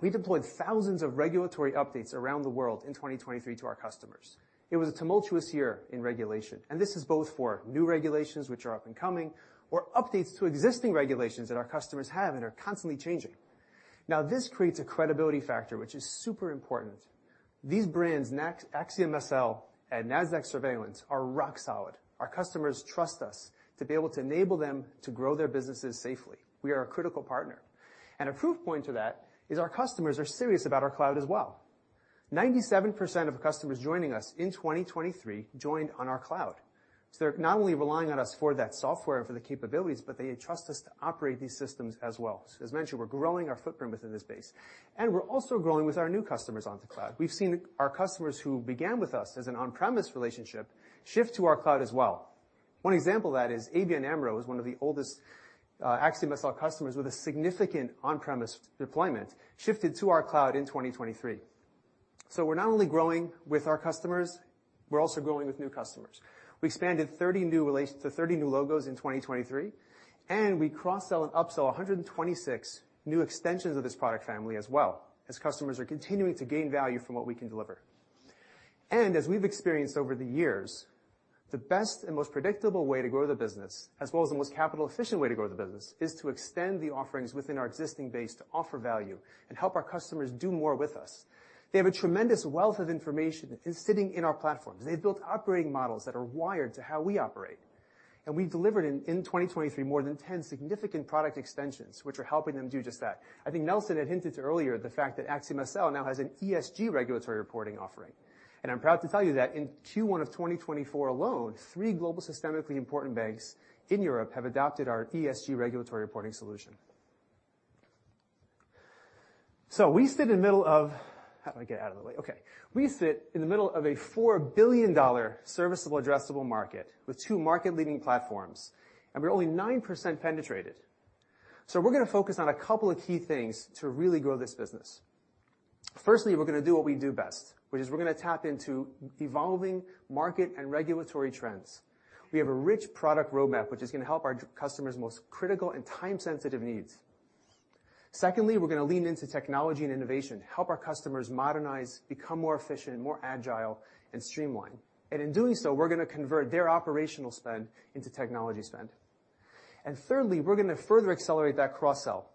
we deployed thousands of regulatory updates around the world in 2023 to our customers. It was a tumultuous year in regulation, and this is both for new regulations, which are up and coming, or updates to existing regulations that our customers have and are constantly changing. Now, this creates a credibility factor, which is super important. These brands, AxiomSL, and Nasdaq Surveillance, are rock solid. Our customers trust us to be able to enable them to grow their businesses safely. We are a critical partner, and a proof point to that is our customers are serious about our cloud as well. 97% of customers joining us in 2023 joined on our cloud. So they're not only relying on us for that software, for the capabilities, but they trust us to operate these systems as well. So as mentioned, we're growing our footprint within this space, and we're also growing with our new customers onto cloud. We've seen our customers who began with us as an on-premise relationship shift to our cloud as well. One example of that is ABN AMRO is one of the oldest, AxiomSL customers with a significant on-premise deployment, shifted to our cloud in 2023. So we're not only growing with our customers, we're also growing with new customers. We expanded 30 new relations to 30 new logos in 2023, and we cross-sell and upsell 126 new extensions of this product family as well, as customers are continuing to gain value from what we can deliver. And as we've experienced over the years, the best and most predictable way to grow the business, as well as the most capital-efficient way to grow the business, is to extend the offerings within our existing base to offer value and help our customers do more with us. They have a tremendous wealth of information in sitting in our platforms. They've built operating models that are wired to how we operate, and we've delivered in 2023 more than 10 significant product extensions, which are helping them do just that. I think Nelson had hinted to earlier the fact that AxiomSL now has an ESG regulatory reporting offering, and I'm proud to tell you that in Q1 of 2024 alone, three global systemically important banks in Europe have adopted our ESG regulatory reporting solution. So we sit in the middle of... How do I get out of the way? Okay. We sit in the middle of a $4 billion serviceable addressable market with two market-leading platforms, and we're only 9% penetrated. So we're gonna focus on a couple of key things to really grow this business. Firstly, we're gonna do what we do best, which is we're gonna tap into evolving market and regulatory trends. We have a rich product roadmap, which is gonna help our customers' most critical and time-sensitive needs. Secondly, we're gonna lean into technology and innovation to help our customers modernize, become more efficient, more agile, and streamlined. In doing so, we're gonna convert their operational spend into technology spend. Thirdly, we're gonna further accelerate that cross-sell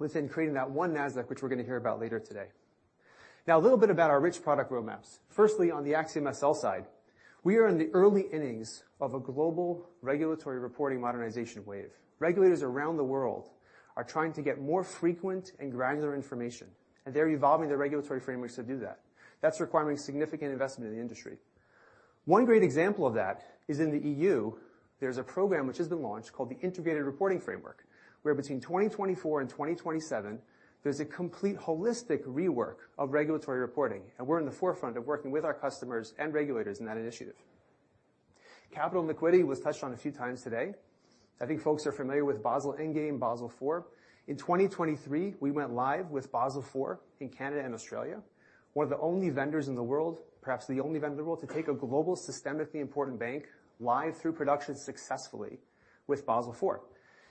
within creating that one Nasdaq, which we're gonna hear about later today. Now, a little bit about our rich product roadmaps. Firstly, on the AxiomSL side, we are in the early innings of a global regulatory reporting modernization wave. Regulators around the world are trying to get more frequent and granular information, and they're evolving their regulatory frameworks to do that. That's requiring significant investment in the industry. One great example of that is in the EU, there's a program which has been launched, called the Integrated Reporting Framework, where between 2024 and 2027, there's a complete holistic rework of regulatory reporting, and we're in the forefront of working with our customers and regulators in that initiative. Capital and liquidity was touched on a few times today. I think folks are familiar with Basel Endgame, Basel IV. In 2023, we went live with Basel IV in Canada and Australia, one of the only vendors in the world, perhaps the only vendor in the world, to take a global systemically important bank live through production successfully with Basel IV.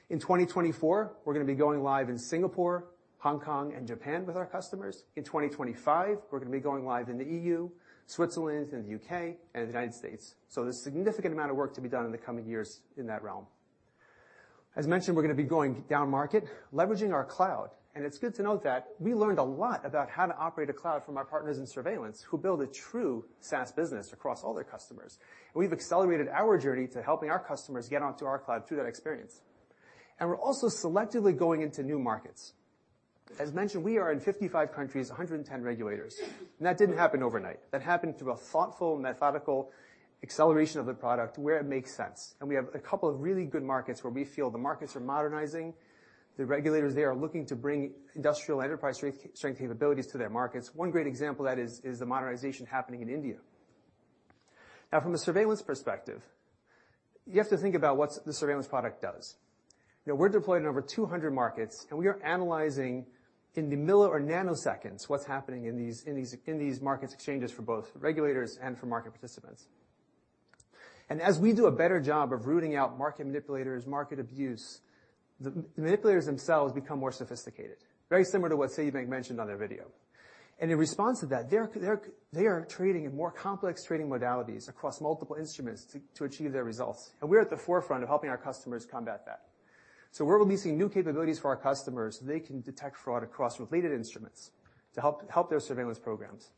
In 2024, we're gonna be going live in Singapore, Hong Kong, and Japan with our customers. In 2025, we're gonna be going live in the EU, Switzerland, and the UK, and the United States. So there's a significant amount of work to be done in the coming years in that realm. As mentioned, we're gonna be going down market, leveraging our cloud, and it's good to note that we learned a lot about how to operate a cloud from our partners in surveillance, who build a true SaaS business across all their customers. We've accelerated our journey to helping our customers get onto our cloud through that experience. We're also selectively going into new markets. As mentioned, we are in 55 countries, 110 regulators, and that didn't happen overnight. That happened through a thoughtful, methodical acceleration of the product where it makes sense, and we have a couple of really good markets where we feel the markets are modernizing. The regulators there are looking to bring industrial enterprise strength, strength capabilities to their markets. One great example of that is the modernization happening in India. Now, from a surveillance perspective, you have to think about what the surveillance product does. You know, we're deployed in over 200 markets, and we are analyzing in the milli or nanoseconds what's happening in these market exchanges for both regulators and for market participants. And as we do a better job of rooting out market manipulators, market abuse, the manipulators themselves become more sophisticated, very similar to what Citibank mentioned on their video. And in response to that, they are trading in more complex trading modalities across multiple instruments to achieve their results. And we're at the forefront of helping our customers combat that. So we're releasing new capabilities for our customers, so they can detect fraud across related instruments to help their surveillance programs.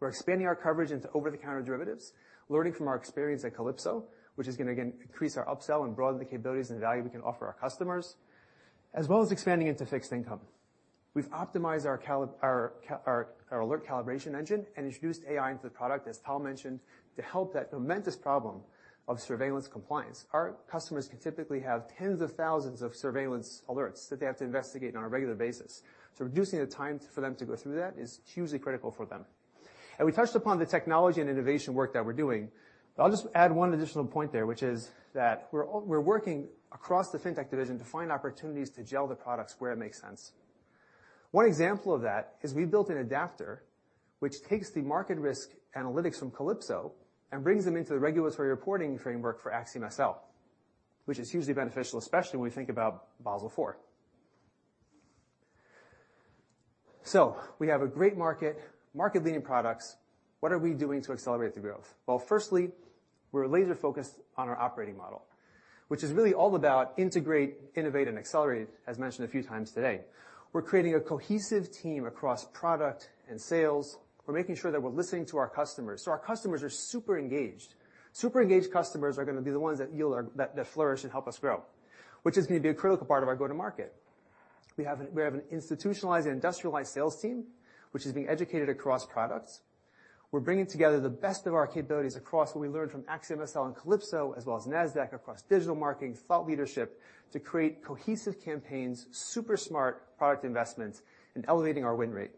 We're expanding our coverage into over-the-counter derivatives, learning from our experience at Calypso, which is gonna again increase our upsell and broaden the capabilities and value we can offer our customers, as well as expanding into fixed income. We've optimized our alert calibration engine and introduced AI into the product, as Tal mentioned, to help that momentous problem of surveillance compliance. Our customers can typically have tens of thousands of surveillance alerts that they have to investigate on a regular basis. So reducing the time for them to go through that is hugely critical for them. We touched upon the technology and innovation work that we're doing, but I'll just add one additional point there, which is that we're working across the Fintech division to find opportunities to gel the products where it makes sense. One example of that is we built an adapter, which takes the market risk analytics from Calypso and brings them into the regulatory reporting framework for AxiomSL, which is hugely beneficial, especially when we think about Basel IV. So we have a great market, market-leading products. What are we doing to accelerate the growth? Well, firstly, we're laser-focused on our operating model, which is really all about integrate, innovate, and accelerate, as mentioned a few times today. We're creating a cohesive team across product and sales. We're making sure that we're listening to our customers. So our customers are super engaged. Super engaged customers are gonna be the ones that—that flourish and help us grow, which is going to be a critical part of our go-to-market. We have an, we have an institutionalized and industrialized sales team, which is being educated across products. We're bringing together the best of our capabilities across what we learned from AxiomSL and Calypso, as well as Nasdaq across digital marketing, thought leadership, to create cohesive campaigns, super smart product investments, and elevating our win rate.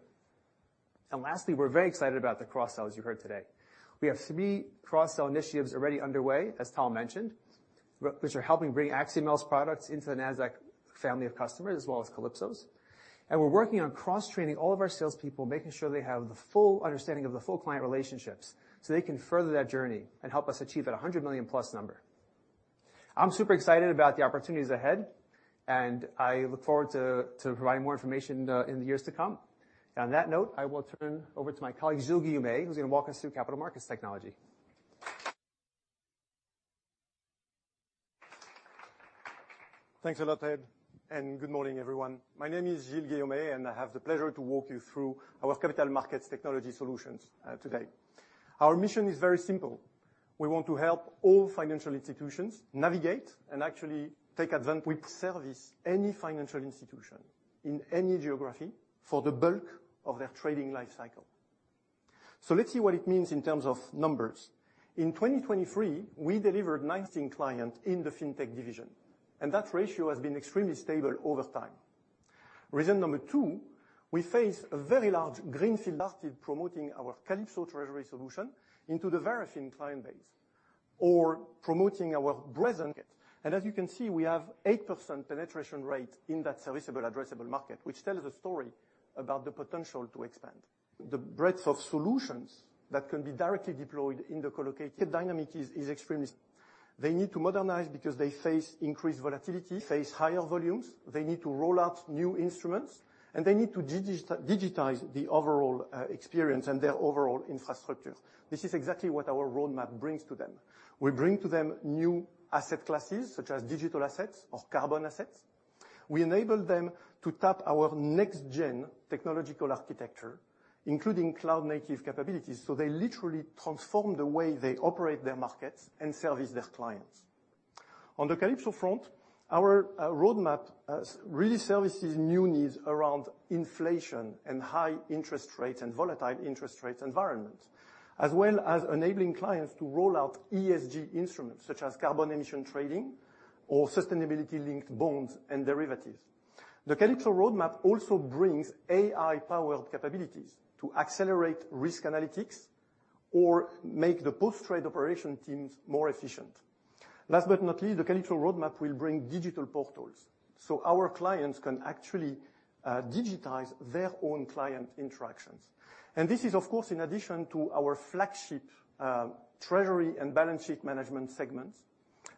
Lastly, we're very excited about the cross-sell, as you heard today. We have three cross-sell initiatives already underway, as Tal mentioned, which are helping bring AxiomSL's products into the Nasdaq family of customers, as well as Calypso's. And we're working on cross-training all of our salespeople, making sure they have the full understanding of the full client relationships, so they can further that journey and help us achieve that $100 million+ number. I'm super excited about the opportunities ahead, and I look forward to, to providing more information in the years to come. On that note, I will turn over to my colleague, Gilles Guillaume, who's gonna walk us through capital markets technology. Thanks a lot, Ed, and good morning, everyone. My name is Gilles Guillaume, and I have the pleasure to walk you through our Capital Markets Technology solutions, today. Our mission is very simple. We want to help all financial institutions navigate and actually take advant-- We service any financial institution in any geography for the bulk of their trading life cycle. So let's see what it means in terms of numbers. In 2023, we delivered 19 clients in the Fintech division, and that ratio has been extremely stable over time. Reason number two, we face a very large greenfield market, promoting our Calypso Treasury solution into the varying client base or promoting our present. And as you can see, we have 8% penetration rate in that serviceable addressable market, which tells a story about the potential to expand. The breadth of solutions that can be directly deployed in the collocated dynamic is extremely... They need to modernize because they face increased volatility, face higher volumes. They need to roll out new instruments, and they need to digitize the overall experience and their overall infrastructure. This is exactly what our roadmap brings to them. We bring to them new asset classes, such as digital assets or carbon assets. We enable them to tap our next-gen technological architecture, including cloud-native capabilities. So they literally transform the way they operate their markets and service their clients. On the Calypso front, our roadmap really services new needs around inflation and high interest rates and volatile interest rate environments, as well as enabling clients to roll out ESG instruments, such as carbon emission trading or sustainability-linked bonds and derivatives. The Calypso roadmap also brings AI-powered capabilities to accelerate risk analytics or make the post-trade operation teams more efficient. Last but not least, the Calypso roadmap will bring digital portals, so our clients can actually, digitize their own client interactions. And this is, of course, in addition to our flagship, treasury and balance sheet management segments,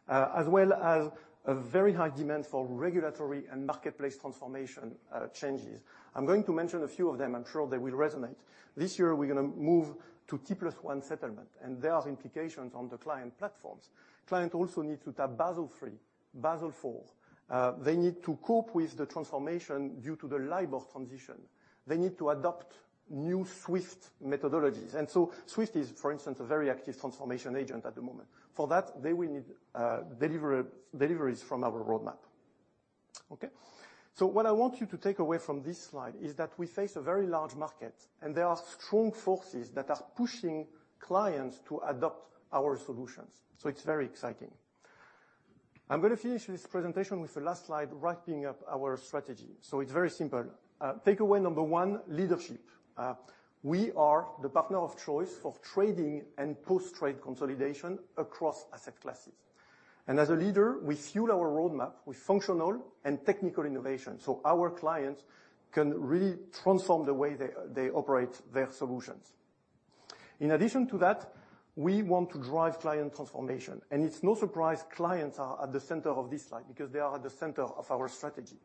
as well as a very high demand for regulatory and marketplace transformation, changes. I'm going to mention a few of them. I'm sure they will resonate. This year, we're gonna move to T+1 settlement, and there are implications on the client platforms. Client also need to tap Basel III, Basel IV. They need to cope with the transformation due to the LIBOR transition. They need to adopt new SWIFT methodologies. And so SWIFT is, for instance, a very active transformation agent at the moment. For that, they will need deliveries from our roadmap. Okay? So what I want you to take away from this slide is that we face a very large market, and there are strong forces that are pushing clients to adopt our solutions. So it's very exciting. I'm gonna finish this presentation with the last slide, wrapping up our strategy. So it's very simple. Takeaway number one, leadership. We are the partner of choice for trading and post-trade consolidation across asset classes. And as a leader, we fuel our roadmap with functional and technical innovation, so our clients can really transform the way they, they operate their solutions. In addition to that, we want to drive client transformation, and it's no surprise clients are at the center of this slide because they are at the center of our strategy.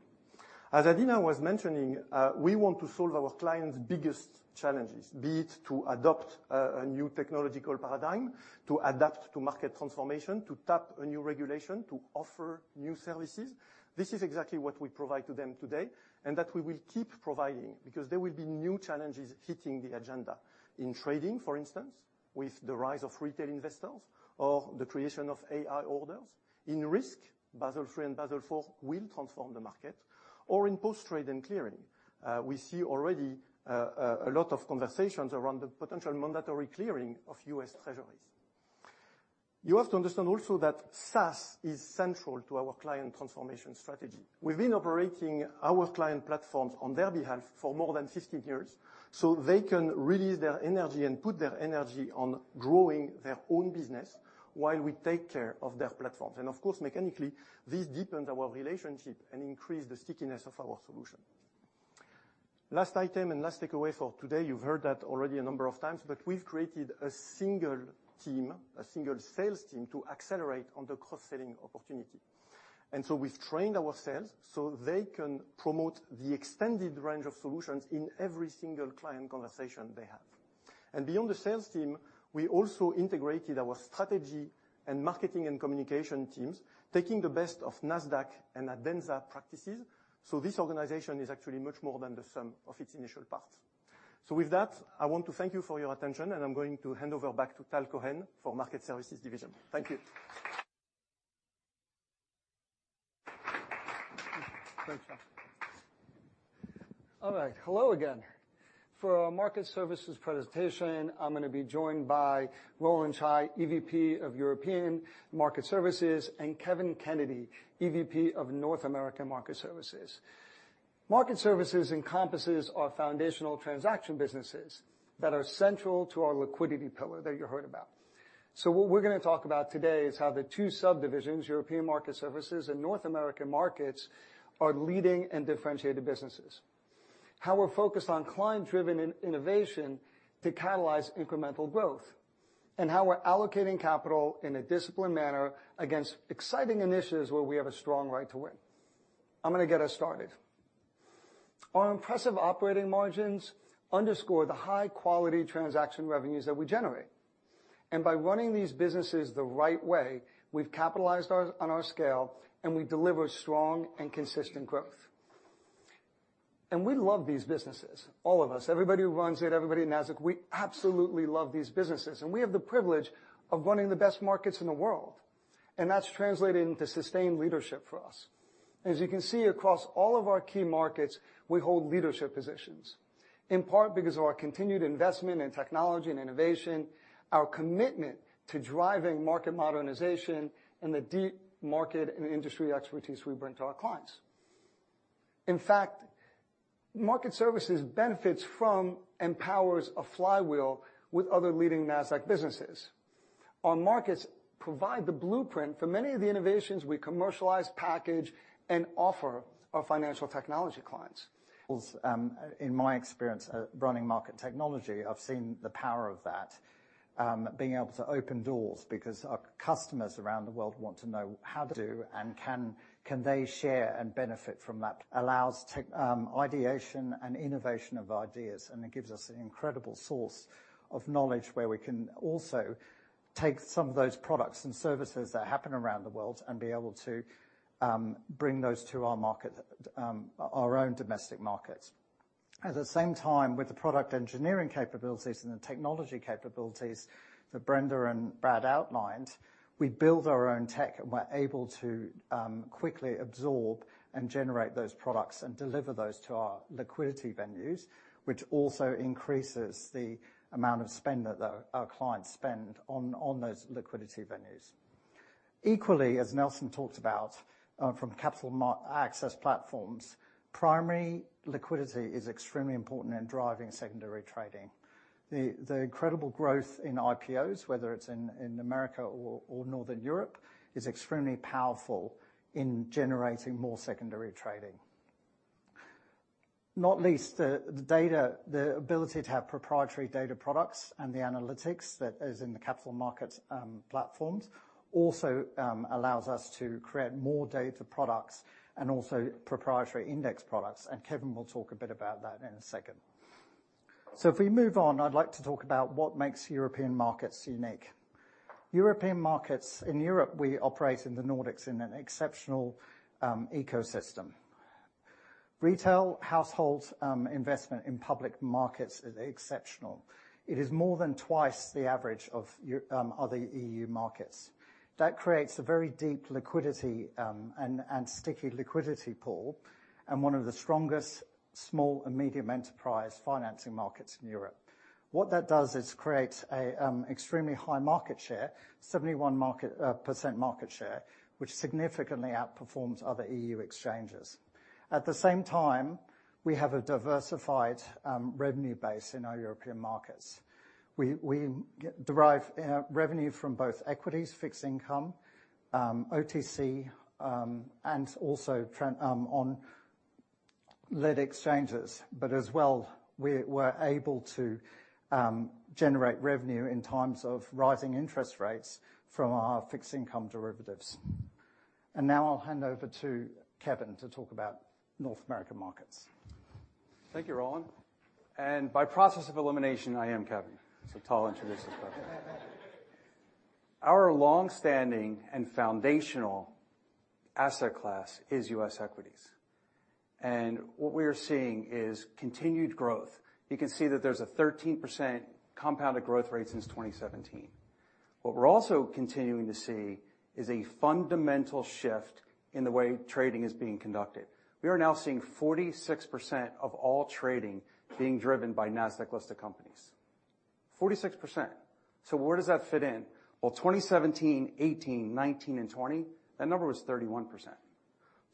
As Adena was mentioning, we want to solve our clients' biggest challenges, be it to adopt a new technological paradigm, to adapt to market transformation, to tap a new regulation, to offer new services. This is exactly what we provide to them today, and that we will keep providing, because there will be new challenges hitting the agenda. In trading, for instance, with the rise of retail investors or the creation of AI orders. In risk, Basel III and Basel IV will transform the market, or in post-trade and clearing. We see already a lot of conversations around the potential mandatory clearing of U.S. Treasuries. You have to understand also that SaaS is central to our client transformation strategy. We've been operating our client platforms on their behalf for more than 15 years, so they can release their energy and put their energy on growing their own business while we take care of their platforms. And of course, mechanically, this deepens our relationship and increases the stickiness of our solution. Last item and last takeaway for today, you've heard that already a number of times, but we've created a single team, a single sales team, to accelerate on the cross-selling opportunity. And so we've trained our sales so they can promote the extended range of solutions in every single client conversation they have. And beyond the sales team, we also integrated our strategy and marketing and communication teams, taking the best of Nasdaq and Adenza practices, so this organization is actually much more than the sum of its initial parts. With that, I want to thank you for your attention, and I'm going to hand over back to Tal Cohen for Market Services division. Thank you. Thanks, y'all. All right. Hello again. For our Market Services presentation, I'm gonna be joined by Roland Chai, EVP of European Market Services, and Kevin Kennedy, EVP of North American Market Services. Market Services encompasses our foundational transaction businesses that are central to our liquidity pillar that you heard about. So what we're gonna talk about today is how the two subdivisions, European Market Services and North American Markets, are leading and differentiated businesses. How we're focused on client-driven innovation to catalyze incremental growth, and how we're allocating capital in a disciplined manner against exciting initiatives where we have a strong right to win. I'm gonna get us started. Our impressive operating margins underscore the high-quality transaction revenues that we generate. And by running these businesses the right way, we've capitalized on our scale, and we deliver strong and consistent growth. We love these businesses, all of us, everybody who runs it, everybody at Nasdaq, we absolutely love these businesses, and we have the privilege of running the best markets in the world, and that's translating to sustained leadership for us. As you can see, across all of our key markets, we hold leadership positions, in part because of our continued investment in technology and innovation, our commitment to driving market modernization, and the deep market and industry expertise we bring to our clients. In fact, market services benefits from and powers a flywheel with other leading Nasdaq businesses. Our markets provide the blueprint for many of the innovations we commercialize, package, and offer our financial technology clients. Well, in my experience, running market technology, I've seen the power of that, being able to open doors because our customers around the world want to know how to do and can, can they share and benefit from that? Allows tech, ideation and innovation of ideas, and it gives us an incredible source of knowledge, where we can also take some of those products and services that happen around the world and be able to, bring those to our market, our own domestic markets. At the same time, with the product engineering capabilities and the technology capabilities that Brenda and Brad outlined, we build our own tech, and we're able to, quickly absorb and generate those products and deliver those to our liquidity venues, which also increases the amount of spend that our clients spend on those liquidity venues. Equally, as Nelson talked about, from capital access platforms, primary liquidity is extremely important in driving secondary trading. The incredible growth in IPOs, whether it's in America or Northern Europe, is extremely powerful in generating more secondary trading. Not least, the data, the ability to have proprietary data products and the analytics that is in the capital markets platforms, also allows us to create more data products and also proprietary index products, and Kevin will talk a bit about that in a second. So if we move on, I'd like to talk about what makes European markets unique. European markets, in Europe, we operate in the Nordics in an exceptional ecosystem. Retail households investment in public markets is exceptional. It is more than twice the average of other EU markets. That creates a very deep liquidity, and sticky liquidity pool, and one of the strongest small and medium enterprise financing markets in Europe. What that does is create a extremely high market share, 71% market share, which significantly outperforms other EU exchanges. At the same time, we have a diversified revenue base in our European markets. We derive revenue from both equities, fixed income, OTC, and also on net Nordic exchanges. But as well, we're able to generate revenue in times of rising interest rates from our fixed income derivatives. And now I'll hand over to Kevin to talk about North American markets. Thank you, Roland. By process of elimination, I am Kevin. Tal introduced us well. Our long-standing and foundational asset class is U.S. equities, and what we are seeing is continued growth. You can see that there's a 13% compounded growth rate since 2017. What we're also continuing to see is a fundamental shift in the way trading is being conducted. We are now seeing 46% of all trading being driven by Nasdaq-listed companies. 46%. Where does that fit in? Well, 2017, 2018, 2019, and 2020, that number was 31%.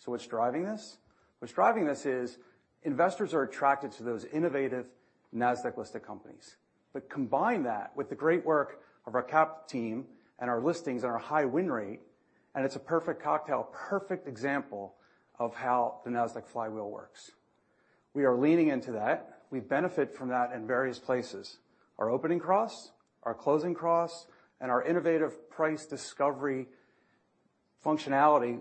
What's driving this? What's driving this is investors are attracted to those innovative Nasdaq-listed companies. Combine that with the great work of our CAP team and our listings and our high win rate, and it's a perfect cocktail, perfect example of how the Nasdaq flywheel works. We are leaning into that. We benefit from that in various places. Our opening cross, our closing cross, and our innovative price discovery functionality.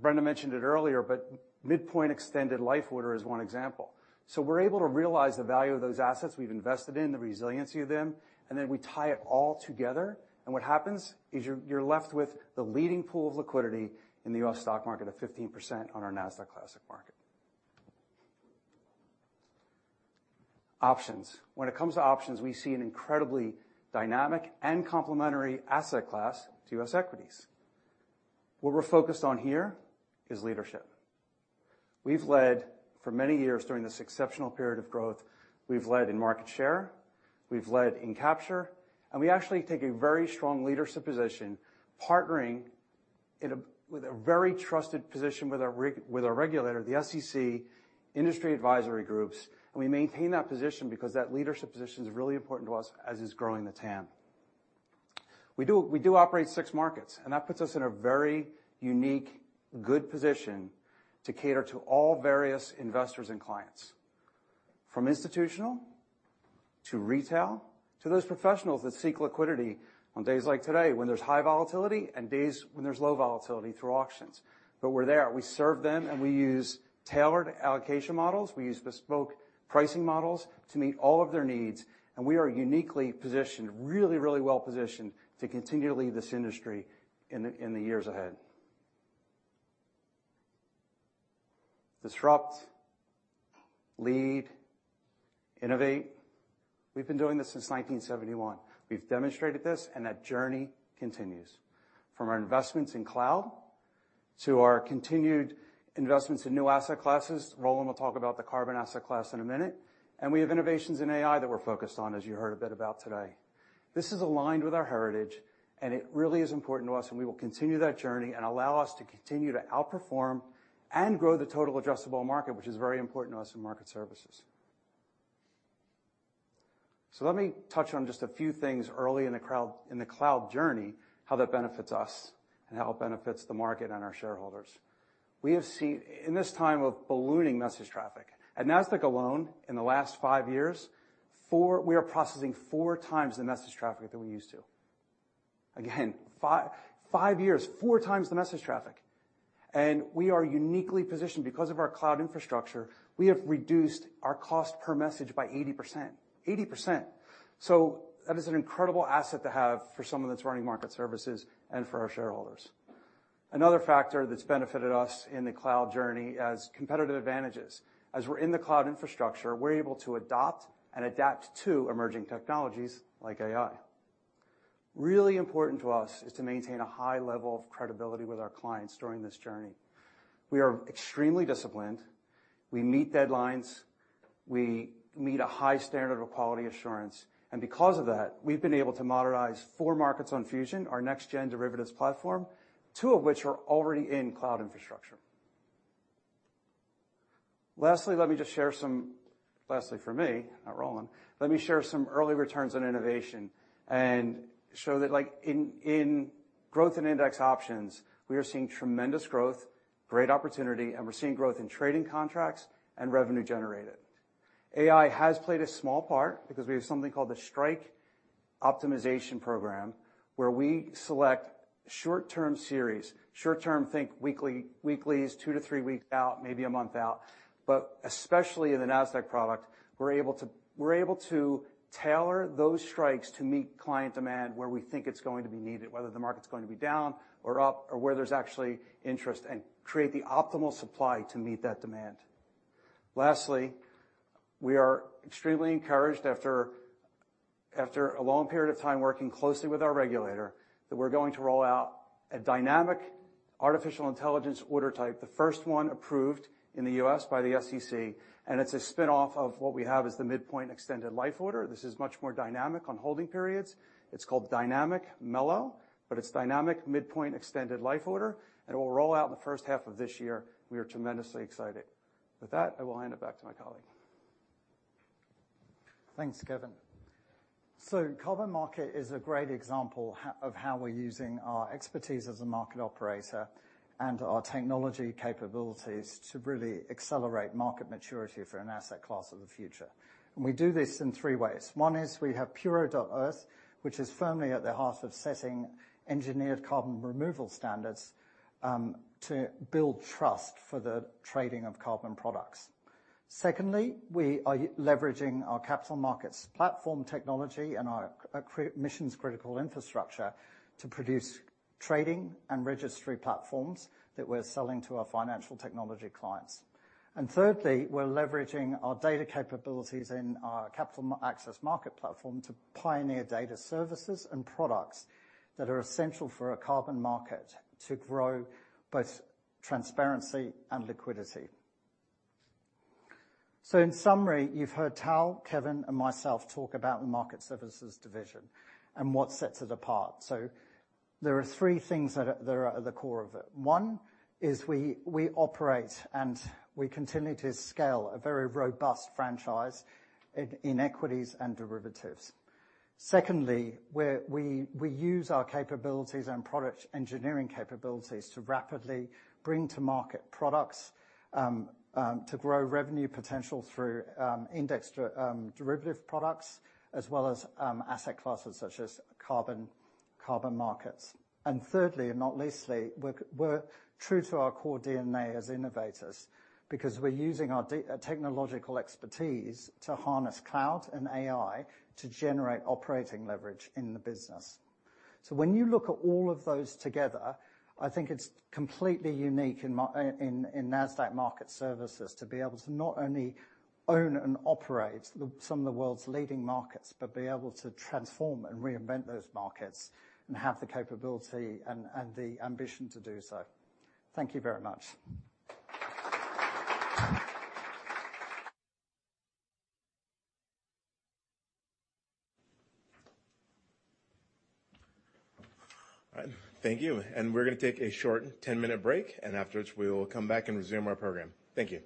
Brenda mentioned it earlier, but Midpoint Extended Life Order is one example. So we're able to realize the value of those assets we've invested in, the resiliency of them, and then we tie it all together, and what happens is you're left with the leading pool of liquidity in the U.S. stock market of 15% on our Nasdaq Cash market. Options. When it comes to options, we see an incredibly dynamic and complementary asset class to U.S. equities. What we're focused on here is leadership. We've led for many years during this exceptional period of growth. We've led in market share, we've led in capture, and we actually take a very strong leadership position, partnering in a... with a very trusted position with our regulator, the SEC, industry advisory groups, and we maintain that position because that leadership position is really important to us, as is growing the TAM. We do, we do operate six markets, and that puts us in a very unique, good position to cater to all various investors and clients, from institutional to retail, to those professionals that seek liquidity on days like today, when there's high volatility and days when there's low volatility through auctions. But we're there. We serve them, and we use tailored allocation models. We use bespoke pricing models to meet all of their needs, and we are uniquely positioned, really, really well positioned, to continue to lead this industry in the, in the years ahead. Disrupt, lead, innovate. We've been doing this since 1971. We've demonstrated this, and that journey continues. From our investments in cloud, to our continued investments in new asset classes. Roland will talk about the carbon asset class in a minute, and we have innovations in AI that we're focused on, as you heard a bit about today. This is aligned with our heritage, and it really is important to us, and we will continue that journey and allow us to continue to outperform and grow the total addressable market, which is very important to us in Market Services. So let me touch on just a few things early in the cloud journey, how that benefits us, and how it benefits the market and our shareholders. We have seen, in this time of ballooning message traffic, at Nasdaq alone, in the last five years, we are processing four times the message traffic than we used to. Again, 5.5 years, 4 times the message traffic. And we are uniquely positioned. Because of our cloud infrastructure, we have reduced our cost per message by 80%. 80%! So that is an incredible asset to have for someone that's running Market Services and for our shareholders. Another factor that's benefited us in the cloud journey as competitive advantages. As we're in the cloud infrastructure, we're able to adopt and adapt to emerging technologies like AI. Really important to us is to maintain a high level of credibility with our clients during this journey. We are extremely disciplined, we meet deadlines, we meet a high standard of quality assurance, and because of that, we've been able to modernize 4 markets on Fusion, our next-gen derivatives platform, 2 of which are already in cloud infrastructure. Lastly, for me, not Roland. Let me share some early returns on innovation and show that like in growth and index options, we are seeing tremendous growth, great opportunity, and we're seeing growth in trading contracts and revenue generated. AI has played a small part because we have something called the Strike Optimization Program, where we select short-term series. Short-term, think weekly, weeklies, two to three weeks out, maybe a month out. But especially in the Nasdaq product, we're able to tailor those strikes to meet client demand where we think it's going to be needed, whether the market's going to be down or up, or where there's actually interest, and create the optimal supply to meet that demand. Lastly, we are extremely encouraged after a...... After a long period of time working closely with our regulator, that we're going to roll out a dynamic artificial intelligence order type, the first one approved in the U.S. by the SEC, and it's a spin-off of what we have as the Midpoint Extended Life Order. This is much more dynamic on holding periods. It's called Dynamic M-ELO, but it's Dynamic Midpoint Extended Life Order, and it will roll out in the first half of this year. We are tremendously excited. With that, I will hand it back to my colleague. Thanks, Kevin. So carbon market is a great example of how we're using our expertise as a market operator and our technology capabilities to really accelerate market maturity for an asset class of the future. And we do this in three ways. One is we have Puro.earth, which is firmly at the heart of setting engineered carbon removal standards, to build trust for the trading of carbon products. Secondly, we are leveraging our capital markets platform technology and our mission-critical infrastructure to produce trading and registry platforms that we're selling to our financial technology clients. And thirdly, we're leveraging our data capabilities in our capital access market platform to pioneer data services and products that are essential for a carbon market to grow both transparency and liquidity. So in summary, you've heard Tal, Kevin, and myself talk about the Market Services division and what sets it apart. So there are three things that are at the core of it. One is we operate and we continue to scale a very robust franchise in equities and derivatives. Secondly, we use our capabilities and product engineering capabilities to rapidly bring to market products to grow revenue potential through index derivatives, as well as asset classes such as carbon markets. And thirdly, and not leastly, we're true to our core DNA as innovators because we're using our technological expertise to harness cloud and AI to generate operating leverage in the business. So when you look at all of those together, I think it's completely unique in my... In Nasdaq Market Services, to be able to not only own and operate some of the world's leading markets, but be able to transform and reinvent those markets and have the capability and the ambition to do so. Thank you very much. All right. Thank you. We're gonna take a short 10-minute break, and afterwards, we will come back and resume our program. Thank you. ...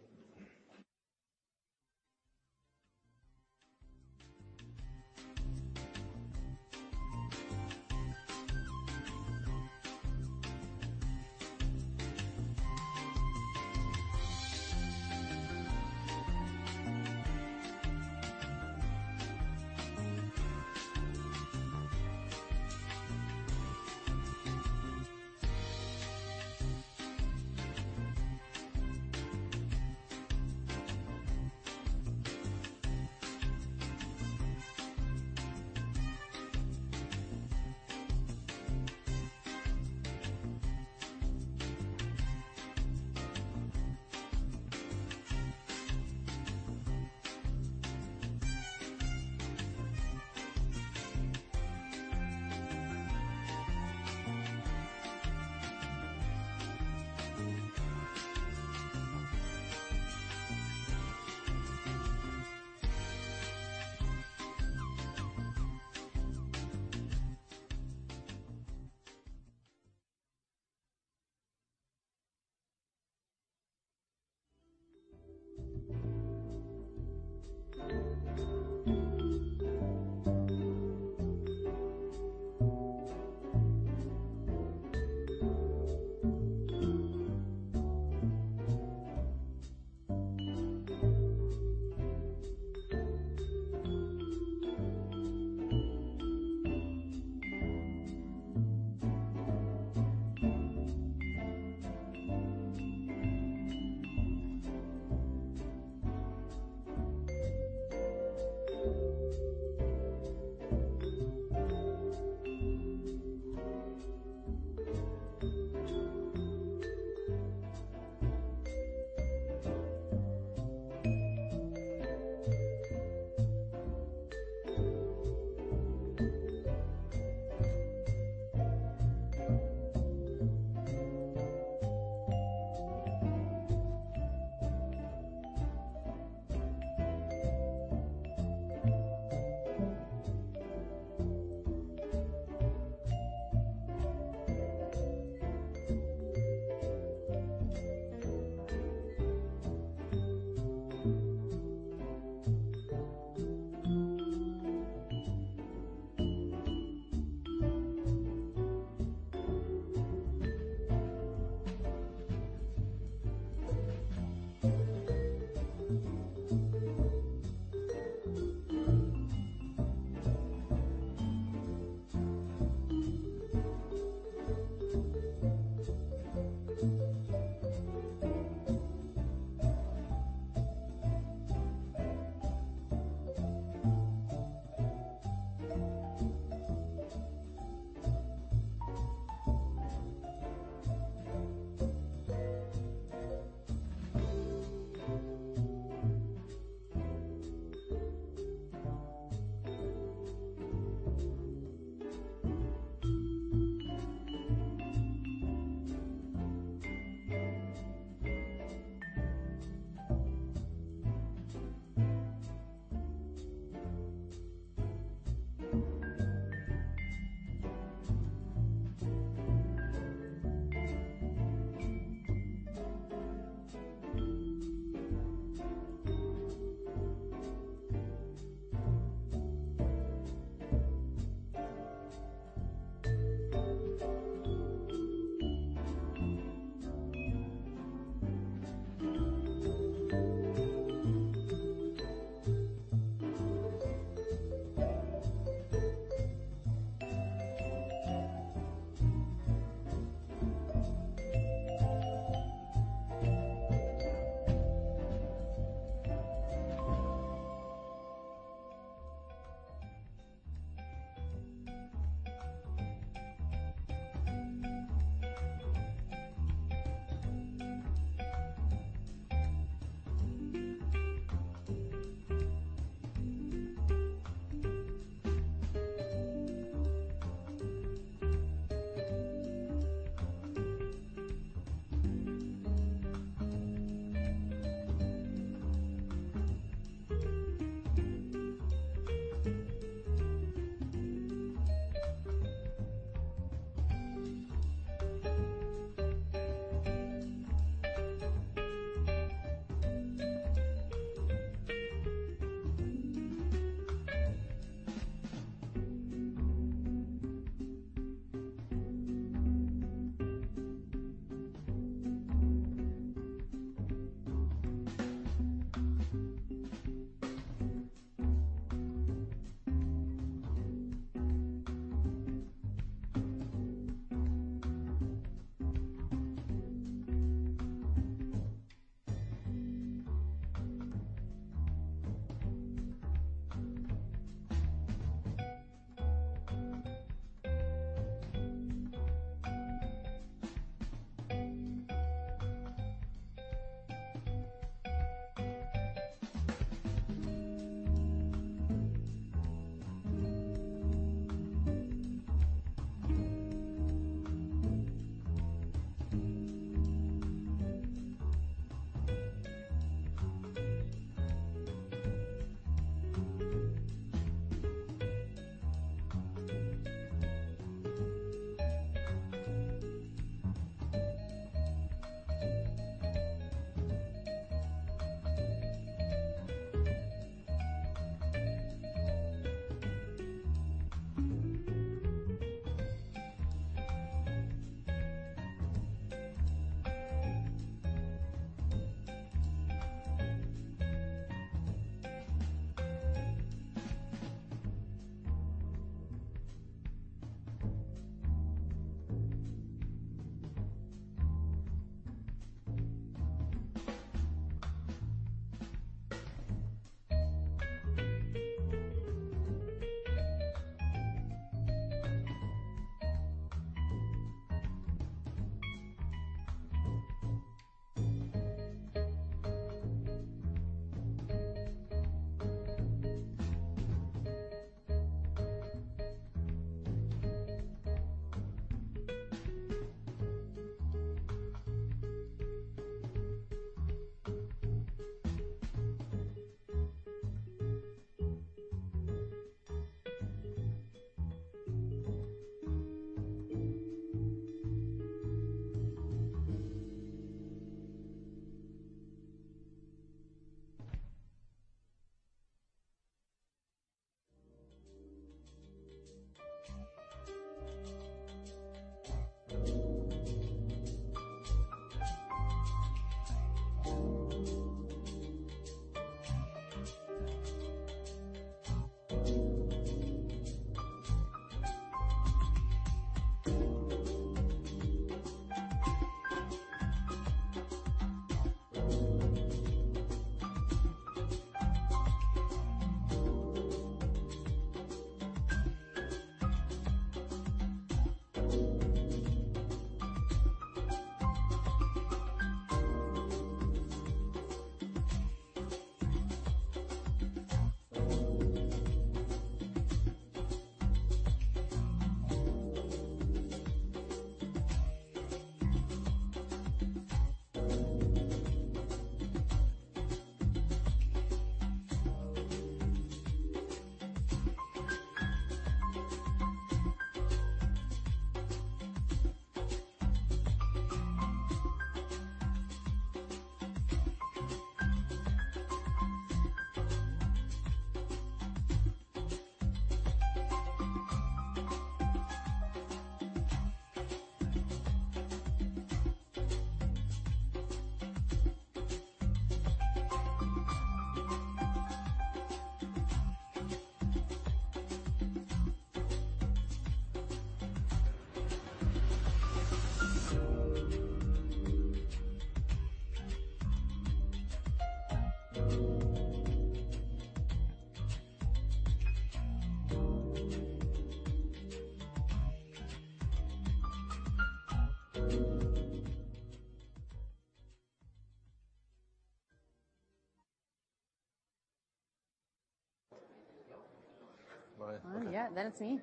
Oh, yeah, then it's me.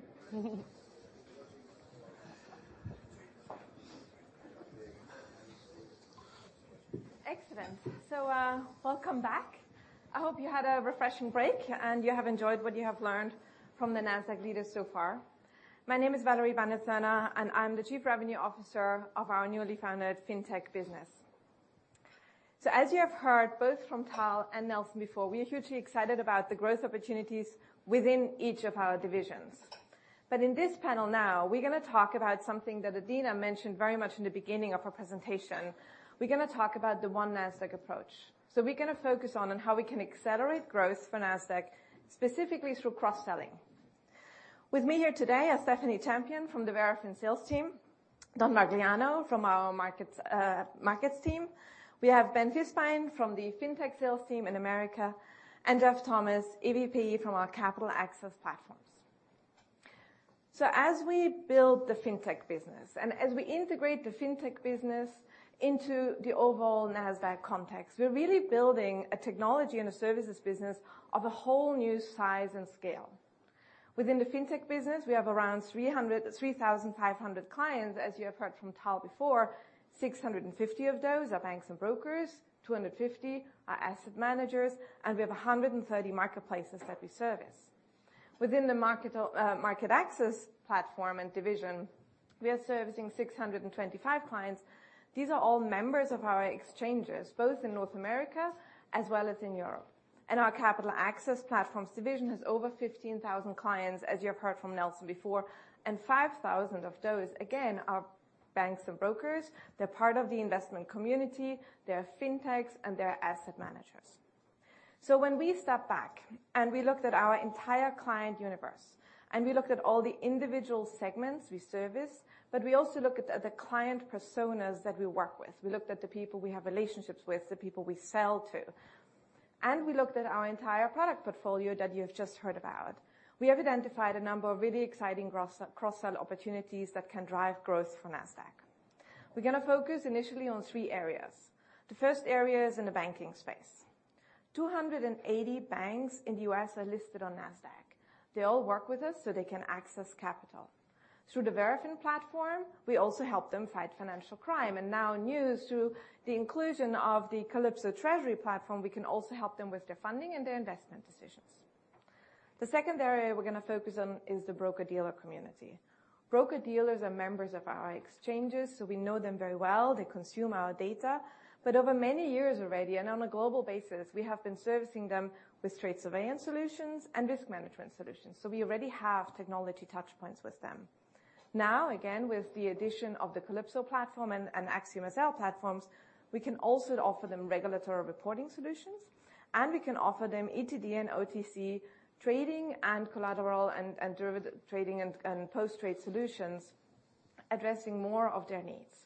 Excellent. So, welcome back. I hope you had a refreshing break, and you have enjoyed what you have learned from the Nasdaq leaders so far. My name is Valerie Bannert-Thurner, and I'm the Chief Revenue Officer of our newly founded Fintech business. So as you have heard, both from Tal and Nelson before, we are hugely excited about the growth opportunities within each of our divisions. But in this panel now, we're gonna talk about something that Adena mentioned very much in the beginning of her presentation. We're gonna talk about the One Nasdaq approach. So we're gonna focus on how we can accelerate growth for Nasdaq, specifically through cross-selling. With me here today are Stephanie Champion from the Verafin Sales team, Dan Marigliano from our Markets team. We have Ben Fiszbein from the Fintech sales team in America, and Jeff Thomas, EVP from our Capital Access Platforms. So as we build the Fintech business and as we integrate the Fintech business into the overall Nasdaq context, we're really building a technology and a services business of a whole new size and scale. Within the Fintech business, we have around 3,500 clients, as you have heard from Tal before. 650 of those are banks and brokers, 250 are asset managers, and we have 130 marketplaces that we service. Within the Market Access platform and division, we are servicing 625 clients. These are all members of our exchanges, both in North America as well as in Europe. Our Capital Access Platforms division has over 15,000 clients, as you have heard from Nelson before, and 5,000 of those, again, are banks and brokers. They're part of the investment community, they're Fintechs, and they're asset managers. So when we step back and we looked at our entire client universe, and we looked at all the individual segments we service, but we also looked at the client personas that we work with. We looked at the people we have relationships with, the people we sell to, and we looked at our entire product portfolio that you have just heard about. We have identified a number of really exciting cross, cross-sell opportunities that can drive growth for Nasdaq. We're gonna focus initially on 3 areas. The first area is in the banking space. 280 banks in the U.S. are listed on Nasdaq. They all work with us, so they can access capital. Through the Verafin platform, we also help them fight financial crime, and now through the inclusion of the Calypso treasury platform, we can also help them with their funding and their investment decisions. The second area we're gonna focus on is the broker-dealer community. Broker-dealers are members of our exchanges, so we know them very well. They consume our data. But over many years already, and on a global basis, we have been servicing them with trade surveillance solutions and risk management solutions. So we already have technology touch points with them. Now, again, with the addition of the Calypso platform and AxiomSL platforms, we can also offer them regulatory reporting solutions, and we can offer them ETD and OTC trading and collateral and derivative trading and post-trade solutions, addressing more of their needs.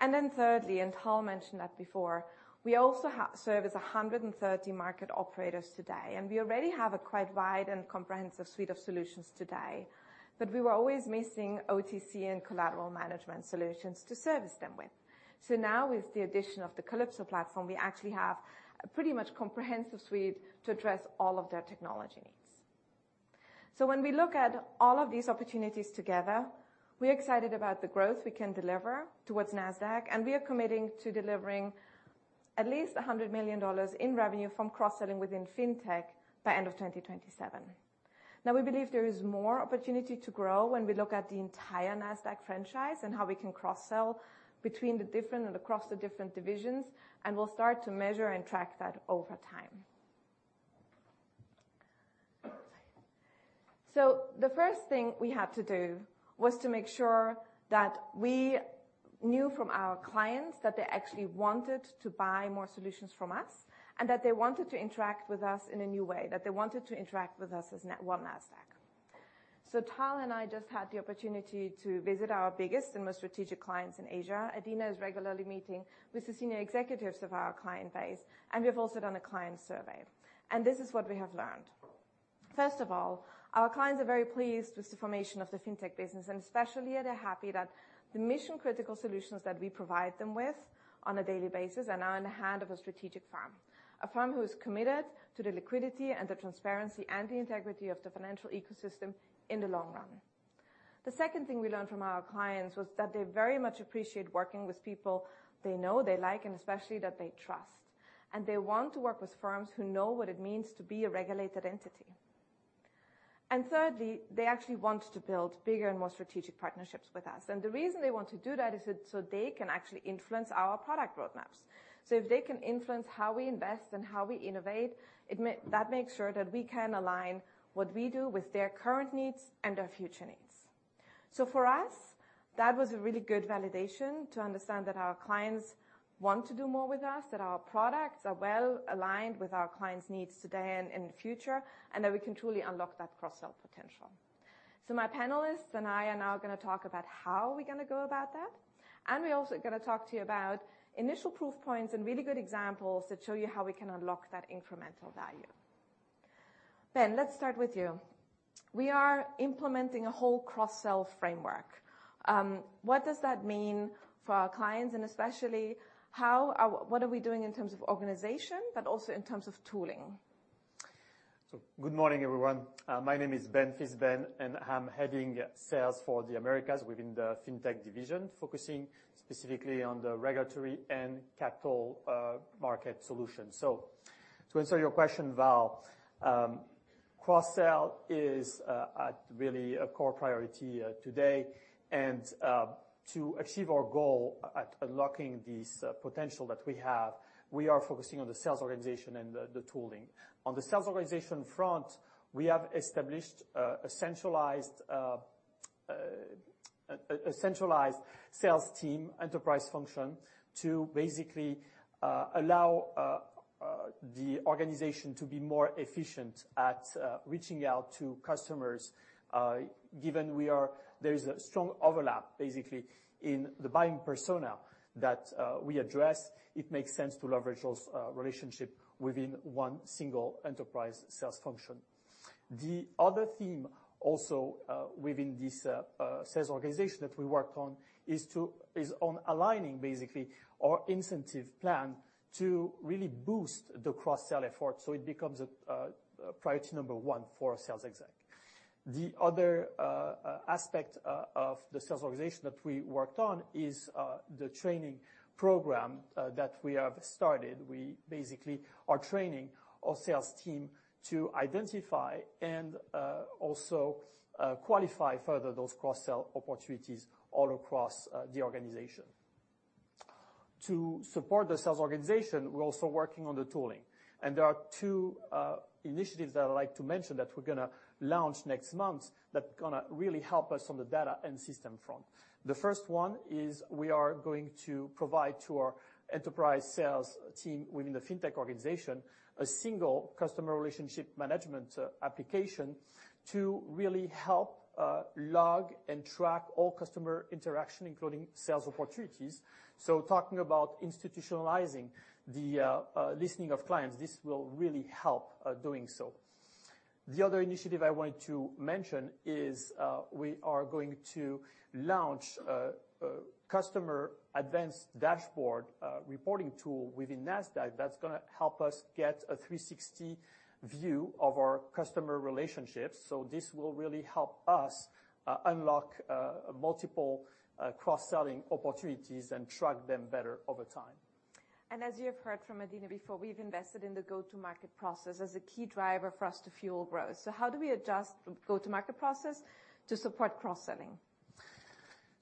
Then thirdly, Tal mentioned that before. We also service 130 market operators today, and we already have a quite wide and comprehensive suite of solutions today. But we were always missing OTC and collateral management solutions to service them with. So now, with the addition of the Calypso platform, we actually have a pretty much comprehensive suite to address all of their technology needs. So when we look at all of these opportunities together, we're excited about the growth we can deliver towards Nasdaq, and we are committing to delivering at least $100 million in revenue from cross-selling within Fintech by end of 2027. Now, we believe there is more opportunity to grow when we look at the entire Nasdaq franchise and how we can cross-sell between the different and across the different divisions, and we'll start to measure and track that over time. So the first thing we had to do was to make sure that we knew from our clients that they actually wanted to buy more solutions from us, and that they wanted to interact with us in a new way, that they wanted to interact with us as Na-- One Nasdaq. So Tal and I just had the opportunity to visit our biggest and most strategic clients in Asia. Adena is regularly meeting with the senior executives of our client base, and we have also done a client survey, and this is what we have learned. First of all, our clients are very pleased with the formation of the Fintech business, and especially they're happy that the mission-critical solutions that we provide them with on a daily basis are now in the hand of a strategic firm, a firm who is committed to the liquidity and the transparency and the integrity of the financial ecosystem in the long run. The second thing we learned from our clients was that they very much appreciate working with people they know, they like, and especially that they trust. And they want to work with firms who know what it means to be a regulated entity. And thirdly, they actually want to build bigger and more strategic partnerships with us. And the reason they want to do that is so, so they can actually influence our product roadmaps. So if they can influence how we invest and how we innovate, that makes sure that we can align what we do with their current needs and their future needs. So for us, that was a really good validation to understand that our clients want to do more with us, that our products are well aligned with our clients' needs today and in the future, and that we can truly unlock that cross-sell potential. So my panelists and I are now gonna talk about how we're gonna go about that, and we're also gonna talk to you about initial proof points and really good examples that show you how we can unlock that incremental value... Ben, let's start with you. We are implementing a whole cross-sell framework. What does that mean for our clients, and especially what are we doing in terms of organization, but also in terms of tooling? So good morning, everyone. My name is Ben Fiszbein, and I'm heading sales for the Americas within the Fintech division, focusing specifically on the regulatory and capital market solution. So to answer your question, Val, cross-sell is really a core priority today. And to achieve our goal at unlocking this potential that we have, we are focusing on the sales organization and the tooling. On the sales organization front, we have established a centralized sales team, enterprise function, to basically allow the organization to be more efficient at reaching out to customers. Given we are, there is a strong overlap, basically, in the buying persona that we address, it makes sense to leverage those relationship within one single enterprise sales function. The other theme also within this sales organization that we worked on is on aligning basically our incentive plan to really boost the cross-sell effort, so it becomes a priority number one for our sales exec. The other aspect of the sales organization that we worked on is the training program that we have started. We basically are training our sales team to identify and also qualify further those cross-sell opportunities all across the organization. To support the sales organization, we're also working on the tooling, and there are two initiatives that I'd like to mention that we're gonna launch next month, that gonna really help us on the data and system front. The first one is we are going to provide to our enterprise sales team within the Fintech organization, a single customer relationship management application to really help log and track all customer interaction, including sales opportunities. So talking about institutionalizing the listening of clients, this will really help doing so. The other initiative I wanted to mention is, we are going to launch a customer advanced dashboard reporting tool within Nasdaq that's gonna help us get a 360 view of our customer relationships. So this will really help us unlock multiple cross-selling opportunities and track them better over time. As you have heard from Adena before, we've invested in the go-to-market process as a key driver for us to fuel growth. How do we adjust go-to-market process to support cross-selling?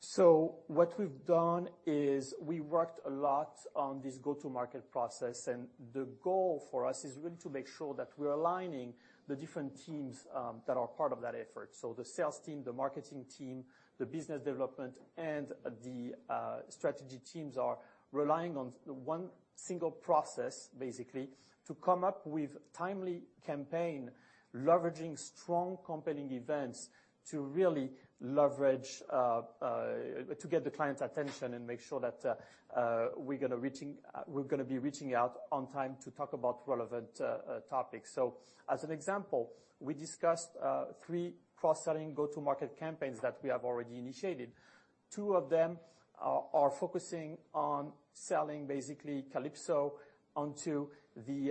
So what we've done is we worked a lot on this go-to-market process, and the goal for us is really to make sure that we're aligning the different teams that are part of that effort. So the sales team, the marketing team, the business development, and the strategy teams are relying on one single process basically, to come up with timely campaign, leveraging strong compelling events to really leverage to get the client's attention and make sure that we're gonna be reaching out on time to talk about relevant topics. So as an example, we discussed three cross-selling go-to-market campaigns that we have already initiated. Two of them are focusing on selling basically Calypso onto the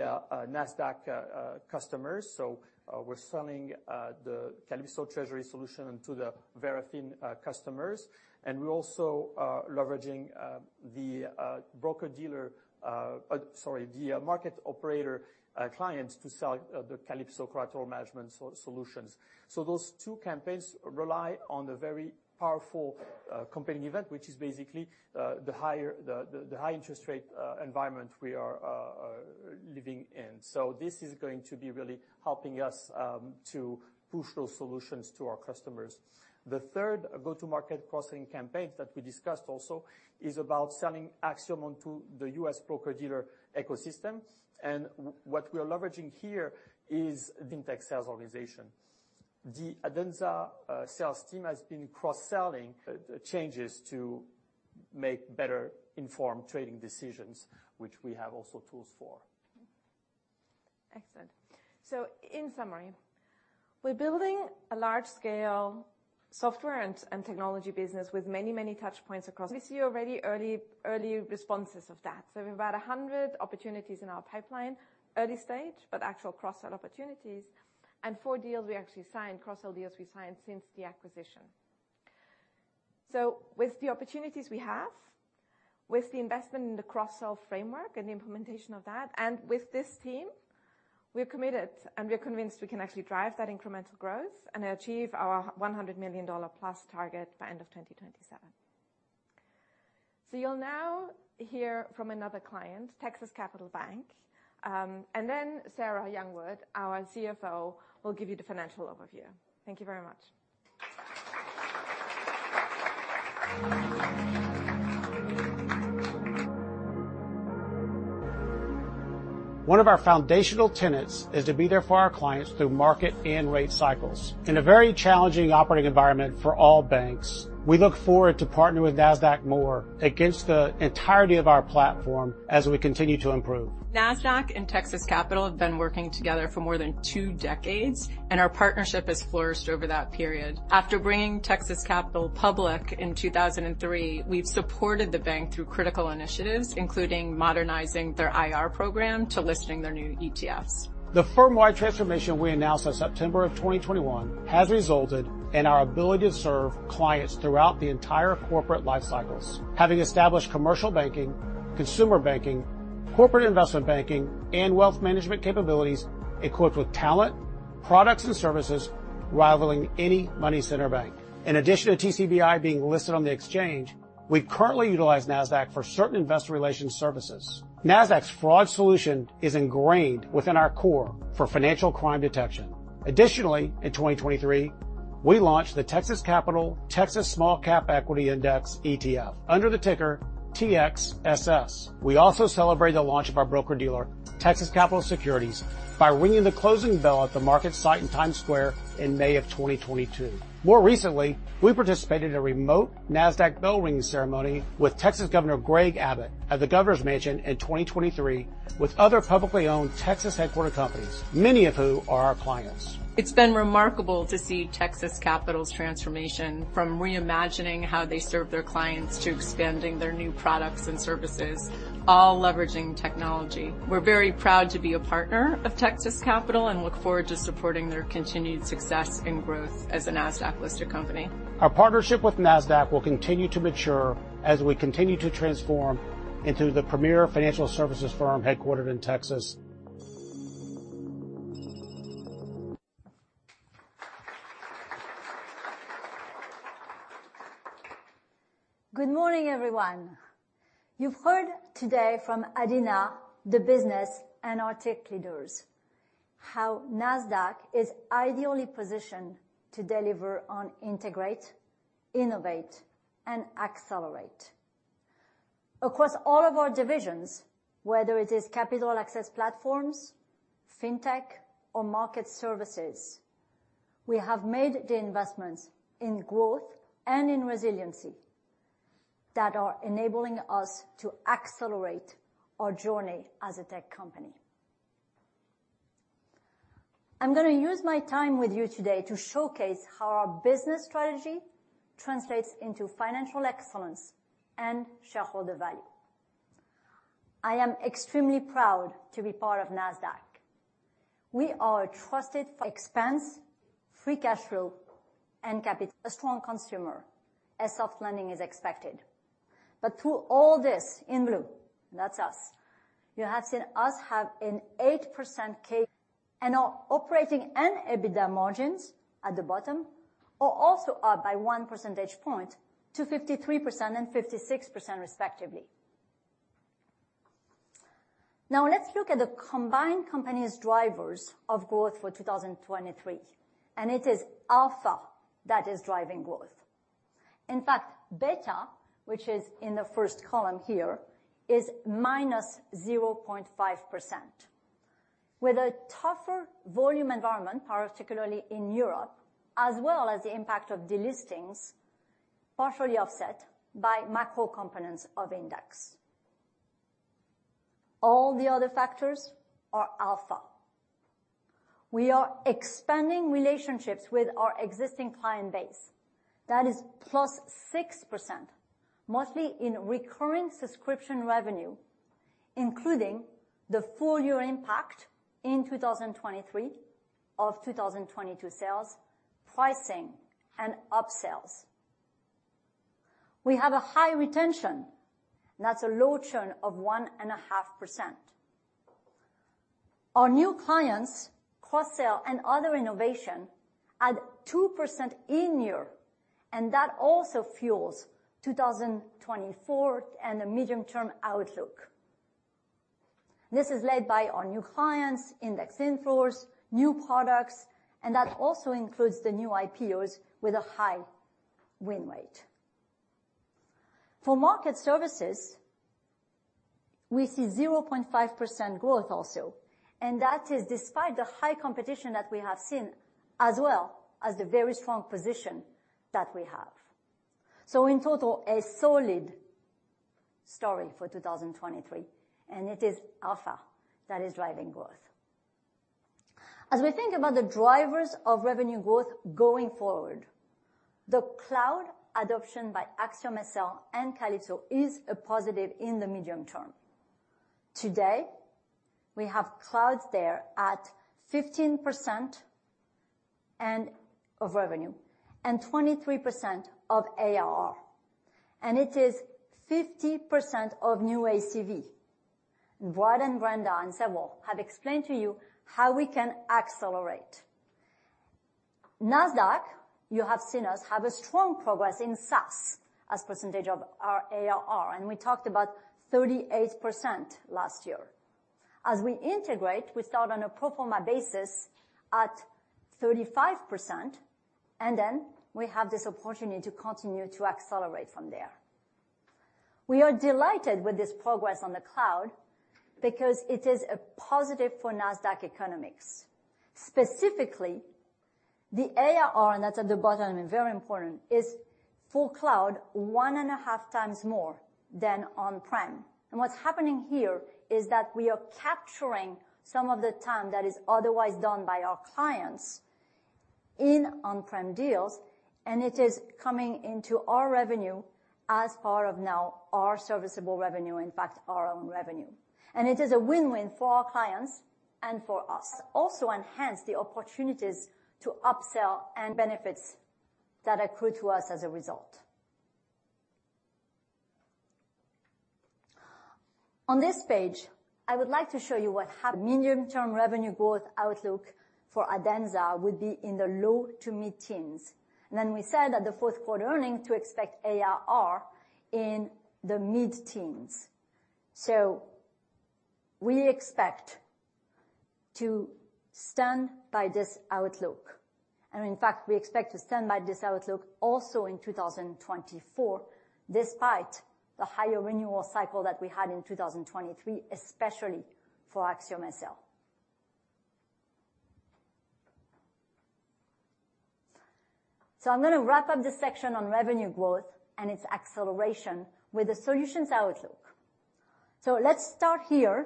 Nasdaq customers. So, we're selling the Calypso treasury solution to the Verafin customers, and we're also leveraging the broker-dealer... sorry, the market operator clients to sell the Calypso credit management solutions. So those two campaigns rely on a very powerful competing event, which is basically the higher the high interest rate environment we are living in. So this is going to be really helping us to push those solutions to our customers. The third go-to-market cross-selling campaigns that we discussed also is about selling Axiom onto the U.S. broker-dealer ecosystem, and what we are leveraging here is the Fintech sales organization. The Adenza sales team has been cross-selling changes to make better informed trading decisions, which we have also tools for. Excellent. So in summary, we're building a large-scale software and, and technology business with many, many touch points across. We see already early, early responses of that. So we have about 100 opportunities in our pipeline, early stage, but actual cross-sell opportunities, and four deals we actually signed, cross-sell deals we signed since the acquisition. So with the opportunities we have, with the investment in the cross-sell framework and the implementation of that, and with this team, we're committed, and we are convinced we can actually drive that incremental growth and achieve our $100 million plus target by end of 2027. So you'll now hear from another client, Texas Capital Bank, and then Sarah Youngwood, our CFO, will give you the financial overview. Thank you very much. ...One of our foundational tenets is to be there for our clients through market and rate cycles. In a very challenging operating environment for all banks, we look forward to partnering with Nasdaq more against the entirety of our platform as we continue to improve. Nasdaq and Texas Capital have been working together for more than two decades, and our partnership has flourished over that period. After bringing Texas Capital public in 2003, we've supported the bank through critical initiatives, including modernizing their IR program to listing their new ETFs. The firm-wide transformation we announced on September of 2021 has resulted in our ability to serve clients throughout the entire corporate life cycles, having established commercial banking, consumer banking, corporate investment banking, and wealth management capabilities, equipped with talent, products, and services rivaling any money center bank. In addition to TCBI being listed on the exchange, we currently utilize Nasdaq for certain investor relations services. Nasdaq's fraud solution is ingrained within our core for financial crime detection. Additionally, in 2023, we launched the Texas Capital Texas Small Cap Equity Index ETF under the ticker TXSS. We also celebrate the launch of our broker-dealer, Texas Capital Securities, by ringing the closing bell at the MarketSite in Times Square in May of 2022. More recently, we participated in a remote Nasdaq bell ringing ceremony with Texas Governor Greg Abbott at the Governor's Mansion in 2023, with other publicly owned Texas-headquartered companies, many of who are our clients. It's been remarkable to see Texas Capital's transformation, from reimagining how they serve their clients to expanding their new products and services, all leveraging technology. We're very proud to be a partner of Texas Capital and look forward to supporting their continued success and growth as a Nasdaq-listed company. Our partnership with Nasdaq will continue to mature as we continue to transform into the premier financial services firm, headquartered in Texas. Good morning, everyone. You've heard today from Adena, the business, and our tech leaders, how Nasdaq is ideally positioned to deliver on integrate, innovate, and accelerate. Across all of our divisions, whether it is capital access platforms, fintech or market services, we have made the investments in growth and in resiliency that are enabling us to accelerate our journey as a tech company. I'm gonna use my time with you today to showcase how our business strategy translates into financial excellence and shareholder value. I am extremely proud to be part of Nasdaq. We are a trusted... Expenses, free cash flow, and capital. A strong consumer, as soft landing is expected. But through all this, in blue, that's us, you have seen us have an 8% CAGR and our operating and EBITDA margins at the bottom are also up by 1 percentage point to 53% and 56% respectively. Now, let's look at the combined company's drivers of growth for 2023, and it is alpha that is driving growth. In fact, beta, which is in the first column here, is -0.5%. With a tougher volume environment, particularly in Europe, as well as the impact of delistings, partially offset by macro components of index. All the other factors are alpha. We are expanding relationships with our existing client base. That is +6%, mostly in recurring subscription revenue, including the full year impact in 2023 of 2022 sales, pricing, and upsells. We have a high retention, that's a low churn of 1.5%. Our new clients, cross-sell, and other innovation add 2% in-year, and that also fuels 2024 and the medium-term outlook. This is led by our new clients, index inflows, new products, and that also includes the new IPOs with a high win rate. For market services, we see 0.5% growth also, and that is despite the high competition that we have seen, as well as the very strong position that we have. So in total, a solid story for 2023, and it is alpha that is driving growth. As we think about the drivers of revenue growth going forward, the cloud adoption by AxiomSL and Calypso is a positive in the medium term. Today, we have clouds there at 15% and of revenue, and 23% of ARR, and it is 50% of new ACV. Brad, and Brenda, and several have explained to you how we can accelerate. Nasdaq, you have seen us have a strong progress in SaaS as percentage of our ARR, and we talked about 38% last year. As we integrate, we start on a pro forma basis at 35%, and then we have this opportunity to continue to accelerate from there. We are delighted with this progress on the cloud because it is a positive for Nasdaq economics. Specifically, the ARR that's at the bottom, and very important, is full cloud 1.5 times more than on-prem. What's happening here is that we are capturing some of the time that is otherwise done by our clients in on-prem deals, and it is coming into our revenue as part of now our serviceable revenue, in fact, our own revenue. It is a win-win for our clients and for us. Also enhance the opportunities to upsell and benefits that accrue to us as a result. On this page, I would like to show you what have medium-term revenue growth outlook for Adenza would be in the low-to-mid-teens. Then we said at the fourth quarter earning to expect ARR in the mid-teens. So we expect to stand by this outlook, and in fact, we expect to stand by this outlook also in 2024, despite the higher renewal cycle that we had in 2023, especially for Axiom SL. So I'm gonna wrap up this section on revenue growth and its acceleration with the solutions outlook. So let's start here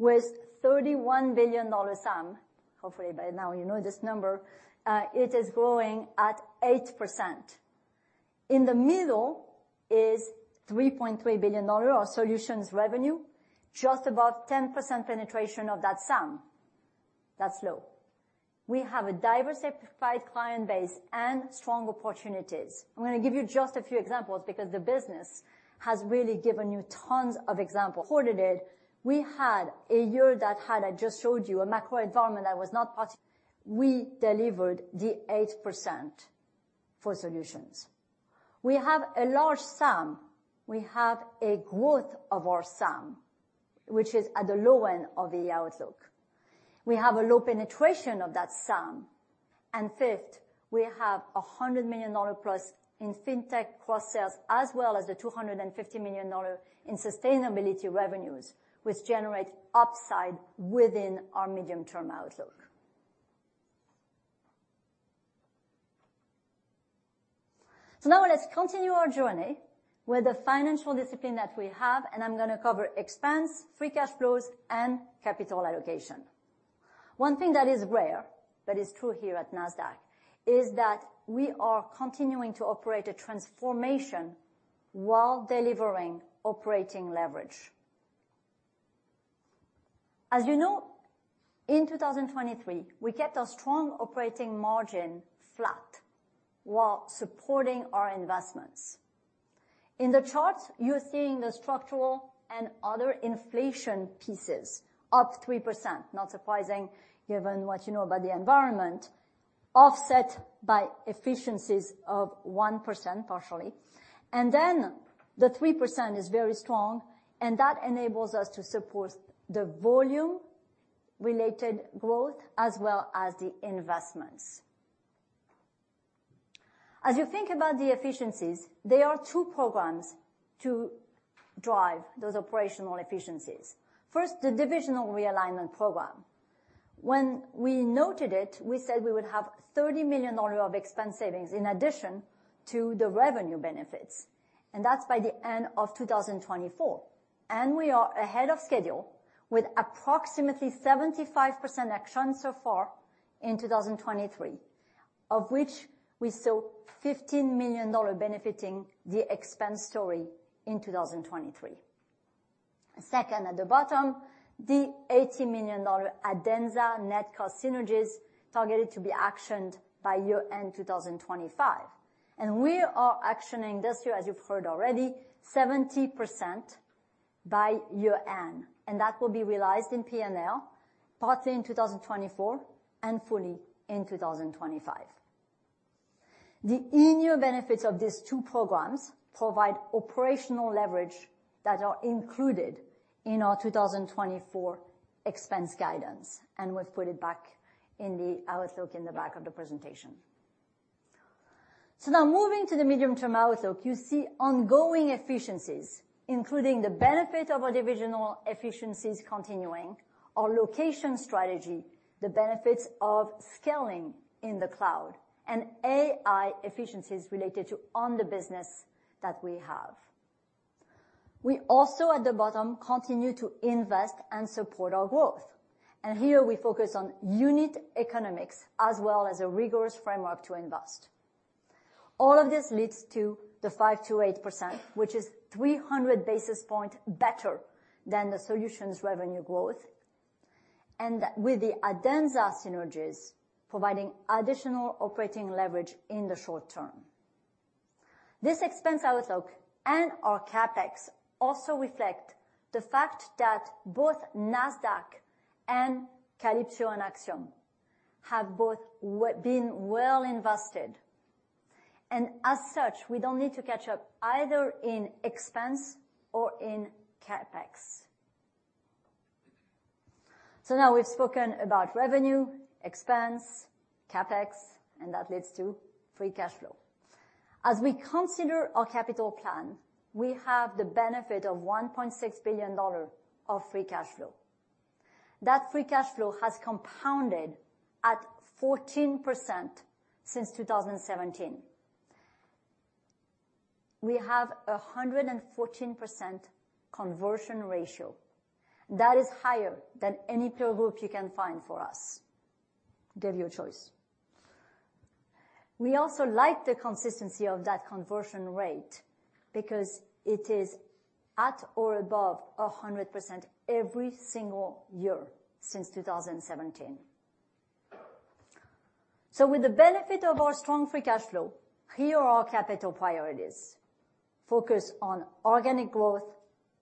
with $31 billion sum. Hopefully, by now you know this number. It is growing at 8%. In the middle is $3.3 billion, our solutions revenue, just about 10% penetration of that sum. That's low. We have a diversified client base and strong opportunities. I'm gonna give you just a few examples because the business has really given you tons of example. Quarter date, we had a year that had, I just showed you, a macro environment that was not part—we delivered the 8% for solutions. We have a large sum. We have a growth of our sum, which is at the low end of the outlook. We have a low penetration of that sum, and fifth, we have a $100 million plus in Fintech cross sales, as well as the $250 million in sustainability revenues, which generate upside within our medium-term outlook. So now let's continue our journey with the financial discipline that we have, and I'm gonna cover expense, free cash flows, and capital allocation. One thing that is rare, but is true here at Nasdaq, is that we are continuing to operate a transformation while delivering operating leverage. As you know, in 2023, we kept our strong operating margin flat while supporting our investments. In the charts, you're seeing the structural and other inflation pieces, up 3%, not surprising, given what you know about the environment, offset by efficiencies of 1%, partially. Then the 3% is very strong, and that enables us to support the volume-related growth as well as the investments. As you think about the efficiencies, there are two programs to drive those operational efficiencies. First, the divisional realignment program. When we noted it, we said we would have $30 million of expense savings in addition to the revenue benefits, and that's by the end of 2024. We are ahead of schedule, with approximately 75% action so far in 2023, of which we saw $15 million benefiting the expense story in 2023. Second, at the bottom, the $80 million Adenza net cost synergies targeted to be actioned by year end 2025. We are actioning this year, as you've heard already, 70% by year end, and that will be realized in P&L, partly in 2024 and fully in 2025. The in-year benefits of these two programs provide operational leverage that are included in our 2024 expense guidance, and we've put it back in the outlook in the back of the presentation. Now moving to the medium-term outlook, you see ongoing efficiencies, including the benefit of our divisional efficiencies continuing, our location strategy, the benefits of scaling in the cloud, and AI efficiencies related to on the business that we have. We also, at the bottom, continue to invest and support our growth, and here we focus on unit economics as well as a rigorous framework to invest. All of this leads to the 5%-8%, which is 300 basis point better than the solutions revenue growth, and with the Adenza synergies, providing additional operating leverage in the short term. This expense outlook and our CapEx also reflect the fact that both Nasdaq and Calypso and Axiom have been well invested. And as such, we don't need to catch up either in expense or in CapEx. So now we've spoken about revenue, expense, CapEx, and that leads to free cash flow. As we consider our capital plan, we have the benefit of $1.6 billion of free cash flow. That free cash flow has compounded at 14% since 2017. We have a 114% conversion ratio. That is higher than any peer group you can find for us, give you a choice. We also like the consistency of that conversion rate because it is at or above 100% every single year since 2017. So with the benefit of our strong free cash flow, here are our capital priorities: Focus on organic growth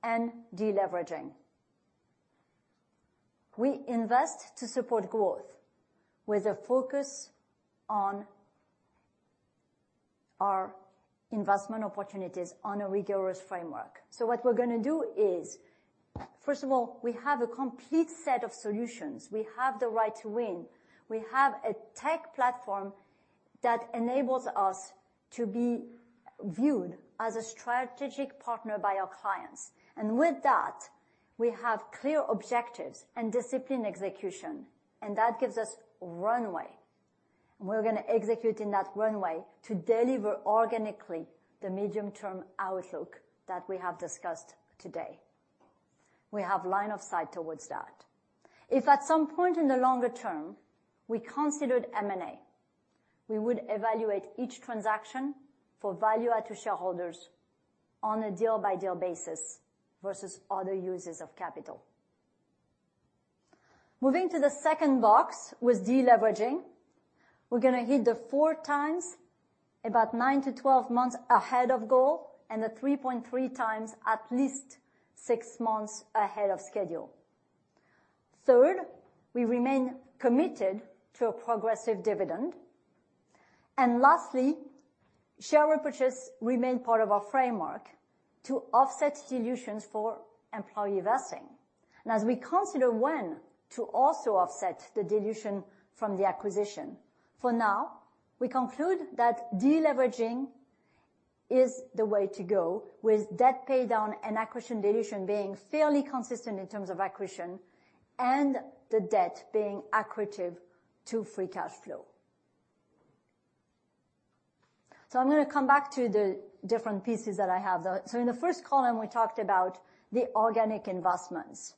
and deleveraging. We invest to support growth with a focus on our investment opportunities on a rigorous framework. So what we're gonna do is, first of all, we have a complete set of solutions. We have the right to win. We have a tech platform that enables us to be viewed as a strategic partner by our clients, and with that, we have clear objectives and disciplined execution, and that gives us runway. We're gonna execute in that runway to deliver organically the medium-term outlook that we have discussed today. We have line of sight towards that. If at some point in the longer term, we considered M&A, we would evaluate each transaction for value add to shareholders on a deal-by-deal basis versus other uses of capital. Moving to the second box, with deleveraging, we're gonna hit the 4x, about 9-12 months ahead of goal, and the 3.3x at least 6 months ahead of schedule. Third, we remain committed to a progressive dividend. And lastly, share repurchases remain part of our framework to offset solutions for employee vesting. And as we consider when to also offset the dilution from the acquisition, for now, we conclude that deleveraging is the way to go, with debt paydown and accretion dilution being fairly consistent in terms of accretion and the debt being accretive to free cash flow. So I'm gonna come back to the different pieces that I have. So in the first column, we talked about the organic investments.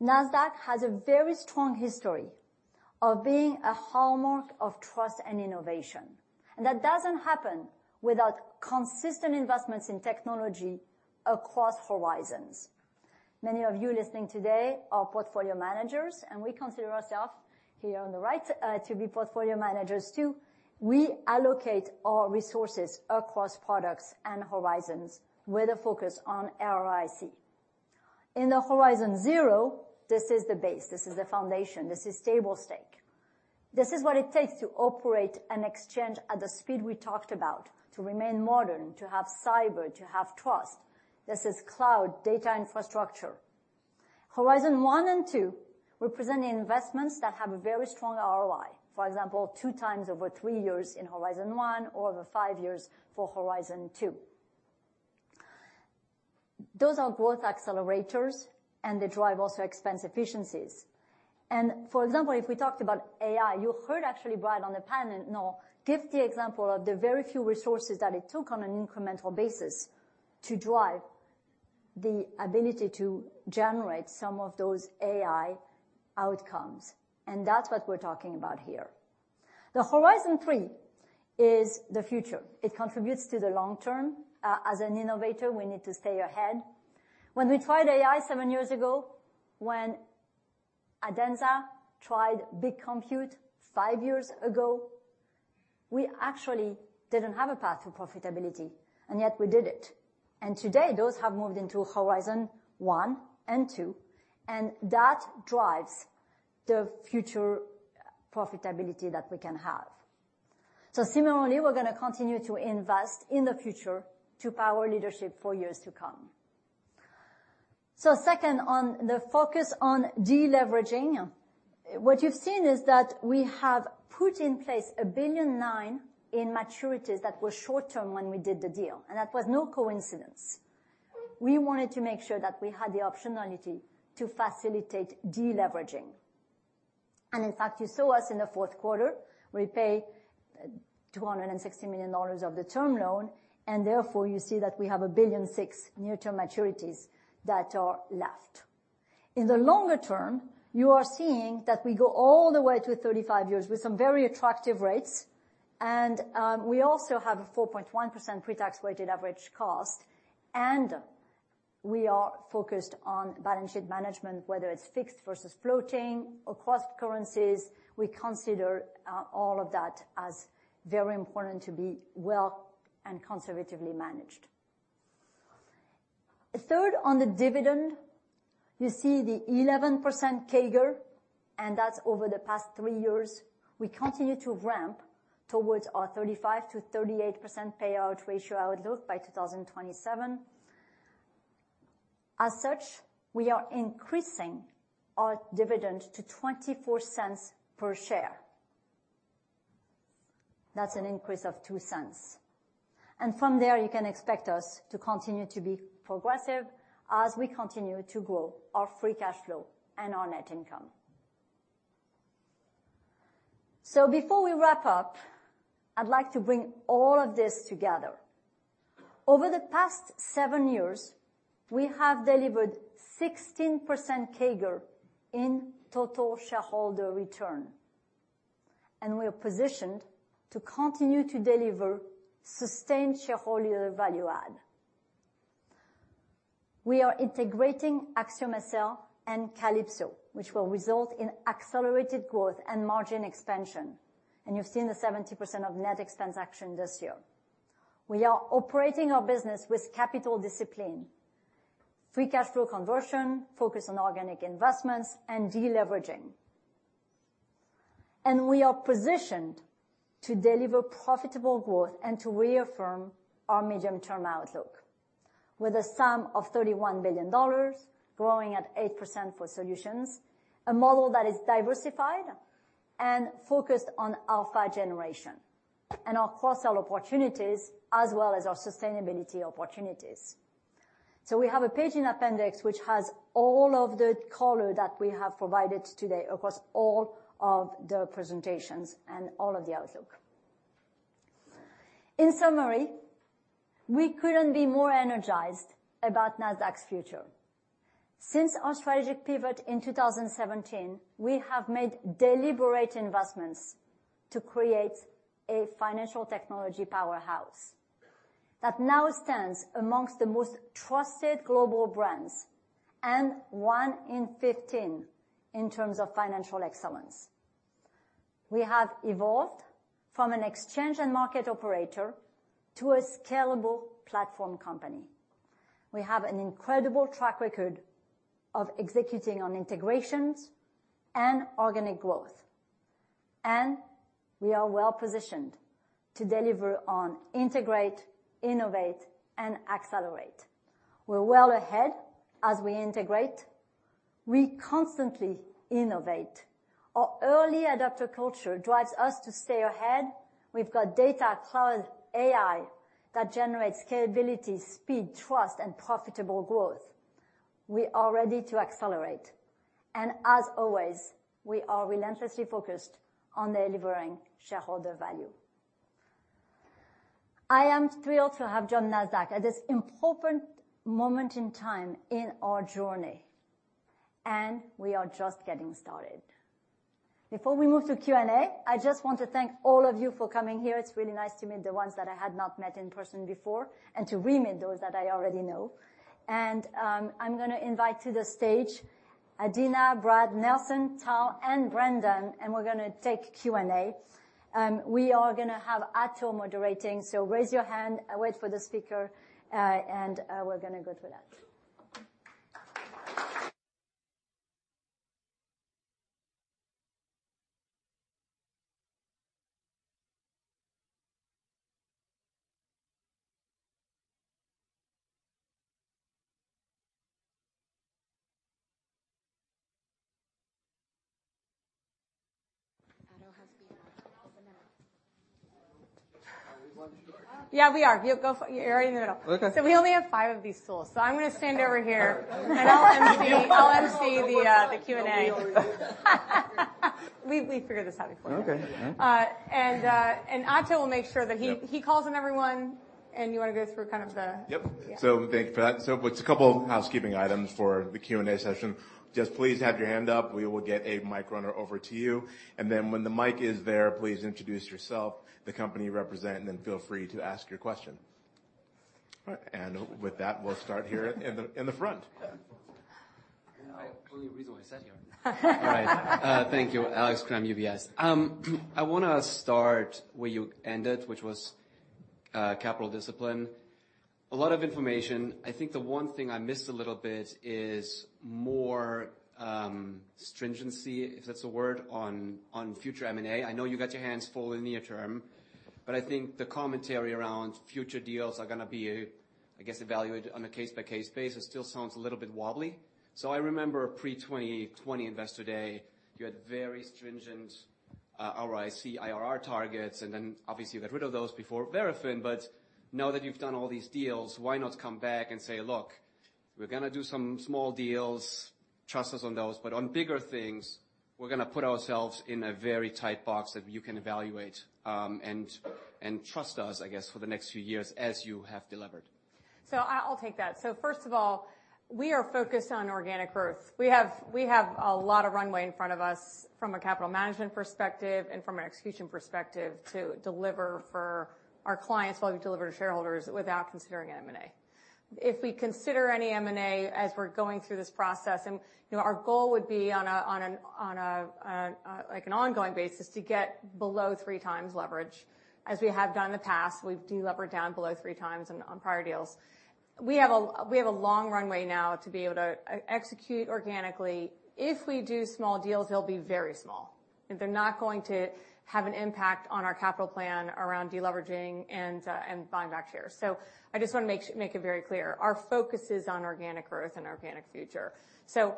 Nasdaq has a very strong history of being a hallmark of trust and innovation, and that doesn't happen without consistent investments in technology across horizons. Many of you listening today are portfolio managers, and we consider ourselves, here on the right, to be portfolio managers, too. We allocate our resources across products and horizons with a focus on ROIC. In the Horizon 0, this is the base, this is the foundation, this is stable stake. This is what it takes to operate an exchange at the speed we talked about, to remain modern, to have cyber, to have trust. This is cloud data infrastructure. Horizon 1 and 2 represent investments that have a very strong ROI. For example, 2x over 3 years in Horizon 1, or over 5 years for Horizon 2. Those are growth accelerators, and they drive also expense efficiencies. For example, if we talked about AI, you heard actually Brad on the panel now give the example of the very few resources that it took on an incremental basis to drive the ability to generate some of those AI outcomes, and that's what we're talking about here. The horizon three is the future. It contributes to the long term. As an innovator, we need to stay ahead. When we tried AI seven years ago, when Adenza tried big compute five years ago, we actually didn't have a path to profitability, and yet we did it. Today, those have moved into horizon one and two, and that drives the future profitability that we can have. Similarly, we're gonna continue to invest in the future to power leadership for years to come. Second, on the focus on deleveraging, what you've seen is that we have put in place $1.9 billion in maturities that were short-term when we did the deal, and that was no coincidence. We wanted to make sure that we had the optionality to facilitate deleveraging. And in fact, you saw us in the fourth quarter, we paid $260 million of the term loan, and therefore, you see that we have $1.6 billion near-term maturities that are left. In the longer term, you are seeing that we go all the way to 35 years with some very attractive rates, and we also have a 4.1% pretax weighted average cost, and we are focused on balance sheet management, whether it's fixed versus floating or cross currencies. We consider all of that as very important to be well and conservatively managed. Third, on the dividend, you see the 11% CAGR and that's over the past 3 years, we continue to ramp towards our 35%-38% payout ratio outlook by 2027. As such, we are increasing our dividend to $0.24 per share. That's an increase of $0.02. And from there, you can expect us to continue to be progressive as we continue to grow our free cash flow and our net income. So before we wrap up, I'd like to bring all of this together. Over the past 7 years, we have delivered 16% CAGR in total shareholder return, and we are positioned to continue to deliver sustained shareholder value add. We are integrating AxiomSL and Calypso, which will result in accelerated growth and margin expansion, and you've seen the 70% of Adenza transaction this year. We are operating our business with capital discipline, free cash flow conversion, focus on organic investments, and deleveraging. We are positioned to deliver profitable growth and to reaffirm our medium-term outlook with a sum of $31 billion, growing at 8% for solutions, a model that is diversified and focused on alpha generation, and our cross-sell opportunities, as well as our sustainability opportunities. We have a page in appendix, which has all of the color that we have provided today across all of the presentations and all of the outlook. In summary, we couldn't be more energized about Nasdaq's future. Since our strategic pivot in 2017, we have made deliberate investments to create a financial technology powerhouse that now stands amongst the most trusted global brands, and one in 15 in terms of financial excellence. We have evolved from an exchange and market operator to a scalable platform company. We have an incredible track record of executing on integrations and organic growth, and we are well positioned to deliver on integrate, innovate, and accelerate. We're well ahead as we integrate. We constantly innovate. Our early adopter culture drives us to stay ahead. We've got data, cloud, AI, that generates scalability, speed, trust, and profitable growth. We are ready to accelerate, and as always, we are relentlessly focused on delivering shareholder value. I am thrilled to have joined Nasdaq at this important moment in time in our journey, and we are just getting started. Before we move to Q&A, I just want to thank all of you for coming here. It's really nice to meet the ones that I had not met in person before, and to re-meet those that I already know. And, I'm gonna invite to the stage Adena, Brad, Nelson, Tom, and Brendan, and we're gonna take Q&A. We are gonna have Ato moderating, so raise your hand and wait for the speaker, and we're gonna go through that. Ato has been... Are we live? Yeah, we are. You're right in the middle. Okay. So we only have five of these tools, so I'm gonna stand over here, and I'll MC the Q&A. We figured this out before. Okay. And Ato will make sure that he- Yep. He calls on everyone, and you want to go through kind of the... Yep. Yeah. Thank you for that. Just a couple of housekeeping items for the Q&A session. Just please have your hand up. We will get a mic runner over to you, and then when the mic is there, please introduce yourself, the company you represent, and then feel free to ask your question. All right, and with that, we'll start here in the front. Well, the only reason why I sat here. All right. Thank you. Alex Kramm, UBS. I wanna start where you ended, which was capital discipline. A lot of information. I think the one thing I missed a little bit is more stringency, if that's a word, on future M&A. I know you got your hands full in the near term, but I think the commentary around future deals are gonna be, I guess, evaluated on a case-by-case basis, still sounds a little bit wobbly. So I remember pre-2020 Investor Day, you had very stringent ROIC IRR targets, and then obviously you got rid of those before Verafin. But now that you've done all these deals, why not come back and say, "Look, we're gonna do some small deals, trust us on those, but on bigger things, we're gonna put ourselves in a very tight box that you can evaluate, and trust us, I guess, for the next few years, as you have delivered? I'll take that. First of all, we are focused on organic growth. We have a lot of runway in front of us from a capital management perspective and from an execution perspective to deliver for our clients while we deliver to shareholders without considering M&A.... If we consider any M&A as we're going through this process, and, you know, our goal would be like an ongoing basis to get below three times leverage. As we have done in the past, we've delevered down below three times on prior deals. We have a long runway now to be able to execute organically. If we do small deals, they'll be very small, and they're not going to have an impact on our capital plan around deleveraging and buying back shares. So I just want to make it very clear, our focus is on organic growth and organic future. So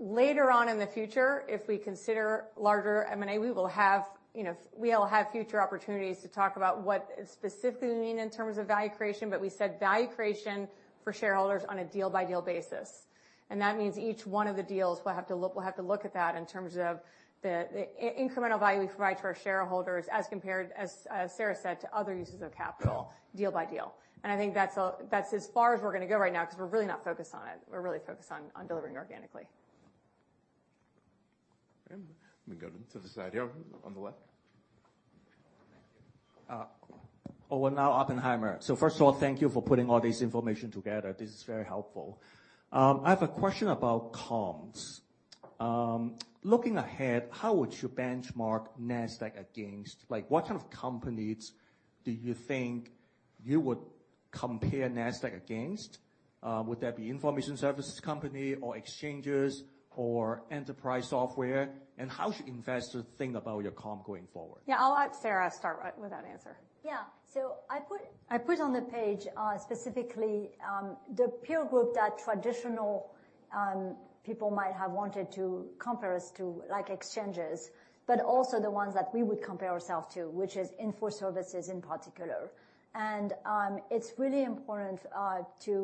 later on in the future, if we consider larger M&A, we will have, you know, we'll have future opportunities to talk about what specifically we mean in terms of value creation, but we said value creation for shareholders on a deal-by-deal basis. And that means each one of the deals, we'll have to look, we'll have to look at that in terms of the incremental value we provide to our shareholders as compared, as Sarah said, to other uses of capital, deal by deal. And I think that's as far as we're going to go right now, because we're really not focused on it. We're really focused on delivering organically. Let me go to this side here, on the left. Owen Lau, Oppenheimer. So first of all, thank you for putting all this information together. This is very helpful. I have a question about comms. Looking ahead, how would you benchmark Nasdaq against... Like, what kind of companies do you think you would compare Nasdaq against? Would that be information services company or exchanges or enterprise software? And how should investors think about your comm going forward? Yeah, I'll let Sarah start with that answer. Yeah. I put on the page specifically the peer group that traditional people might have wanted to compare us to, like exchanges, but also the ones that we would compare ourselves to, which is info services in particular. It's really important to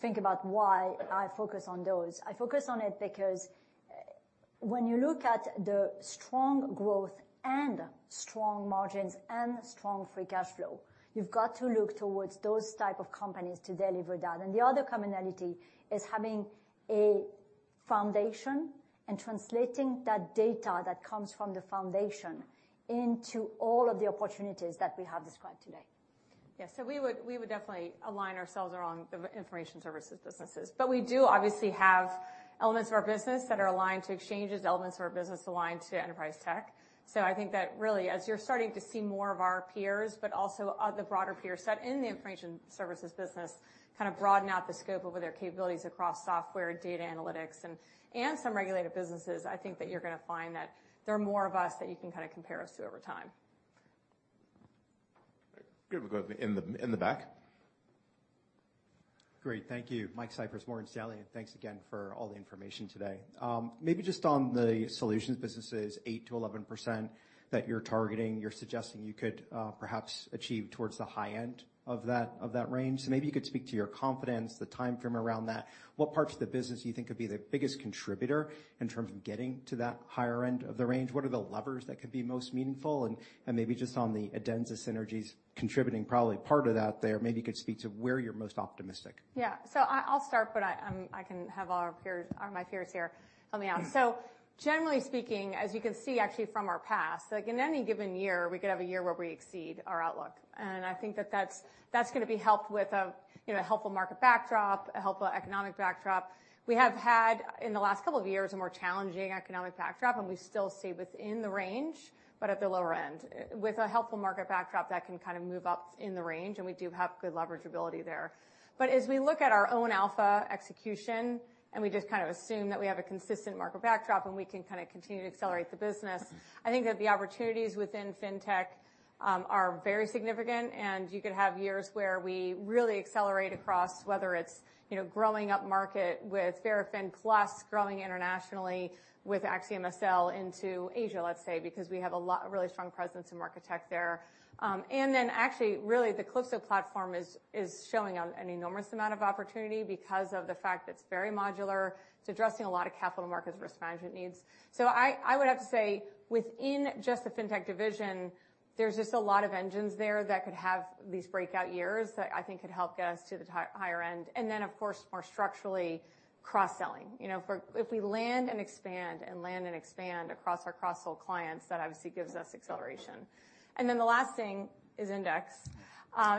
think about why I focus on those. I focus on it because when you look at the strong growth and strong margins and strong free cash flow, you've got to look towards those type of companies to deliver that. The other commonality is having a foundation and translating that data that comes from the foundation into all of the opportunities that we have described today. Yes, so we would definitely align ourselves around the information services businesses. But we do obviously have elements of our business that are aligned to exchanges, elements of our business aligned to enterprise tech. So I think that really, as you're starting to see more of our peers, but also the broader peer set in the information services business, kind of broaden out the scope of their capabilities across software, data analytics, and some regulated businesses, I think that you're going to find that there are more of us that you can kind of compare us to over time. Great. We'll go in the back. Great. Thank you. Mike Cyprys, Morgan Stanley. Thanks again for all the information today. Maybe just on the solutions businesses, 8%-11% that you're targeting, you're suggesting you could, perhaps achieve towards the high end of that, of that range. So maybe you could speak to your confidence, the timeframe around that. What parts of the business do you think could be the biggest contributor in terms of getting to that higher end of the range? What are the levers that could be most meaningful? And, and maybe just on the Adenza synergies contributing, probably part of that there, maybe you could speak to where you're most optimistic. Yeah. So I, I'll start, but I, I can have our peers, or my peers here help me out. So generally speaking, as you can see, actually, from our past, like in any given year, we could have a year where we exceed our outlook. And I think that that's, that's going to be helped with a, you know, helpful market backdrop, a helpful economic backdrop. We have had, in the last couple of years, a more challenging economic backdrop, and we still stay within the range, but at the lower end. With a helpful market backdrop, that can kind of move up in the range, and we do have good leverageability there. But as we look at our own alpha execution, and we just kind of assume that we have a consistent market backdrop, and we can kind of continue to accelerate the business, I think that the opportunities within Fintech are very significant, and you could have years where we really accelerate across, whether it's, you know, growing up market with Verafin, growing internationally with AxiomSL into Asia, let's say, because we have a lot, a really strong presence in market tech there. And then actually, really, the Calypso platform is showing an enormous amount of opportunity because of the fact that it's very modular. It's addressing a lot of capital markets risk management needs. I would have to say, within just the Fintech division, there's just a lot of engines there that could have these breakout years that I think could help us to the higher end. And then, of course, more structurally, cross-selling. You know, if we land and expand and land and expand across our cross-sell clients, that obviously gives us acceleration. And then the last thing is Index.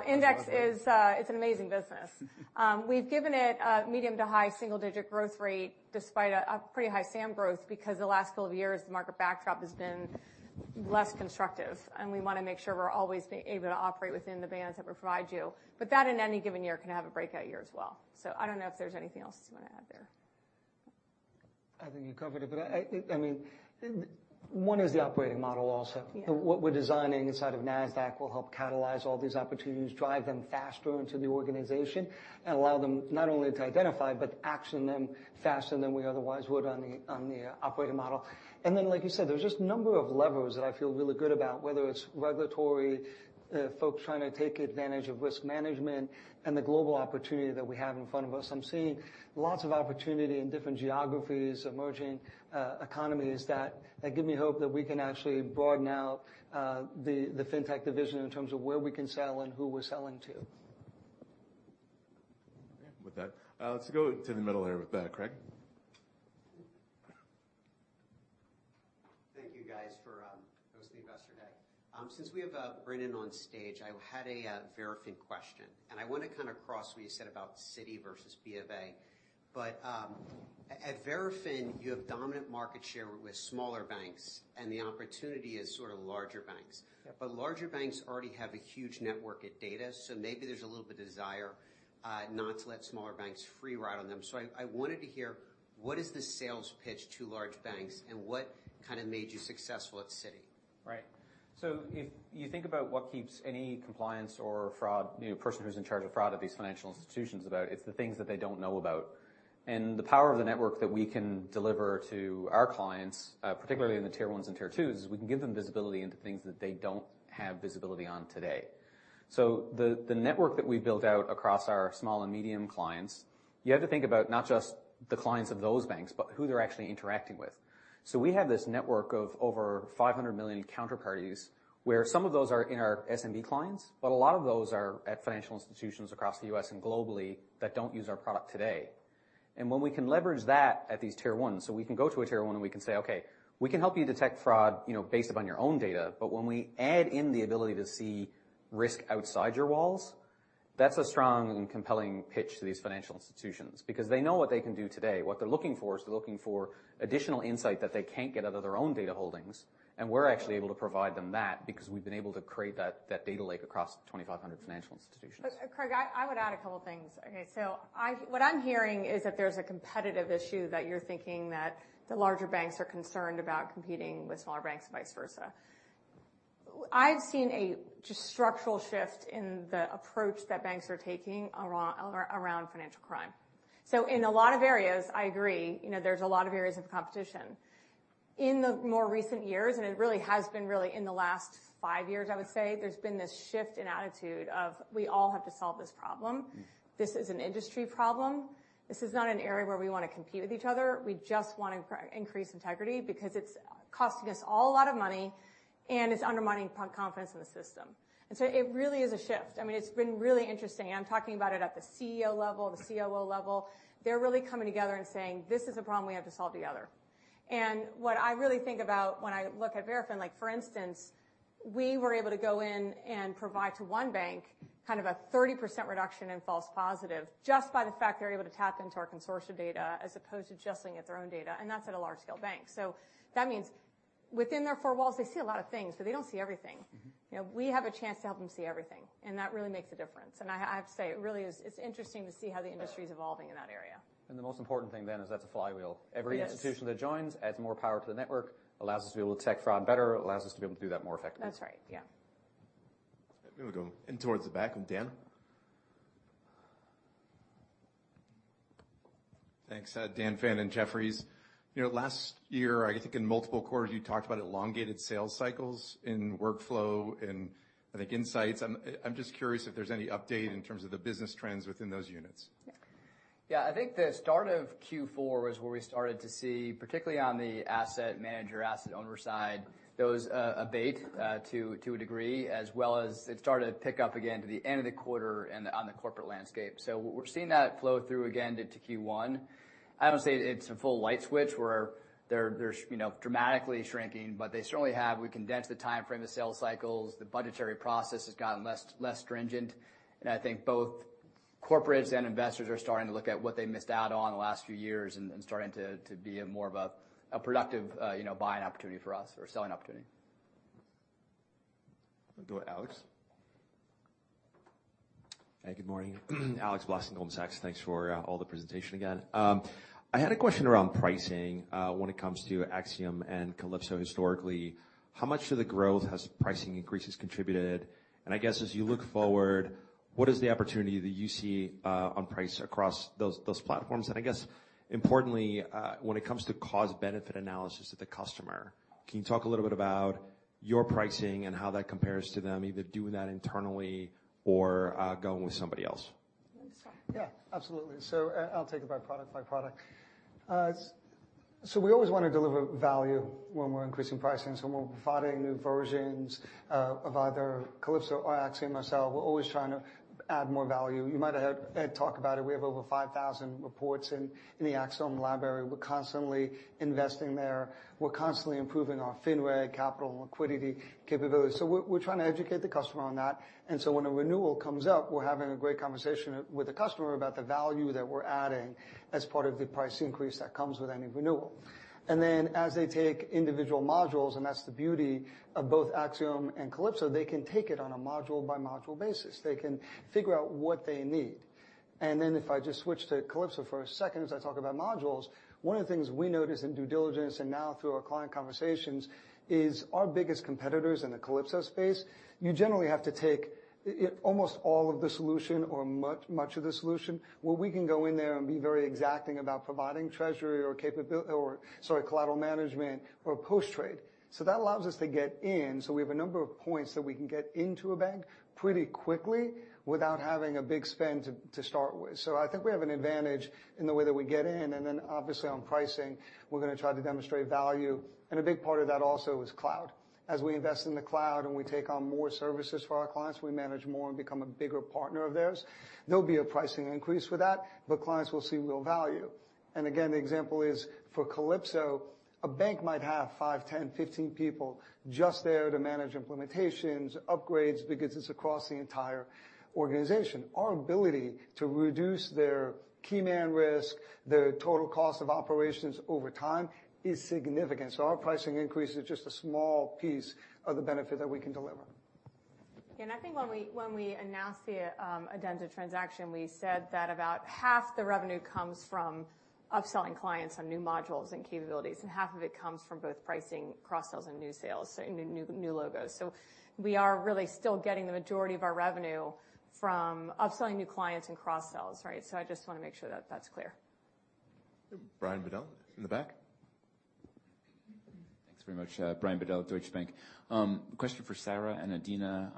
Index is, it's an amazing business. We've given it a medium- to high-single-digit growth rate despite a pretty high SAM growth, because the last couple of years, the market backdrop has been less constructive, and we want to make sure we're always able to operate within the bands that we provide you. But that, in any given year, can have a breakout year as well. I don't know if there's anything else you want to add there. I think you covered it. But I mean, one is the operating model also. Yeah. What we're designing inside of Nasdaq will help catalyze all these opportunities, drive them faster into the organization, and allow them not only to identify, but action them faster than we otherwise would on the operating model. And then, like you said, there's just a number of levers that I feel really good about, whether it's regulatory folks trying to take advantage of risk management, and the global opportunity that we have in front of us. I'm seeing lots of opportunity in different geographies, emerging economies that give me hope that we can actually broaden out the Fintech division in terms of where we can sell and who we're selling to. Okay. With that, let's go to the middle there with Craig. ... guys for hosting Investor Day. Since we have Brendan on stage, I had a Verafin question, and I want to kind of cross what you said about Citi versus B of A. But at Verafin, you have dominant market share with smaller banks, and the opportunity is sort of larger banks. Yeah. But larger banks already have a huge network of data, so maybe there's a little bit of desire not to let smaller banks free ride on them. So I wanted to hear, what is the sales pitch to large banks, and what kind of made you successful at Citi? Right. So if you think about what keeps any compliance or fraud, you know, person who's in charge of fraud at these financial institutions about, it's the things that they don't know about. And the power of the network that we can deliver to our clients, particularly in the tier ones and tier twos, is we can give them visibility into things that they don't have visibility on today. So the network that we built out across our small and medium clients, you have to think about not just the clients of those banks, but who they're actually interacting with. So we have this network of over 500 million counterparties, where some of those are in our SMB clients, but a lot of those are at financial institutions across the U.S. and globally that don't use our product today. When we can leverage that at these tier ones, so we can go to a tier one, and we can say: Okay, we can help you detect fraud, you know, based upon your own data, but when we add in the ability to see risk outside your walls, that's a strong and compelling pitch to these financial institutions because they know what they can do today. What they're looking for is they're looking for additional insight that they can't get out of their own data holdings, and we're actually able to provide them that because we've been able to create that, that data lake across 2,500 financial institutions. But, Craig, I would add a couple of things. Okay, so what I'm hearing is that there's a competitive issue that you're thinking that the larger banks are concerned about competing with smaller banks, vice versa. I've seen a just structural shift in the approach that banks are taking around financial crime. So in a lot of areas, I agree, you know, there's a lot of areas of competition. In the more recent years, and it really has been really in the last five years, I would say, there's been this shift in attitude of, we all have to solve this problem. Mm. This is an industry problem. This is not an area where we want to compete with each other. We just want to increase integrity because it's costing us all a lot of money, and it's undermining confidence in the system. And so it really is a shift. I mean, it's been really interesting. I'm talking about it at the CEO level, the COO level. They're really coming together and saying: This is a problem we have to solve together. And what I really think about when I look at Verafin, like, for instance, we were able to go in and provide to one bank kind of a 30% reduction in false positive just by the fact they're able to tap into our consortia data as opposed to just looking at their own data, and that's at a large-scale bank. That means within their four walls, they see a lot of things, but they don't see everything. Mm-hmm. You know, we have a chance to help them see everything, and that really makes a difference. And I, I have to say, it really is... It's interesting to see how the industry- Yeah is evolving in that area. The most important thing then is that's a flywheel. It is. Every institution that joins adds more power to the network, allows us to be able to detect fraud better, allows us to be able to do that more effectively. That's right. Yeah. Maybe we go in towards the back with Dan. Thanks. Dan Fannon, Jefferies. You know, last year, I think in multiple quarters, you talked about elongated sales cycles in workflow and I think insights. I'm just curious if there's any update in terms of the business trends within those units. Yeah, I think the start of Q4 was where we started to see, particularly on the asset manager, asset owner side, those abate to a degree, as well as it started to pick up again to the end of the quarter and on the corporate landscape. So we're seeing that flow through again to Q1. I don't say it's a full light switch where they're you know dramatically shrinking, but they certainly have. We condensed the timeframe of sales cycles. The budgetary process has gotten less stringent, and I think both corporates and investors are starting to look at what they missed out on the last few years and starting to be a more of a productive you know buying opportunity for us or selling opportunity. We'll go Alex. Hey, good morning. Alex Blostein from Goldman Sachs. Thanks for all the presentation again. I had a question around pricing, when it comes to AxiomSL and Calypso historically. How much of the growth has pricing increases contributed? And I guess as you look forward, what is the opportunity that you see on price across those platforms? And I guess, importantly, when it comes to cost-benefit analysis of the customer, can you talk a little bit about your pricing and how that compares to them, either doing that internally or going with somebody else? You want to start? Yeah, absolutely. So I, I'll take it by product, by product. So we always want to deliver value when we're increasing pricing. So when we're providing new versions of either Calypso or Axiom itself, we're always trying to add more value. You might have heard Ed talk about it. We have over 5,000 reports in the Axiom library. We're constantly investing there. We're constantly improving our firmwide capital and liquidity capabilities. So we're trying to educate the customer on that, and so when a renewal comes up, we're having a great conversation with the customer about the value that we're adding as part of the price increase that comes with any renewal. And then, as they take individual modules, and that's the beauty of both Axiom and Calypso, they can take it on a module-by-module basis. They can figure out what they need. And then if I just switch to Calypso for a second, as I talk about modules, one of the things we notice in due diligence and now through our client conversations is our biggest competitors in the Calypso space, you generally have to take almost all of the solution or much of the solution, where we can go in there and be very exacting about providing treasury or, sorry, collateral management or post-trade. So that allows us to get in, so we have a number of points that we can get into a bank pretty quickly without having a big spend to start with. So I think we have an advantage in the way that we get in, and then, obviously, on pricing, we're going to try to demonstrate value, and a big part of that also is cloud. As we invest in the cloud and we take on more services for our clients, we manage more and become a bigger partner of theirs, there'll be a pricing increase for that, but clients will see real value. And again, the example is for Calypso, a bank might have five, 10, 15 people just there to manage implementations, upgrades, because it's across the entire organization. Our ability to reduce their key man risk, their total cost of operations over time is significant. So our pricing increase is just a small piece of the benefit that we can deliver. And I think when we, when we announced the Adenza transaction, we said that about half the revenue comes from upselling clients on new modules and capabilities, and half of it comes from both pricing, cross-sells, and new sales, so and new, new logos. So we are really still getting the majority of our revenue from upselling new clients and cross-sells, right? So I just want to make sure that that's clear. Brian Bedell in the back. Thanks very much. Brian Bedell, Deutsche Bank. Question for Sarah and Adena.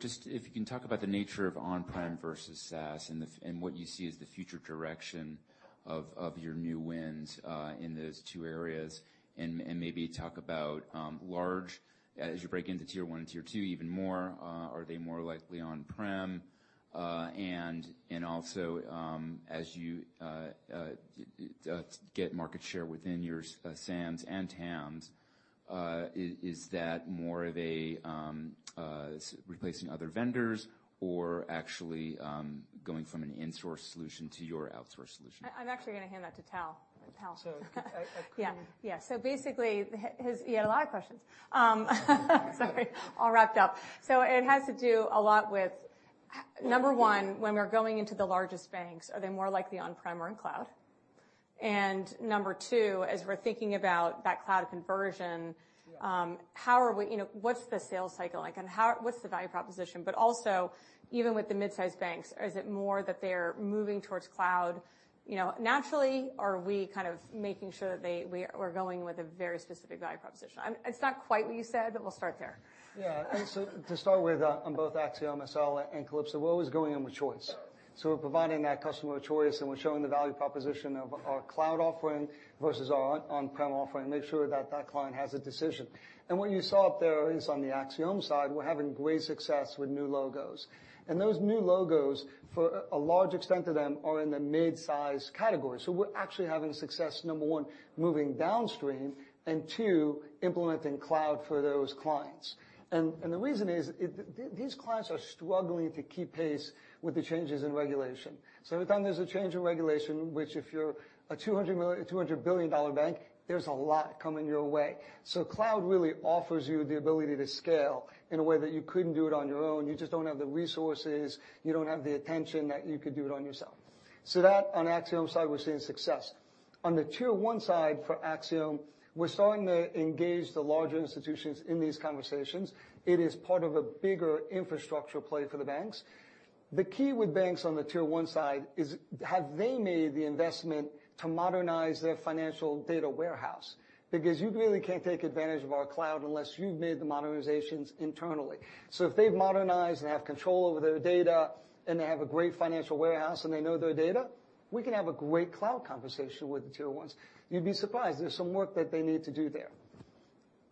Just if you can talk about the nature of on-prem versus SaaS and what you see as the future direction of your new wins in those two areas, and maybe talk about, as you break into tier one and tier two even more, are they more likely on-prem? And also, as you get market share within your SAMS and TAMS, is that more of a replacing other vendors or actually going from an in-source solution to your outsource solution? I'm actually going to hand that to Tal. Tal? So I Yeah. Yeah. So basically, he had a lot of questions. Sorry, all wrapped up. So it has to do a lot with, number one, when we're going into the largest banks, are they more likely on-prem or in cloud? And number two, as we're thinking about that cloud conversion- Yeah... how are we, you know, what's the sales cycle like? And how what's the value proposition? But also, even with the mid-sized banks, is it more that they're moving towards cloud, you know, naturally, or are we kind of making sure that they we're going with a very specific value proposition? It's not quite what you said, but we'll start there. Yeah. So to start with, on both AxiomSL and Calypso, we're always going in with choice. So we're providing that customer a choice, and we're showing the value proposition of our cloud offering versus our on-prem offering, make sure that that client has a decision. What you saw up there is on the Axiom side, we're having great success with new logos. Those new logos, for a large extent to them, are in the mid-size category. So we're actually having success, number one, moving downstream, and two, implementing cloud for those clients. The reason is, these clients are struggling to keep pace with the changes in regulation. So every time there's a change in regulation, which if you're a $200 million-$200 billion bank, there's a lot coming your way. So cloud really offers you the ability to scale in a way that you couldn't do it on your own. You just don't have the resources, you don't have the attention that you could do it on yourself. So that on Axiom side, we're seeing success. On the tier one side for Axiom, we're starting to engage the larger institutions in these conversations. It is part of a bigger infrastructure play for the banks. The key with banks on the tier one side is have they made the investment to modernize their financial data warehouse? Because you really can't take advantage of our cloud unless you've made the modernizations internally. So if they've modernized and have control over their data, and they have a great financial warehouse, and they know their data, we can have a great cloud conversation with the tier ones. You'd be surprised there's some work that they need to do there.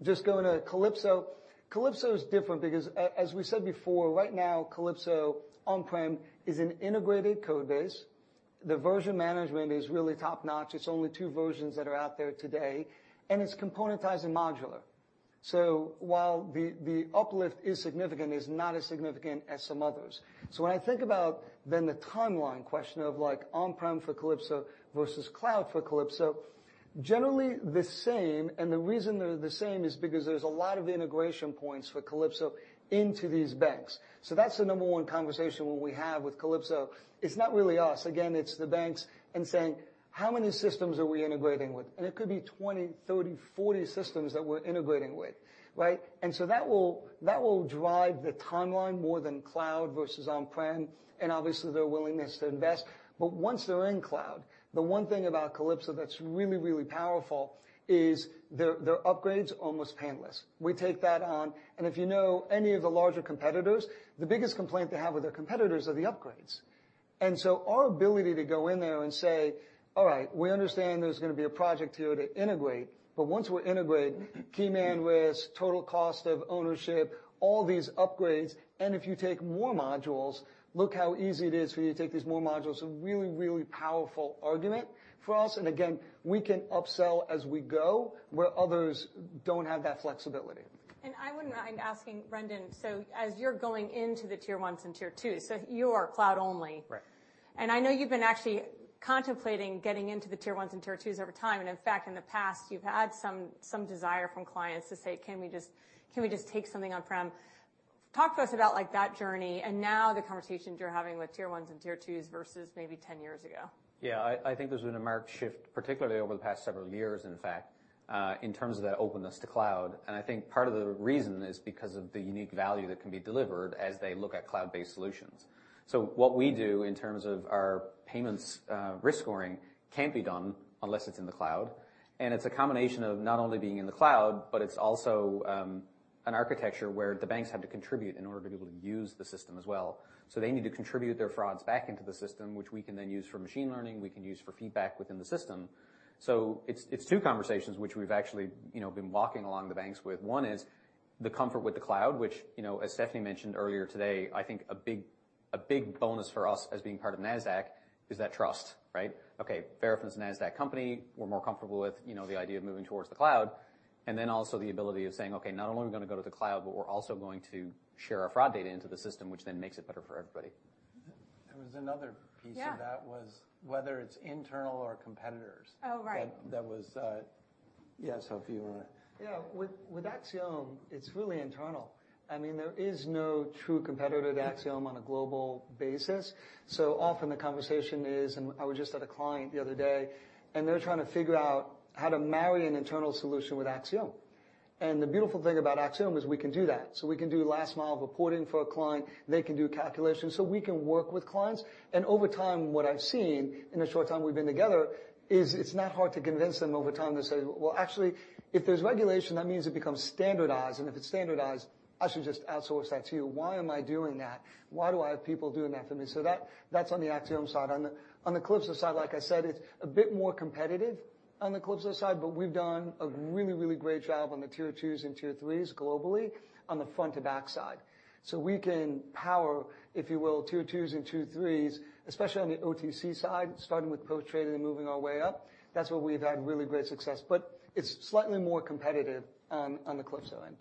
Just going to Calypso. Calypso is different because as we said before, right now, Calypso on-prem is an integrated code base. The version management is really top-notch. It's only two versions that are out there today, and it's componentized and modular. So while the uplift is significant, it's not as significant as some others. So when I think about then the timeline question of like on-prem for Calypso versus cloud for Calypso, generally the same, and the reason they're the same is because there's a lot of integration points for Calypso into these banks. So that's the number one conversation when we have with Calypso. It's not really us. Again, it's the banks and saying: How many systems are we integrating with? And it could be 20, 30, 40 systems that we're integrating with, right? And so that will, that will drive the timeline more than cloud versus on-prem, and obviously, their willingness to invest. But once they're in cloud, the one thing about Calypso that's really, really powerful is the, the upgrade's almost painless. We take that on, and if you know any of the larger competitors, the biggest complaint they have with their competitors are the upgrades. And so our ability to go in there and say, "All right, we understand there's going to be a project here to integrate, but once we're integrated, key man risk, total cost of ownership, all these upgrades, and if you take more modules, look how easy it is for you to take these more modules." A really, really powerful argument for us, and again, we can upsell as we go, where others don't have that flexibility. I wouldn't mind asking Brendan, so as you're going into the tier ones and tier twos, so you are cloud only. Right. And I know you've been actually contemplating getting into the tier ones and tier twos over time, and in fact, in the past, you've had some, some desire from clients to say: Can we just, can we just take something on-prem? Talk to us about, like, that journey and now the conversations you're having with tier ones and tier twos versus maybe ten years ago. Yeah, I, I think there's been a marked shift, particularly over the past several years, in fact, in terms of the openness to cloud. And I think part of the reason is because of the unique value that can be delivered as they look at cloud-based solutions. So what we do in terms of our payments, risk scoring, can't be done unless it's in the cloud, and it's a combination of not only being in the cloud, but it's also,... an architecture where the banks have to contribute in order to be able to use the system as well. So they need to contribute their frauds back into the system, which we can then use for machine learning, we can use for feedback within the system. So it's, it's two conversations which we've actually, you know, been walking along the banks with. One is the comfort with the cloud, which, you know, as Stephanie mentioned earlier today, I think a big, a big bonus for us as being part of Nasdaq is that trust, right? Okay, Verafin is a Nasdaq company. We're more comfortable with, you know, the idea of moving towards the cloud, and then also the ability of saying, "Okay, not only are we gonna go to the cloud, but we're also going to share our fraud data into the system, which then makes it better for everybody. There was another piece- Yeah to that was whether it's internal or competitors. Oh, right. Yeah, so if you wanna- Yeah. With Axiom, it's really internal. I mean, there is no true competitor to Axiom on a global basis. So often the conversation is, and I was just at a client the other day, and they're trying to figure out how to marry an internal solution with Axiom. And the beautiful thing about Axiom is we can do that. So we can do last mile reporting for a client, they can do calculations, so we can work with clients. And over time, what I've seen, in the short time we've been together, is it's not hard to convince them over time to say, "Well, actually, if there's regulation, that means it becomes standardized, and if it's standardized, I should just outsource that to you. Why am I doing that? Why do I have people doing that for me?" So that's on the Axiom side. On the Calypso side, like I said, it's a bit more competitive on the Calypso side, but we've done a really, really great job on the tier twos and tier threes globally on the front to back side. So we can power, if you will, tier twos and tier threes, especially on the OTC side, starting with post-trade and then moving our way up. That's where we've had really great success, but it's slightly more competitive on the Calypso end.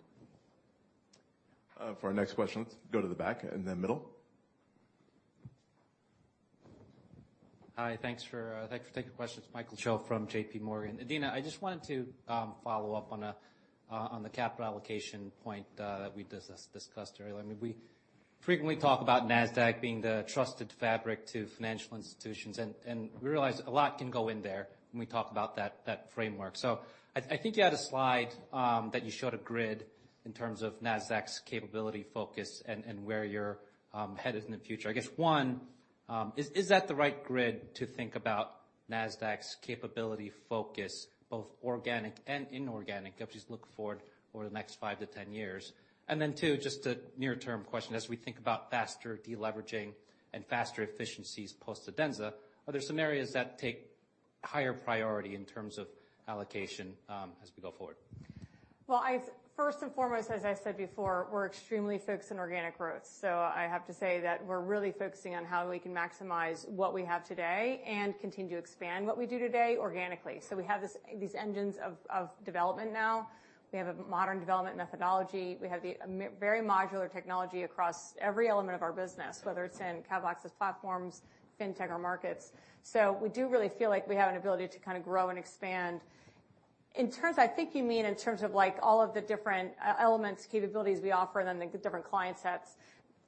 For our next question, let's go to the back and then middle. Hi, thanks for taking the questions. Michael Cho from JPMorgan. Adena, I just wanted to follow up on the capital allocation point that we discussed earlier. I mean, we frequently talk about Nasdaq being the trusted fabric to financial institutions, and we realize a lot can go in there when we talk about that framework. So I think you had a slide that you showed a grid in terms of Nasdaq's capability focus and where you're headed in the future. I guess, one, is that the right grid to think about Nasdaq's capability focus, both organic and inorganic, if we just look forward over the next five to 10 years? And then, two, just a near-term question, as we think about faster deleveraging and faster efficiencies post-Adenza, are there some areas that take higher priority in terms of allocation, as we go forward? Well, first and foremost, as I said before, we're extremely focused on organic growth. So I have to say that we're really focusing on how we can maximize what we have today and continue to expand what we do today organically. So we have these engines of development now. We have a modern development methodology. We have the very modular technology across every element of our business, whether it's in Capital Access Platforms, Fintech, or Markets. So we do really feel like we have an ability to kind of grow and expand. In terms—I think you mean in terms of, like, all of the different elements, capabilities we offer, then the different client sets.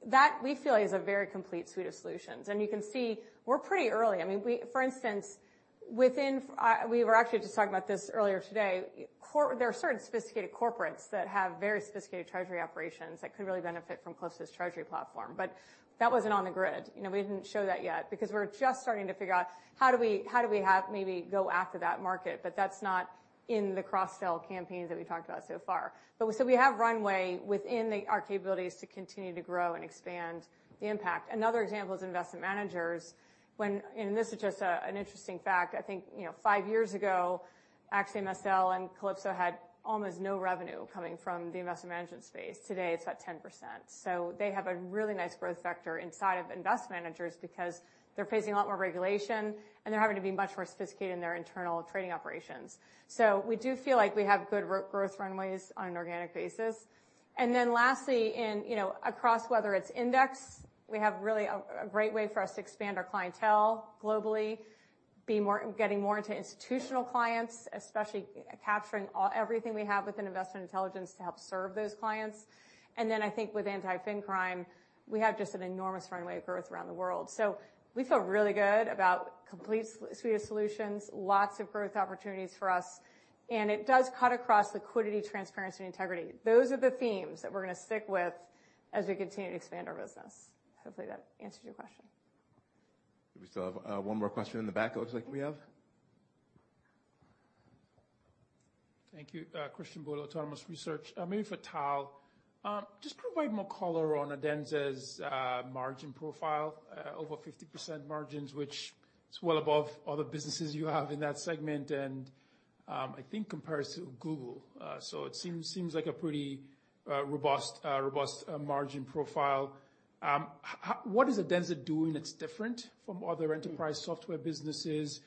That, we feel, is a very complete suite of solutions, and you can see we're pretty early. I mean, we... For instance, within, we were actually just talking about this earlier today. There are certain sophisticated corporates that have very sophisticated treasury operations that could really benefit from Calypso's treasury platform, but that wasn't on the grid. You know, we didn't show that yet because we're just starting to figure out how do we, how do we have maybe go after that market? But that's not in the cross-sell campaigns that we talked about so far. But so we have runway within the, our capabilities to continue to grow and expand the impact. Another example is investment managers. And this is just a, an interesting fact, I think, you know, five years ago, actually, AxiomSL and Calypso had almost no revenue coming from the investment management space. Today, it's about 10%. So they have a really nice growth vector inside of investment managers because they're facing a lot more regulation, and they're having to be much more sophisticated in their internal trading operations. So we do feel like we have good growth runways on an organic basis. And then lastly, in, you know, across whether it's index, we have really a great way for us to expand our clientele globally, be more getting more into institutional clients, especially capturing everything we have within Investor Intelligence to help serve those clients. And then I think with Anti-Fin Crime, we have just an enormous runway of growth around the world. So we feel really good about complete suite of solutions, lots of growth opportunities for us, and it does cut across liquidity, transparency, and integrity. Those are the themes that we're gonna stick with as we continue to expand our business. Hopefully, that answered your question. We still have one more question in the back. It looks like we have. Thank you. Christian Bolu, Autonomous Research. Maybe for Tal. Just provide more color on Adenza's margin profile, over 50% margins, which is well above all the businesses you have in that segment, and I think compares to Google. So it seems like a pretty robust margin profile. What is Adenza doing that's different from other enterprise software businesses?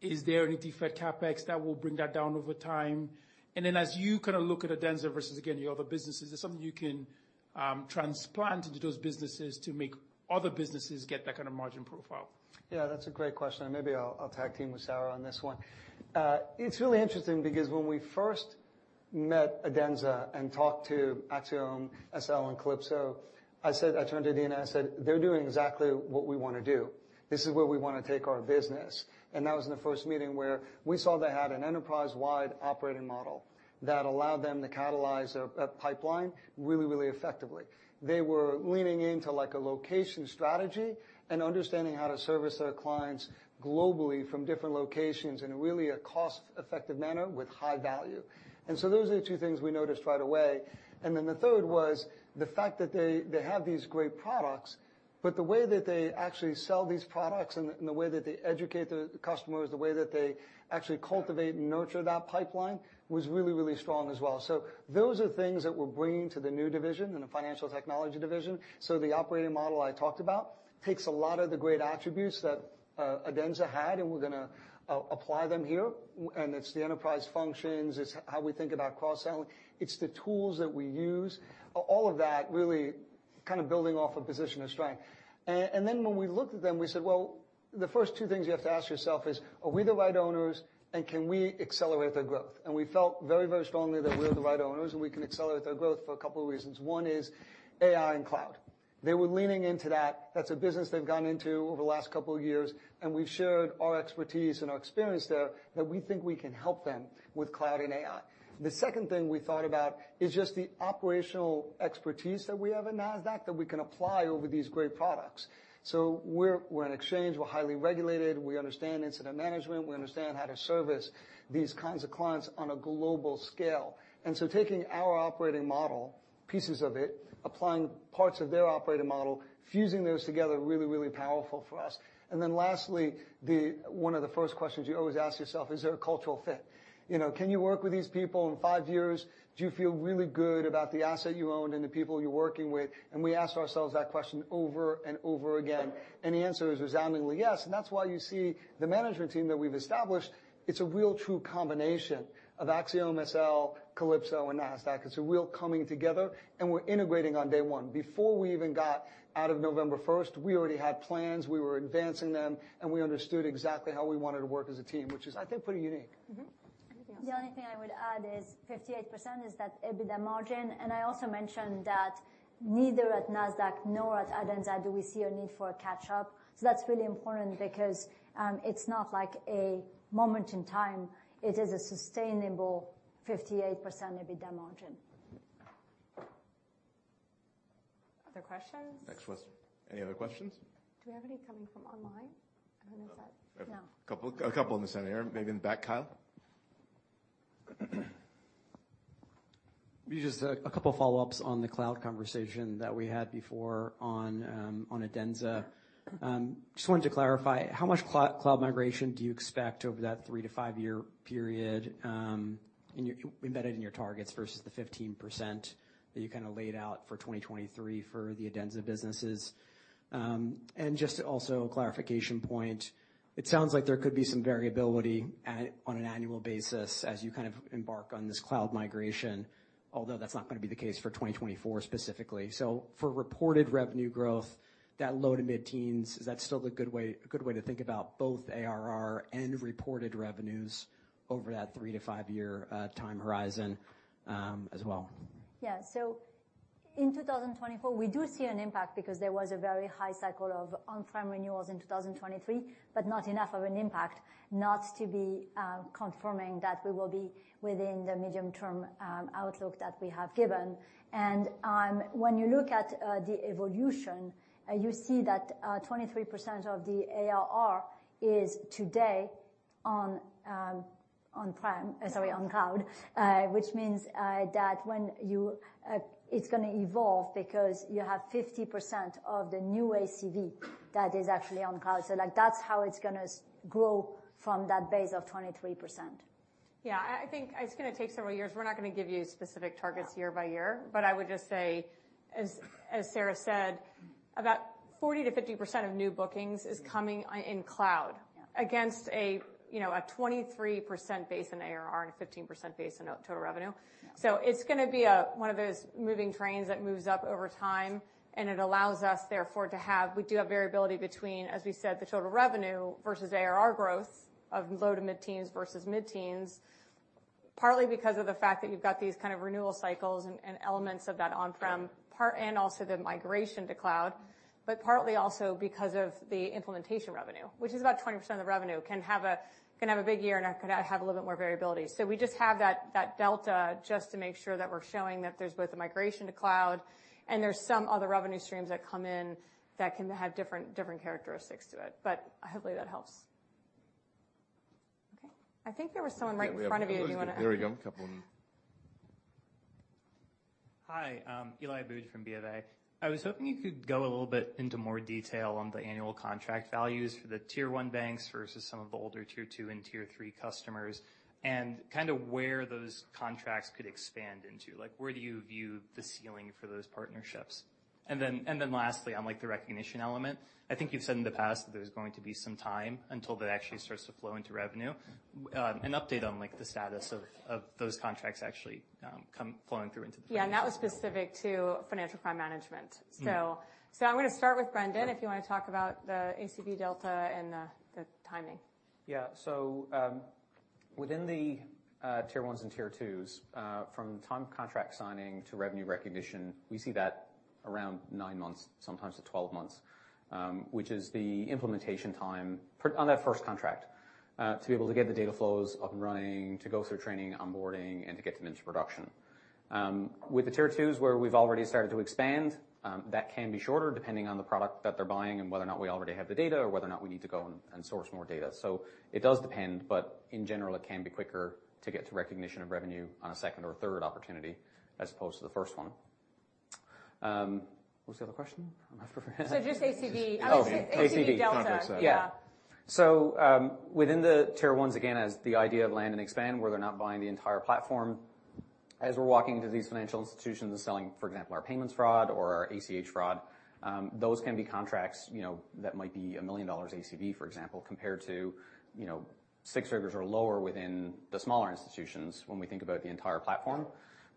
Is there any different CapEx that will bring that down over time? And then, as you kind of look at Adenza versus, again, your other businesses, is there something you can transplant into those businesses to make other businesses get that kind of margin profile? Yeah, that's a great question, and maybe I'll tag team with Sarah on this one. It's really interesting because when we first met Adenza and talked to AxiomSL and Calypso, I said, I turned to Adena and I said, "They're doing exactly what we wanna do. This is where we wanna take our business." And that was in the first meeting where we saw they had an enterprise-wide operating model that allowed them to catalyze a pipeline really effectively. They were leaning into, like, a location strategy and understanding how to service their clients globally from different locations in a really cost-effective manner with high value. And so those are the two things we noticed right away. And then the third was the fact that they, they have these great products, but the way that they actually sell these products and the, and the way that they educate the customers, the way that they actually cultivate and nurture that pipeline was really, really strong as well. So those are things that we're bringing to the new division, in the financial technology division. So the operating model I talked about takes a lot of the great attributes that Adenza had, and we're gonna apply them here. And it's the enterprise functions, it's how we think about cross-selling. It's the tools that we use. All of that really kind of building off a position of strength. And then when we looked at them, we said, "Well, the first two things you have to ask yourself is, are we the right owners, and can we accelerate their growth?" And we felt very, very strongly that we're the right owners, and we can accelerate their growth for a couple of reasons. One is AI and cloud. They were leaning into that. That's a business they've gone into over the last couple of years, and we've shared our expertise and our experience there, that we think we can help them with cloud and AI. The second thing we thought about is just the operational expertise that we have at Nasdaq, that we can apply over these great products. So we're an exchange, we're highly regulated, we understand incident management, we understand how to service these kinds of clients on a global scale. And so taking our operating model, pieces of it, applying parts of their operating model, fusing those together, really, really powerful for us. And then lastly, the, one of the first questions you always ask yourself: Is there a cultural fit? You know, can you work with these people in five years? Do you feel really good about the asset you own and the people you're working with? And we asked ourselves that question over and over again, and the answer is resoundingly yes. And that's why you see the management team that we've established, it's a real true combination of AxiomSL, Calypso, and Nasdaq. It's a real coming together, and we're integrating on day one. Before we even got out of November first, we already had plans, we were advancing them, and we understood exactly how we wanted to work as a team, which is, I think, pretty unique. Mm-hmm. The only thing I would add is 58% is that EBITDA margin. I also mentioned that neither at Nasdaq nor at Adenza do we see a need for a catch-up. That's really important because it's not like a moment in time, it is a sustainable 58% EBITDA margin. Other questions? Next question. Any other questions? Do we have any coming from online? I don't know if that... No. A couple, a couple in this area. Maybe in the back, Kyle? Just a couple follow-ups on the cloud conversation that we had before on Adenza. Just wanted to clarify, how much cloud migration do you expect over that 3- to 5-year period, in your embedded in your targets versus the 15% that you kind of laid out for 2023 for the Adenza businesses? And just also a clarification point, it sounds like there could be some variability at, on an annual basis as you kind of embark on this cloud migration, although that's not gonna be the case for 2024 specifically. So for reported revenue growth, that low- to mid-teens%, is that still a good way, a good way to think about both ARR and reported revenues over that 3- to 5-year time horizon, as well? Yeah. So in 2024, we do see an impact because there was a very high cycle of on-prem renewals in 2023, but not enough of an impact not to be confirming that we will be within the medium-term outlook that we have given. And when you look at the evolution, you see that 23% of the ARR is today on on-prem, sorry, on cloud, which means that when you... It's gonna evolve because you have 50% of the new ACV that is actually on cloud. So, like, that's how it's gonna grow from that base of 23%. Yeah, I think it's gonna take several years. We're not gonna give you specific targets year by year. But I would just say, as Sarah said, about 40%-50% of new bookings is coming in cloud- Yeah - against a, you know, a 23% base in ARR and a 15% base in total revenue. Yeah. So it's gonna be a one of those moving trains that moves up over time, and it allows us, therefore, to have. We do have variability between, as we said, the total revenue versus ARR growth of low- to mid-teens versus mid-teens, partly because of the fact that you've got these kind of renewal cycles and elements of that on-prem part, and also the migration to cloud, but partly also because of the implementation revenue, which is about 20% of the revenue, can have a big year, and can have a little bit more variability. So we just have that delta just to make sure that we're showing that there's both a migration to cloud and there's some other revenue streams that come in that can have different characteristics to it. But hopefully, that helps. Okay, I think there was someone right in front of you, if you wanna- There we go. A couple of them. Hi, Eli Boud from BofA. I was hoping you could go a little bit into more detail on the annual contract values for the tier one banks versus some of the older tier two and tier three customers, and kind of where those contracts could expand into. Like, where do you view the ceiling for those partnerships? And then, and then lastly, on, like, the recognition element, I think you've said in the past that there's going to be some time until that actually starts to flow into revenue. An update on, like, the status of those contracts actually come flowing through into the- Yeah, and that was specific to financial crime management. Mm-hmm. So, I'm gonna start with Brendan, if you wanna talk about the ACV delta and the timing. Yeah. So,... Within the Tier ones and Tier twos, from time of contract signing to revenue recognition, we see that around nine months, sometimes to 12 months, which is the implementation time for, on that first contract, to be able to get the data flows up and running, to go through training, onboarding, and to get them into production. With the Tier twos, where we've already started to expand, that can be shorter, depending on the product that they're buying and whether or not we already have the data, or whether or not we need to go and source more data. So it does depend, but in general, it can be quicker to get to recognition of revenue on a second or third opportunity as opposed to the first one. What was the other question? I'm not sure. So just ACV- Oh. ACV delta. ACV. Yeah. So, within the Tier ones, again, as the idea of land and expand, where they're not buying the entire platform, as we're walking into these financial institutions and selling, for example, our payments fraud or our ACH fraud, those can be contracts, you know, that might be $1 million ACV, for example, compared to, you know, six figures or lower within the smaller institutions when we think about the entire platform.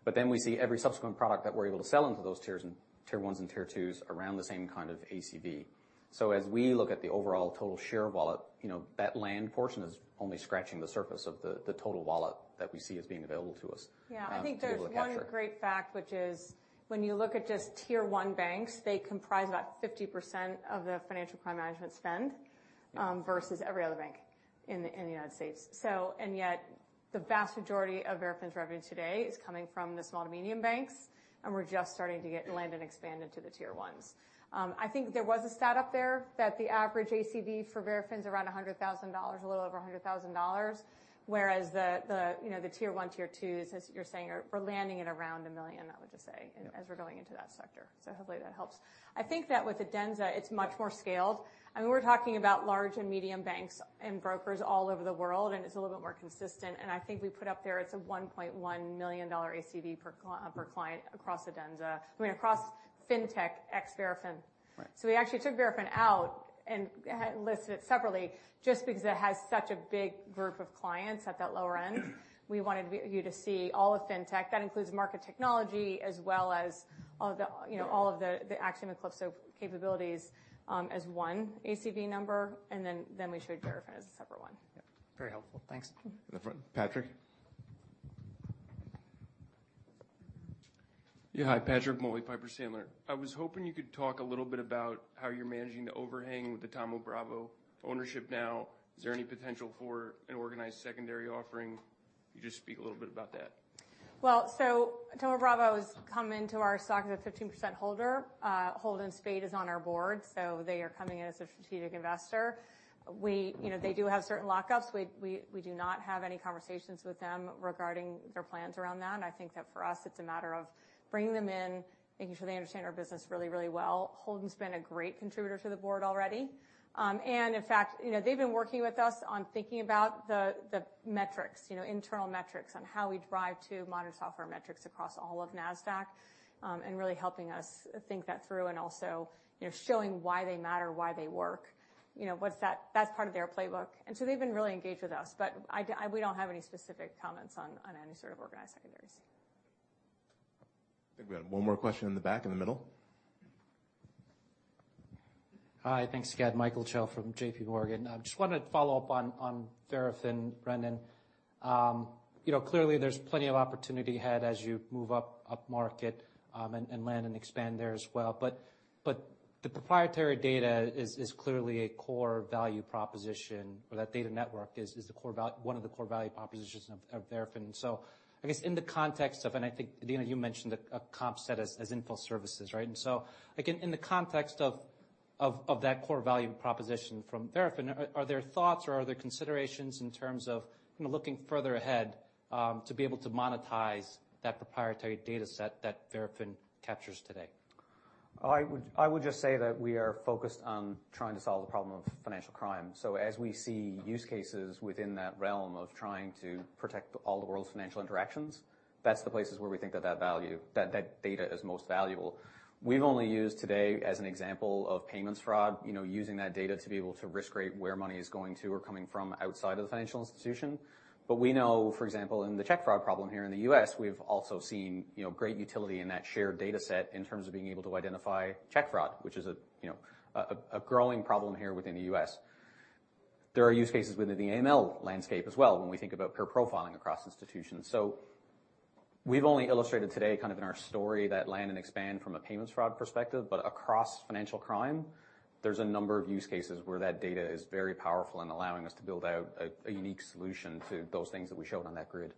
But then we see every subsequent product that we're able to sell into those tiers and Tier ones and Tier twos around the same kind of ACV. So as we look at the overall total share wallet, you know, that land portion is only scratching the surface of the, the total wallet that we see as being available to us- Yeah- To be able to capture... I think there's one great fact, which is when you look at just Tier one banks, they comprise about 50% of the financial crime management spend, versus every other bank in the United States. So and yet, the vast majority of Verafin's revenue today is coming from the small to medium banks, and we're just starting to get land and expand into the Tier ones. I think there was a stat up there that the average ACV for Verafin is around $100,000, a little over $100,000, whereas the, you know, the Tier one, Tier twos, as you're saying, are... We're landing at around $1 million, I would just say- Yeah... as we're going into that sector, so hopefully that helps. I think that with Adenza, it's much more scaled. I mean, we're talking about large and medium banks and brokers all over the world, and it's a little bit more consistent. And I think we put up there, it's a $1.1 million ACV per client across Adenza, I mean, across Fintech ex Verafin. Right. So we actually took Verafin out and listed it separately just because it has such a big group of clients at that lower end. We wanted you to see all of Fintech. That includes market technology as well as all the, you know, all of the Adenza capabilities, as one ACV number, and then we showed Verafin as a separate one. Yep. Very helpful. Thanks. Mm-hmm. In the front, Patrick? Yeah. Hi, Patrick Moley, Piper Sandler. I was hoping you could talk a little bit about how you're managing the overhang with the Thoma Bravo ownership now. Is there any potential for an organized secondary offering? You just speak a little bit about that. Well, so Thoma Bravo has come into our stock as a 15% holder. Holden Spaht is on our board, so they are coming in as a strategic investor. You know, they do have certain lockups. We, we, we do not have any conversations with them regarding their plans around that, and I think that for us, it's a matter of bringing them in, making sure they understand our business really, really well. Holden's been a great contributor to the board already. And in fact, you know, they've been working with us on thinking about the, the metrics, you know, internal metrics on how we drive to modern software metrics across all of Nasdaq, and really helping us think that through and also, you know, showing why they matter, why they work. You know, what's that... That's part of their playbook, and so they've been really engaged with us. But we don't have any specific comments on, on any sort of organized secondaries. I think we have one more question in the back, in the middle. Hi. Thanks again, Michael Cho from JPMorgan. I just wanted to follow up on Verafin, Brendan. You know, clearly there's plenty of opportunity ahead as you move up market and land and expand there as well. But the proprietary data is clearly a core value proposition, or that data network is the core—one of the core value propositions of Verafin. So I guess in the context of... And I think, Adena, you mentioned a comp set as info services, right? And so again, in the context of that core value proposition from Verafin, are there thoughts or are there considerations in terms of, you know, looking further ahead to be able to monetize that proprietary data set that Verafin captures today? I would, I would just say that we are focused on trying to solve the problem of financial crime. So as we see use cases within that realm of trying to protect all the world's financial interactions, that's the places where we think that, that value, that, that data is most valuable. We've only used today, as an example, of payments fraud, you know, using that data to be able to risk rate where money is going to or coming from outside of the financial institution. But we know, for example, in the check fraud problem here in the U.S., we've also seen, you know, great utility in that shared data set in terms of being able to identify check fraud, which is a, you know, a, a growing problem here within the U.S. There are use cases within the AML landscape as well when we think about peer profiling across institutions. We've only illustrated today, kind of in our story, that land and expand from a payments fraud perspective, but across financial crime, there's a number of use cases where that data is very powerful in allowing us to build out a unique solution to those things that we showed on that grid.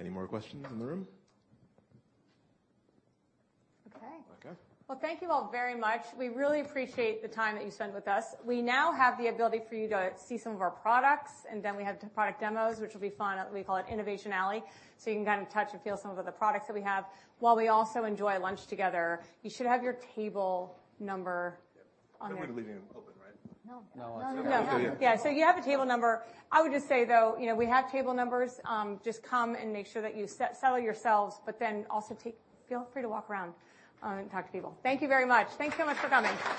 Any more questions in the room? Okay. Okay. Well, thank you all very much. We really appreciate the time that you spent with us. We now have the ability for you to see some of our products, and then we have the product demos, which will be fun. We call it Innovation Alley. So you can kind of touch and feel some of the products that we have while we also enjoy lunch together. You should have your table number on there. We're leaving them open, right? No. No, it's- No. Yeah, so you have a table number. I would just say, though, you know, we have table numbers. Just come and make sure that you settle yourselves, but then also take... Feel free to walk around, and talk to people. Thank you very much. Thanks so much for coming.